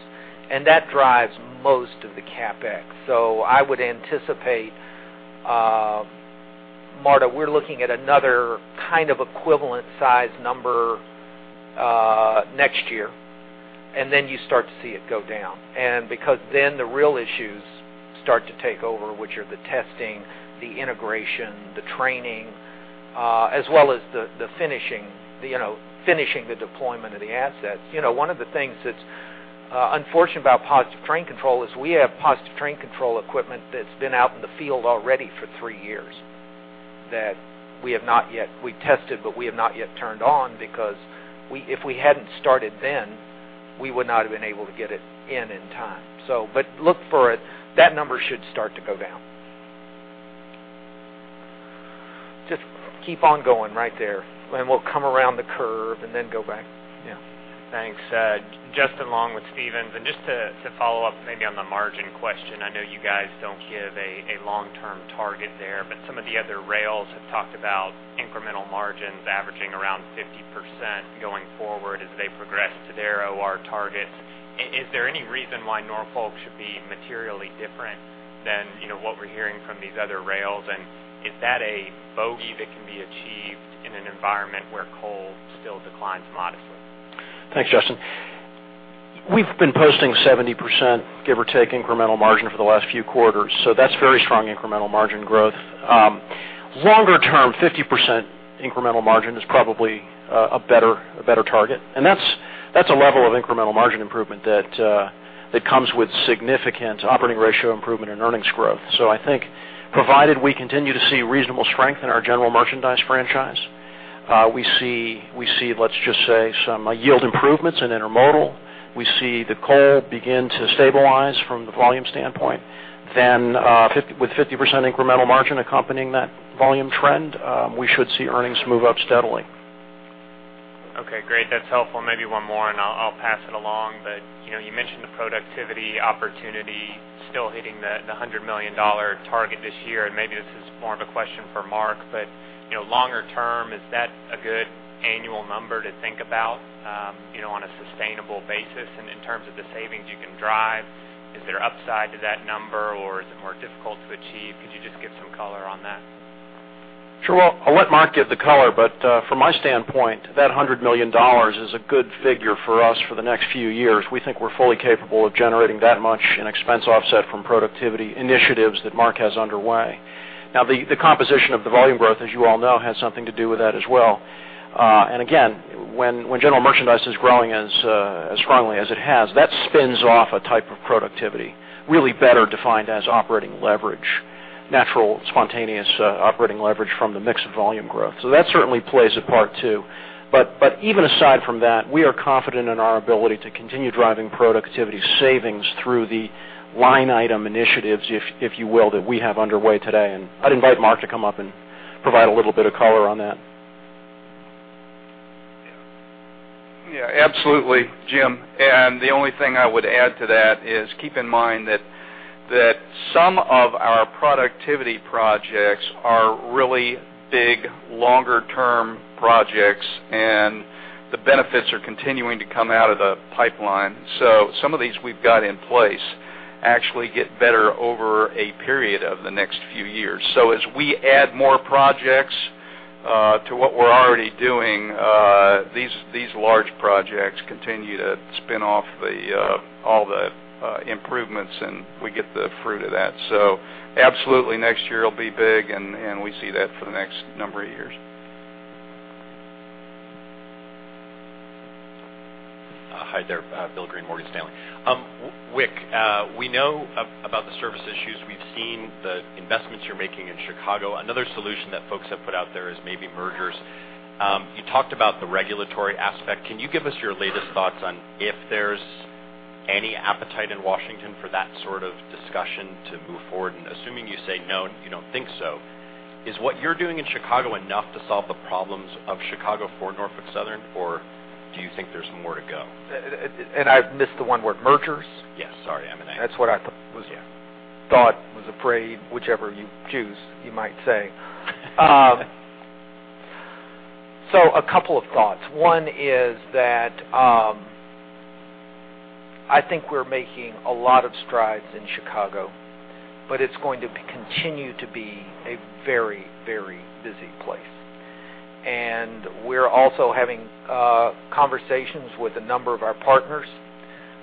and that drives most of the CapEx. So I would anticipate, Marta, we're looking at another kind of equivalent size number, next year, and then you start to see it go down. And because then the real issues start to take over, which are the testing, the integration, the training, as well as the finishing, you know, finishing the deployment of the assets. You know, one of the things that's unfortunate about Positive Train Control is we have Positive Train Control equipment that's been out in the field already for three years, that we have not yet we tested, but we have not yet turned on because we if we hadn't started then, we would not have been able to get it in time. So but look for it, that number should start to go down. Just keep on going right there, and we'll come around the curve and then go back. Yeah. Thanks. Justin Long with Stephens. And just to follow up maybe on the margin question, I know you guys don't give a long-term target there, but some of the other rails have talked about incremental margins averaging around 50% going forward as they progress to their OR targets. Is there any reason why Norfolk should be materially different than, you know, what we're hearing from these other rails? And is that a bogey that can be achieved in an environment where coal still declines modestly? Thanks, Justin. We've been posting 70%, give or take, incremental margin for the last few quarters, so that's very strong incremental margin growth. Longer term, 50% incremental margin is probably a better target. And that's a level of incremental margin improvement that comes with significant operating ratio improvement and earnings growth. So I think provided we continue to see reasonable strength in our general merchandise franchise, we see, let's just say, some yield improvements in intermodal. We see the coal begin to stabilize from the volume standpoint, then with 50% incremental margin accompanying that volume trend, we should see earnings move up steadily.... Okay, great. That's helpful. Maybe one more, and I'll pass it along. But, you know, you mentioned the productivity opportunity still hitting the $100 million target this year, and maybe this is more of a question for Mark. But, you know, longer term, is that a good annual number to think about, you know, on a sustainable basis? And in terms of the savings you can drive, is there upside to that number, or is it more difficult to achieve? Could you just give some color on that? Sure. Well, I'll let Mark give the color, but from my standpoint, that $100 million is a good figure for us for the next few years. We think we're fully capable of generating that much in expense offset from productivity initiatives that Mark has underway. Now, the composition of the volume growth, as you all know, has something to do with that as well. And again, when general merchandise is growing as strongly as it has, that spins off a type of productivity, really better defined as operating leverage, natural, spontaneous operating leverage from the mix of volume growth. So that certainly plays a part, too. But even aside from that, we are confident in our ability to continue driving productivity savings through the line item initiatives, if you will, that we have underway today. I'd invite Mark to come up and provide a little bit of color on that. Yeah, absolutely, Jim. And the only thing I would add to that is keep in mind that some of our productivity projects are really big, longer-term projects, and the benefits are continuing to come out of the pipeline. So some of these we've got in place actually get better over a period of the next few years. So as we add more projects to what we're already doing, these large projects continue to spin off all the improvements, and we get the fruit of that. So absolutely, next year will be big, and we see that for the next number of years. Hi there, Bill Greene, Morgan Stanley. Wick, we know about the service issues. We've seen the investments you're making in Chicago. Another solution that folks have put out there is maybe mergers. You talked about the regulatory aspect. Can you give us your latest thoughts on if there's any appetite in Washington for that sort of discussion to move forward? And assuming you say no, you don't think so, is what you're doing in Chicago enough to solve the problems of Chicago for Norfolk Southern, or do you think there's more to go? I've missed the one word, mergers? Yes, sorry, M&A. That's what I thought, was afraid, whichever you choose, you might say. So a couple of thoughts. One is that, I think we're making a lot of strides in Chicago, but it's going to continue to be a very, very busy place. And we're also having conversations with a number of our partners,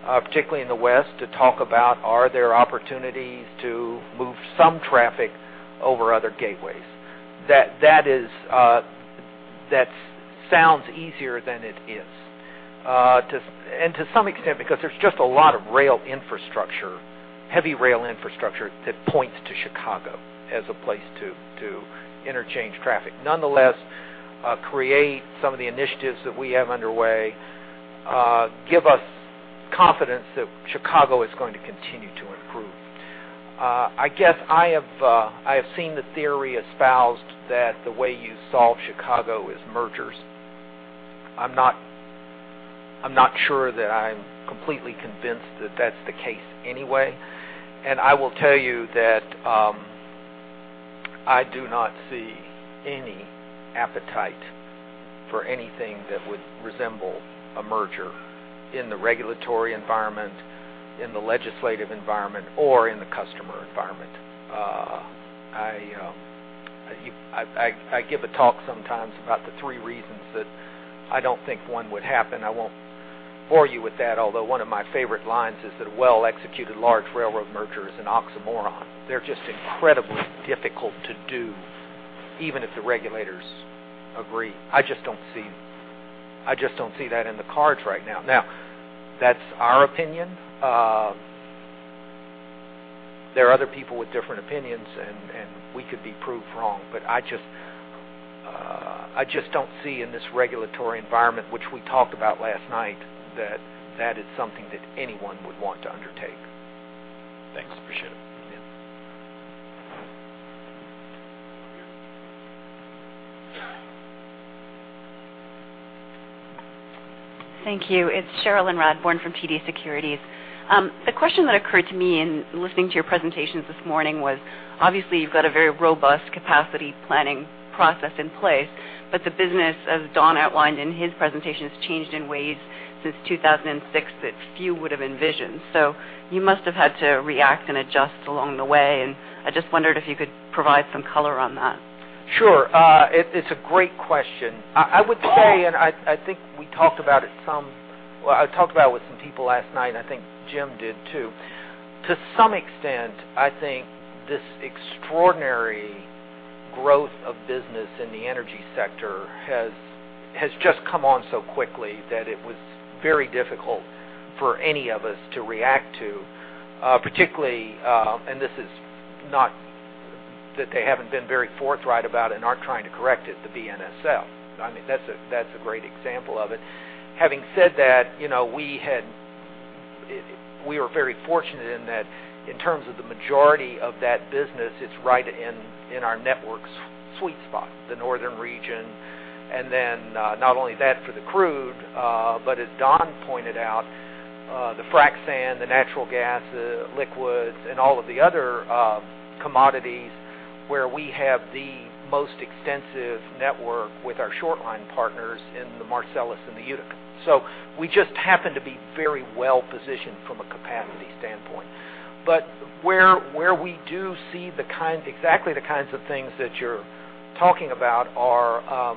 particularly in the West, to talk about, are there opportunities to move some traffic over other gateways? That is, that sounds easier than it is. And to some extent, because there's just a lot of rail infrastructure, heavy rail infrastructure that points to Chicago as a place to interchange traffic. Nonetheless, CREATE some of the initiatives that we have underway give us confidence that Chicago is going to continue to improve. I guess I have seen the theory espoused that the way you solve Chicago is mergers. I'm not sure that I'm completely convinced that that's the case anyway, and I will tell you that I do not see any appetite for anything that would resemble a merger in the regulatory environment, in the legislative environment, or in the customer environment. I give a talk sometimes about the three reasons that I don't think one would happen. I won't bore you with that, although one of my favorite lines is that a well-executed large railroad merger is an oxymoron. They're just incredibly difficult to do, even if the regulators agree. I just don't see that in the cards right now. Now, that's our opinion. There are other people with different opinions, and, and we could be proved wrong, but I just, I just don't see in this regulatory environment, which we talked about last night, that that is something that anyone would want to undertake. Thanks, appreciate it. Yeah. Thank you. It's Cherilyn Radbourne from TD Securities. The question that occurred to me in listening to your presentations this morning was, obviously, you've got a very robust capacity planning process in place, but the business, as Don outlined in his presentation, has changed in ways since 2006 that few would have envisioned. So you must have had to react and adjust along the way, and I just wondered if you could provide some color on that. Sure. It's a great question. I would say, and I think we talked about it some. Well, I talked about it with some people last night, and I think Jim did, too. To some extent, I think this extraordinary growth of business in the energy sector has just come on so quickly that it was very difficult for any of us to react to, particularly, and this is not that they haven't been very forthright about it and aren't trying to correct it, the BNSF. I mean, that's a great example of it. Having said that, you know, we had-... We are very fortunate in that in terms of the majority of that business, it's right in our network's sweet spot, the northern region, and then not only that for the crude, but as Don pointed out, the frac sand, the natural gas, the liquids, and all of the other commodities where we have the most extensive network with our short line partners in the Marcellus and the Utica. So we just happen to be very well-positioned from a capacity standpoint. But where we do see exactly the kinds of things that you're talking about are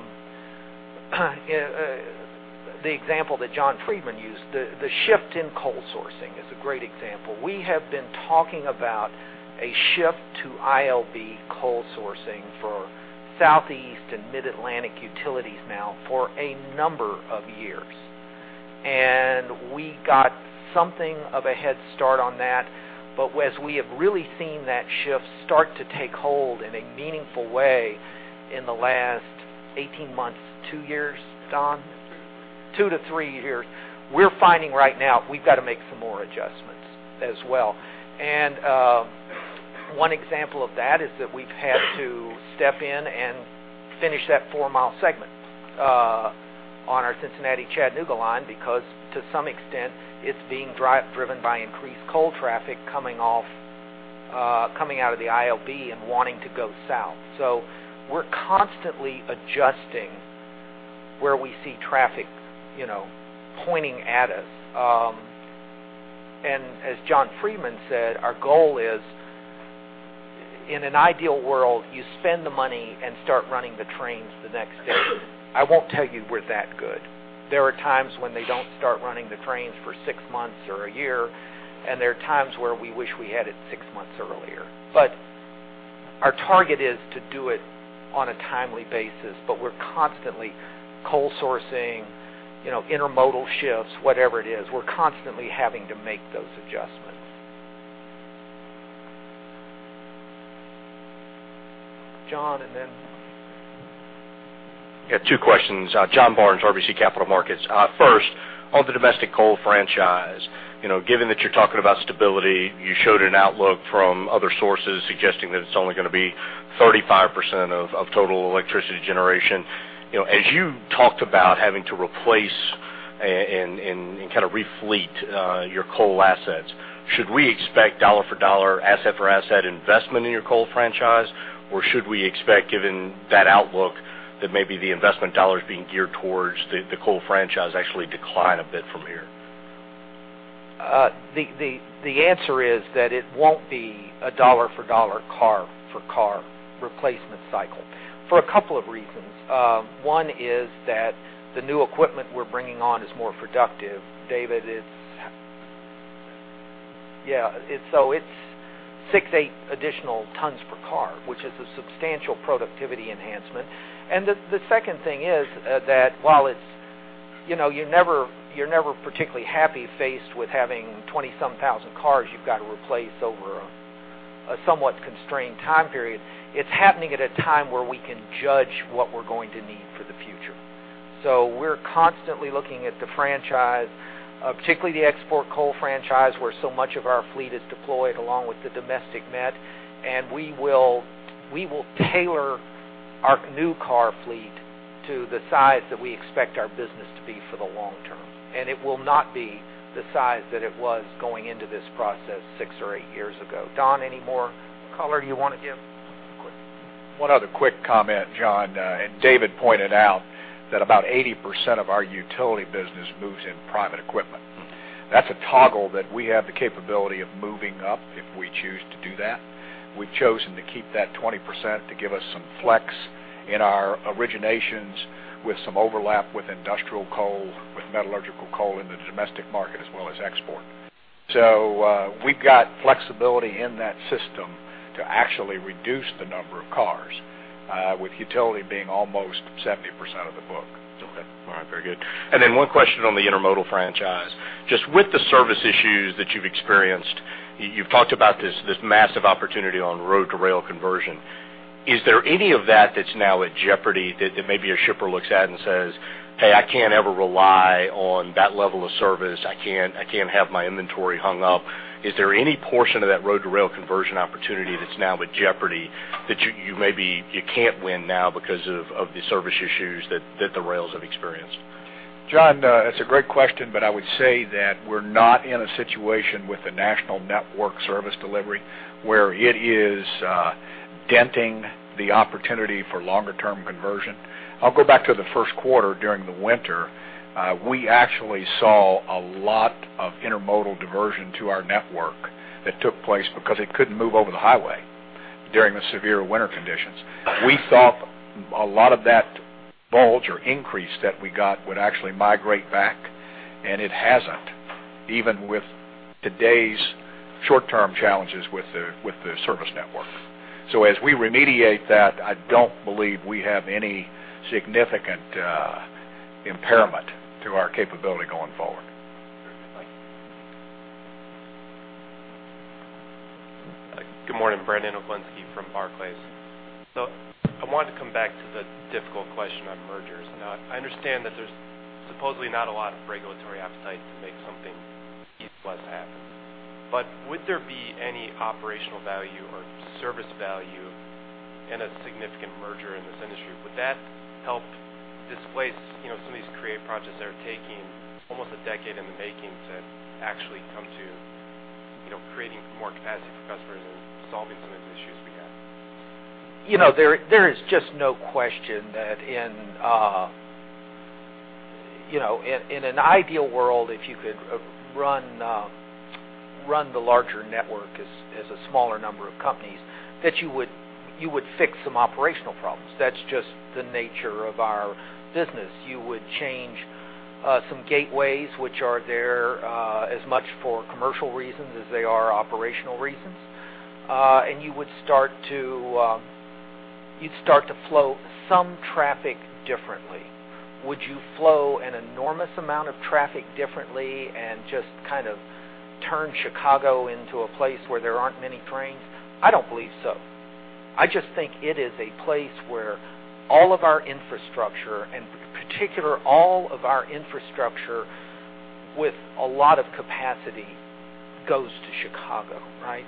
the example that John Friedmann used, the shift in coal sourcing is a great example. We have been talking about a shift to ILB coal sourcing for Southeast and Mid-Atlantic utilities now for a number of years. We got something of a head start on that, but as we have really seen that shift start to take hold in a meaningful way in the last 18 months, 2 years, Don? 2 to 3. 2 to 3 years, we're finding right now we've got to make some more adjustments as well. And one example of that is that we've had to step in and finish that 4-mile segment on our Cincinnati-Chattanooga line, because to some extent, it's being driven by increased coal traffic coming off, coming out of the ILB and wanting to go south. So we're constantly adjusting where we see traffic, you know, pointing at us. And as John Friedmann said, our goal is, in an ideal world, you spend the money and start running the trains the next day. I won't tell you we're that good. There are times when they don't start running the trains for 6 months or a year, and there are times where we wish we had it 6 months earlier. But our target is to do it on a timely basis, but we're constantly coal sourcing, you know, intermodal shifts, whatever it is, we're constantly having to make those adjustments. John, and then- Yeah, two questions. John Barnes, RBC Capital Markets. First, on the domestic coal franchise, you know, given that you're talking about stability, you showed an outlook from other sources suggesting that it's only going to be 35% of total electricity generation. You know, as you talked about having to replace and kind of refleet your coal assets, should we expect dollar for dollar, asset for asset investment in your coal franchise? Or should we expect, given that outlook, that maybe the investment dollars being geared towards the coal franchise actually decline a bit from here? The answer is that it won't be a dollar for dollar car for car replacement cycle for a couple of reasons. One is that the new equipment we're bringing on is more productive. David, it's. Yeah, it's so it's 6, 8 additional tons per car, which is a substantial productivity enhancement. And the second thing is that while it's, you know, you're never, you're never particularly happy faced with having 20,000 cars you've got to replace over a somewhat constrained time period, it's happening at a time where we can judge what we're going to need for the future. We're constantly looking at the franchise, particularly the export coal franchise, where so much of our fleet is deployed along with the domestic met, and we will, we will tailor our new car fleet to the size that we expect our business to be for the long term, and it will not be the size that it was going into this process six or eight years ago. Don, any more color you want to give? One other quick comment, John. David pointed out that about 80% of our utility business moves in private equipment. Mm-hmm. That's a toggle that we have the capability of moving up if we choose to do that. We've chosen to keep that 20% to give us some flex in our originations with some overlap with industrial coal, with metallurgical coal in the domestic market, as well as export. So, we've got flexibility in that system to actually reduce the number of cars, with utility being almost 70% of the book. Okay. All right, very good. And then one question on the intermodal franchise. Just with the service issues that you've experienced, you've talked about this, this massive opportunity on road to rail conversion. Is there any of that that's now at jeopardy, that, that maybe a shipper looks at and says, "Hey, I can't ever rely on that level of service. I can't, I can't have my inventory hung up." Is there any portion of that road to rail conversion opportunity that's now at jeopardy, that you, you maybe you can't win now because of, of the service issues that, that the rails have experienced? John, it's a great question, but I would say that we're not in a situation with the national network service delivery where it is denting the opportunity for longer-term conversion. I'll go back to the first quarter during the winter. We actually saw a lot of intermodal diversion to our network that took place because it couldn't move over the highway during the severe winter conditions. We thought a lot of that bulge or increase that we got would actually migrate back, and it hasn't, even with today's short-term challenges with the service network. So as we remediate that, I don't believe we have any significant impairment to our capability going forward. Thank you.... Good morning, Brandon Oglenski from Barclays. So I wanted to come back to the difficult question on mergers. Now, I understand that there's supposedly not a lot of regulatory appetite to make something east-west happen. But would there be any operational value or service value in a significant merger in this industry? Would that help displace, you know, some of these CREATE projects that are taking almost a decade in the making to actually come to, you know, creating more capacity for customers and solving some of the issues we have? You know, there is just no question that in you know, in an ideal world, if you could run the larger network as a smaller number of companies, that you would fix some operational problems. That's just the nature of our business. You would change some gateways which are there as much for commercial reasons as they are operational reasons. And you would start to flow some traffic differently. Would you flow an enormous amount of traffic differently and just kind of turn Chicago into a place where there aren't many trains? I don't believe so. I just think it is a place where all of our infrastructure, and in particular, all of our infrastructure with a lot of capacity, goes to Chicago, right?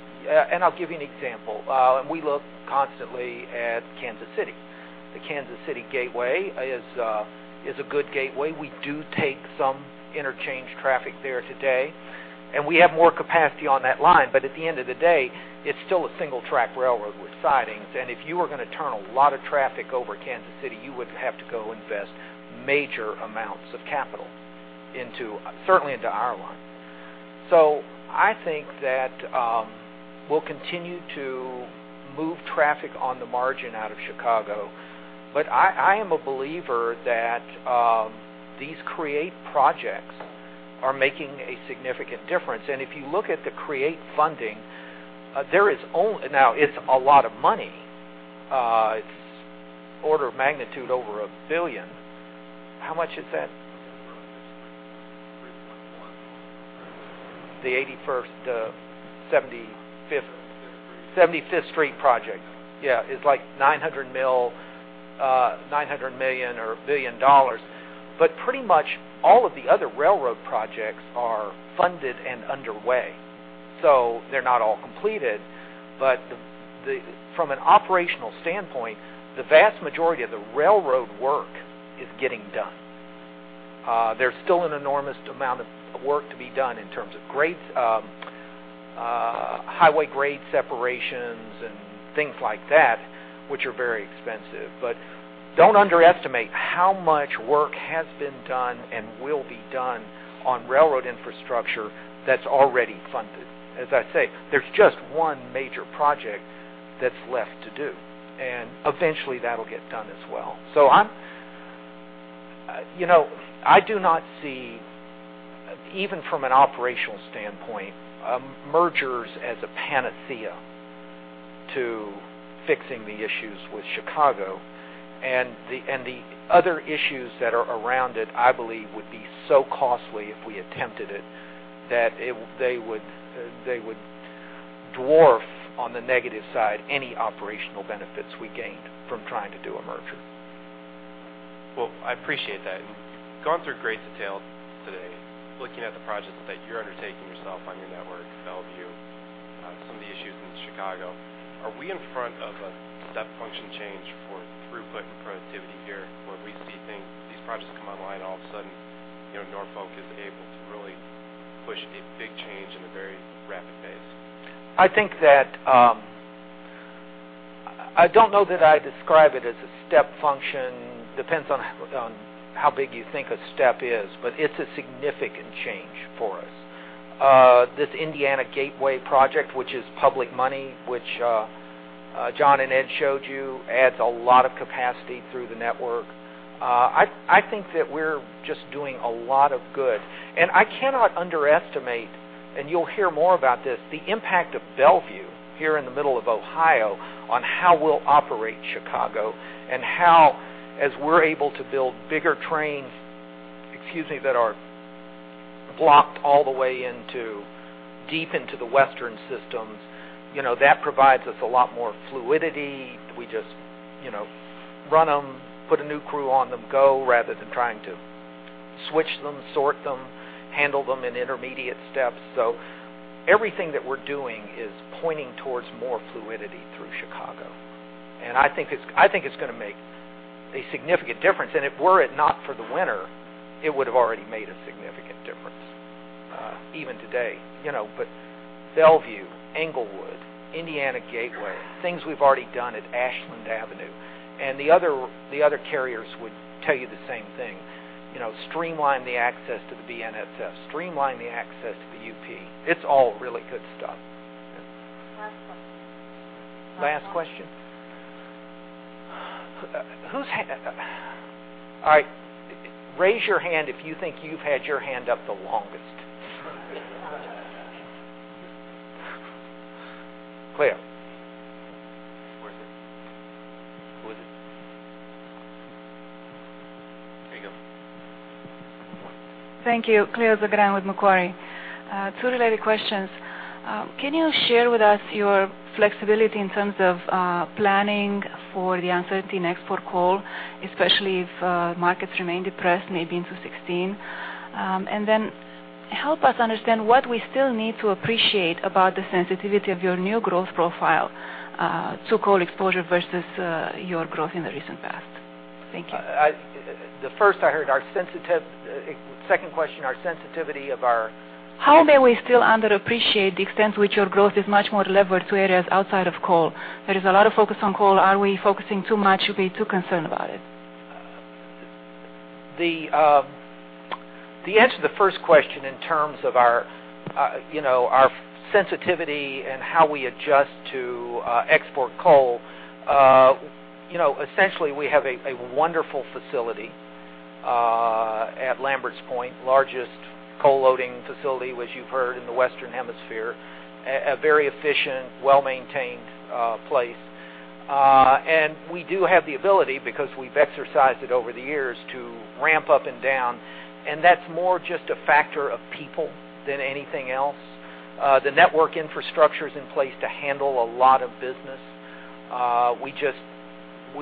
And I'll give you an example. We look constantly at Kansas City. The Kansas City gateway is a good gateway. We do take some interchange traffic there today, and we have more capacity on that line, but at the end of the day, it's still a single track railroad with sidings. And if you were gonna turn a lot of traffic over Kansas City, you would have to go invest major amounts of capital into certainly into our line. So I think that, we'll continue to move traffic on the margin out of Chicago, but I, I am a believer that, these create projects are making a significant difference. And if you look at the create funding, there is on- now, it's a lot of money, it's order of magnitude over a billion. How much is that? The 81st, 75th- Seventy-fifth Street. 75th Street project. Yeah, it's like $900 mil, $900 million or $1 billion. But pretty much all of the other railroad projects are funded and underway, so they're not all completed, but from an operational standpoint, the vast majority of the railroad work is getting done. There's still an enormous amount of work to be done in terms of grades, highway grade separations and things like that, which are very expensive. But don't underestimate how much work has been done and will be done on railroad infrastructure that's already funded. As I say, there's just one major project that's left to do, and eventually, that'll get done as well. So I'm, you know, I do not see, even from an operational standpoint, mergers as a panacea to fixing the issues with Chicago. And the other issues that are around it, I believe, would be so costly if we attempted it, that they would dwarf, on the negative side, any operational benefits we gained from trying to do a merger. Well, I appreciate that. You've gone through great detail today, looking at the projects that you're undertaking yourself on your network, Bellevue, some of the issues in Chicago. Are we in front of a step function change for throughput and productivity here, where we see things, these projects come online, all of a sudden, you know, Norfolk is able to really push a big change in a very rapid pace? I think that, I don't know that I describe it as a step function. Depends on how big you think a step is, but it's a significant change for us. This Indiana Gateway Project, which is public money, which John and Ed showed you, adds a lot of capacity through the network. I think that we're just doing a lot of good, and I cannot underestimate, and you'll hear more about this, the impact of Bellevue here in the middle of Ohio, on how we'll operate Chicago, and how, as we're able to build bigger trains, excuse me, that are blocked all the way deep into the western systems, you know, that provides us a lot more fluidity. We just, you know, run them, put a new crew on them, go, rather than trying to switch them, sort them, handle them in intermediate steps. So everything that we're doing is pointing towards more fluidity through Chicago, and I think it's, I think it's gonna make a significant difference. And if were it not for the winter, it would have already made a significant difference, even today. You know, but Bellevue, Englewood, Indiana Gateway, things we've already done at Ashland Avenue, and the other, the other carriers would tell you the same thing. You know, streamline the access to the BNSF, streamline the access to the UP. It's all really good stuff. Last question. Last question? Who's had... All right, raise your hand if you think you've had your hand up the longest. Clear. Who is it? Who is it now?... Thank you. Cleo Zagrean with Macquarie. Two related questions. Can you share with us your flexibility in terms of, planning for the uncertainty in export coal, especially if, markets remain depressed, maybe into 2016? And then help us understand what we still need to appreciate about the sensitivity of your new growth profile, to coal exposure versus, your growth in the recent past. Thank you. The first I heard are sensitive. Second question, our sensitivity of our- How may we still underappreciate the extent to which your growth is much more levered to areas outside of coal? There is a lot of focus on coal. Are we focusing too much? Should we be too concerned about it? The answer to the first question, in terms of our, you know, our sensitivity and how we adjust to export coal. You know, essentially, we have a wonderful facility at Lamberts Point, largest coal loading facility, which you've heard in the Western Hemisphere, a very efficient, well-maintained place. And we do have the ability, because we've exercised it over the years, to ramp up and down, and that's more just a factor of people than anything else. The network infrastructure is in place to handle a lot of business. We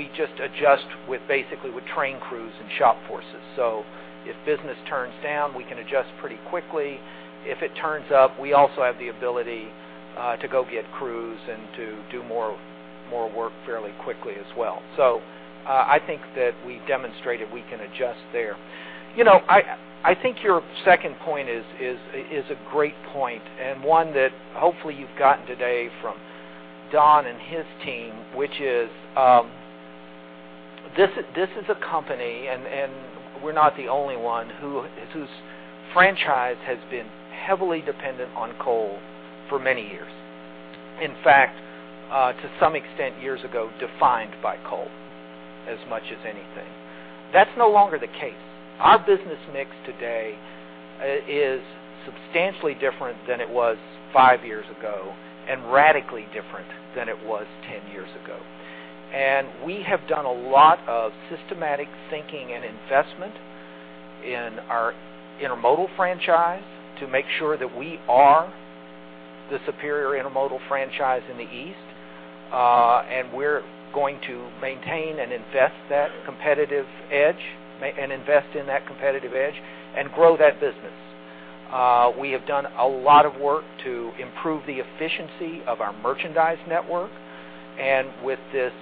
just adjust with, basically, with train crews and shop forces. So if business turns down, we can adjust pretty quickly. If it turns up, we also have the ability to go get crews and to do more work fairly quickly as well. I think that we've demonstrated we can adjust there. You know, I think your second point is a great point, and one that hopefully you've gotten today from Don and his team, which is, this is a company, and we're not the only one, whose franchise has been heavily dependent on coal for many years. In fact, to some extent, years ago, defined by coal as much as anything. That's no longer the case. Our business mix today is substantially different than it was five years ago, and radically different than it was 10 years ago. And we have done a lot of systematic thinking and investment in our intermodal franchise to make sure that we are the superior intermodal franchise in the East. We're going to maintain and invest that competitive edge, and invest in that competitive edge and grow that business. We have done a lot of work to improve the efficiency of our merchandise network. With this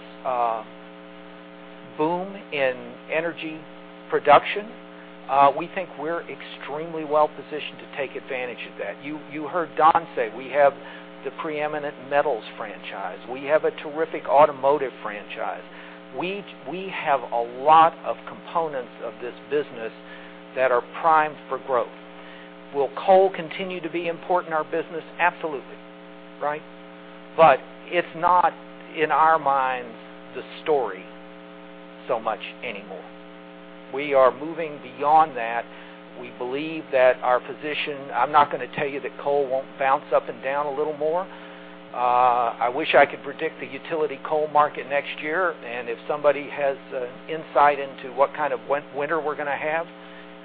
boom in energy production, we think we're extremely well positioned to take advantage of that. You heard Don say we have the preeminent metals franchise. We have a terrific automotive franchise. We have a lot of components of this business that are primed for growth. Will coal continue to be important in our business? Absolutely, right? It's not, in our minds, the story so much anymore. We are moving beyond that. We believe that our position. I'm not gonna tell you that coal won't bounce up and down a little more. I wish I could predict the utility coal market next year, and if somebody has insight into what kind of winter we're gonna have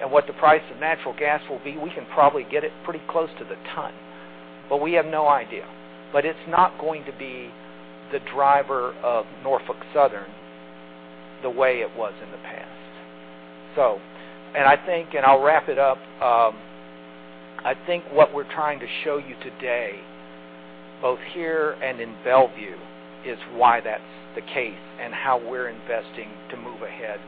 and what the price of natural gas will be, we can probably get it pretty close to the ton, but we have no idea. But it's not going to be the driver of Norfolk Southern the way it was in the past. So, and I think, and I'll wrap it up, I think what we're trying to show you today, both here and in Bellevue, is why that's the case, and how we're investing to move ahead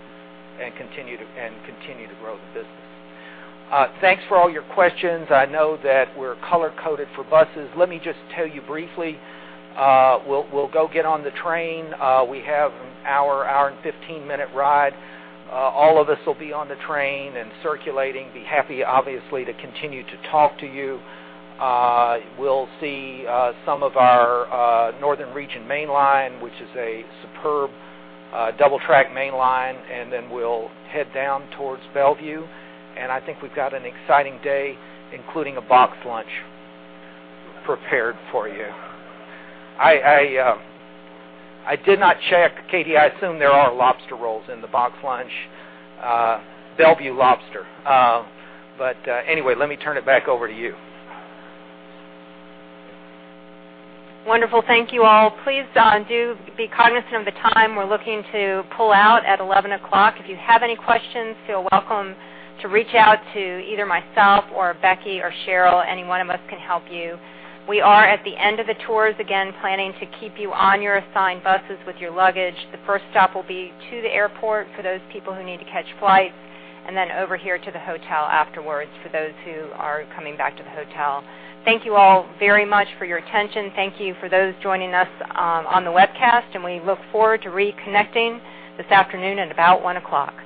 and continue to, and continue to grow the business. Thanks for all your questions. I know that we're color-coded for buses. Let me just tell you briefly, we'll go get on the train. We have an hour and fifteen-minute ride. All of us will be on the train and circulating. Be happy, obviously, to continue to talk to you. We'll see some of our northern region mainline, which is a superb double-track mainline, and then we'll head down towards Bellevue. I think we've got an exciting day, including a box lunch prepared for you. I did not check, Katie. I assume there are lobster rolls in the box lunch, Bellevue Lobster. But anyway, let me turn it back over to you. Wonderful. Thank you, all. Please, do be cognizant of the time, we're looking to pull out at 11:00 A.M. If you have any questions, feel welcome to reach out to either myself or Becky or Cheryl. Any one of us can help you. We are, at the end of the tours, again, planning to keep you on your assigned buses with your luggage. The first stop will be to the airport for those people who need to catch flights, and then over here to the hotel afterwards for those who are coming back to the hotel. Thank you all very much for your attention. Thank you for those joining us on the webcast, and we look forward to reconnecting this afternoon at about 1:00 P.M.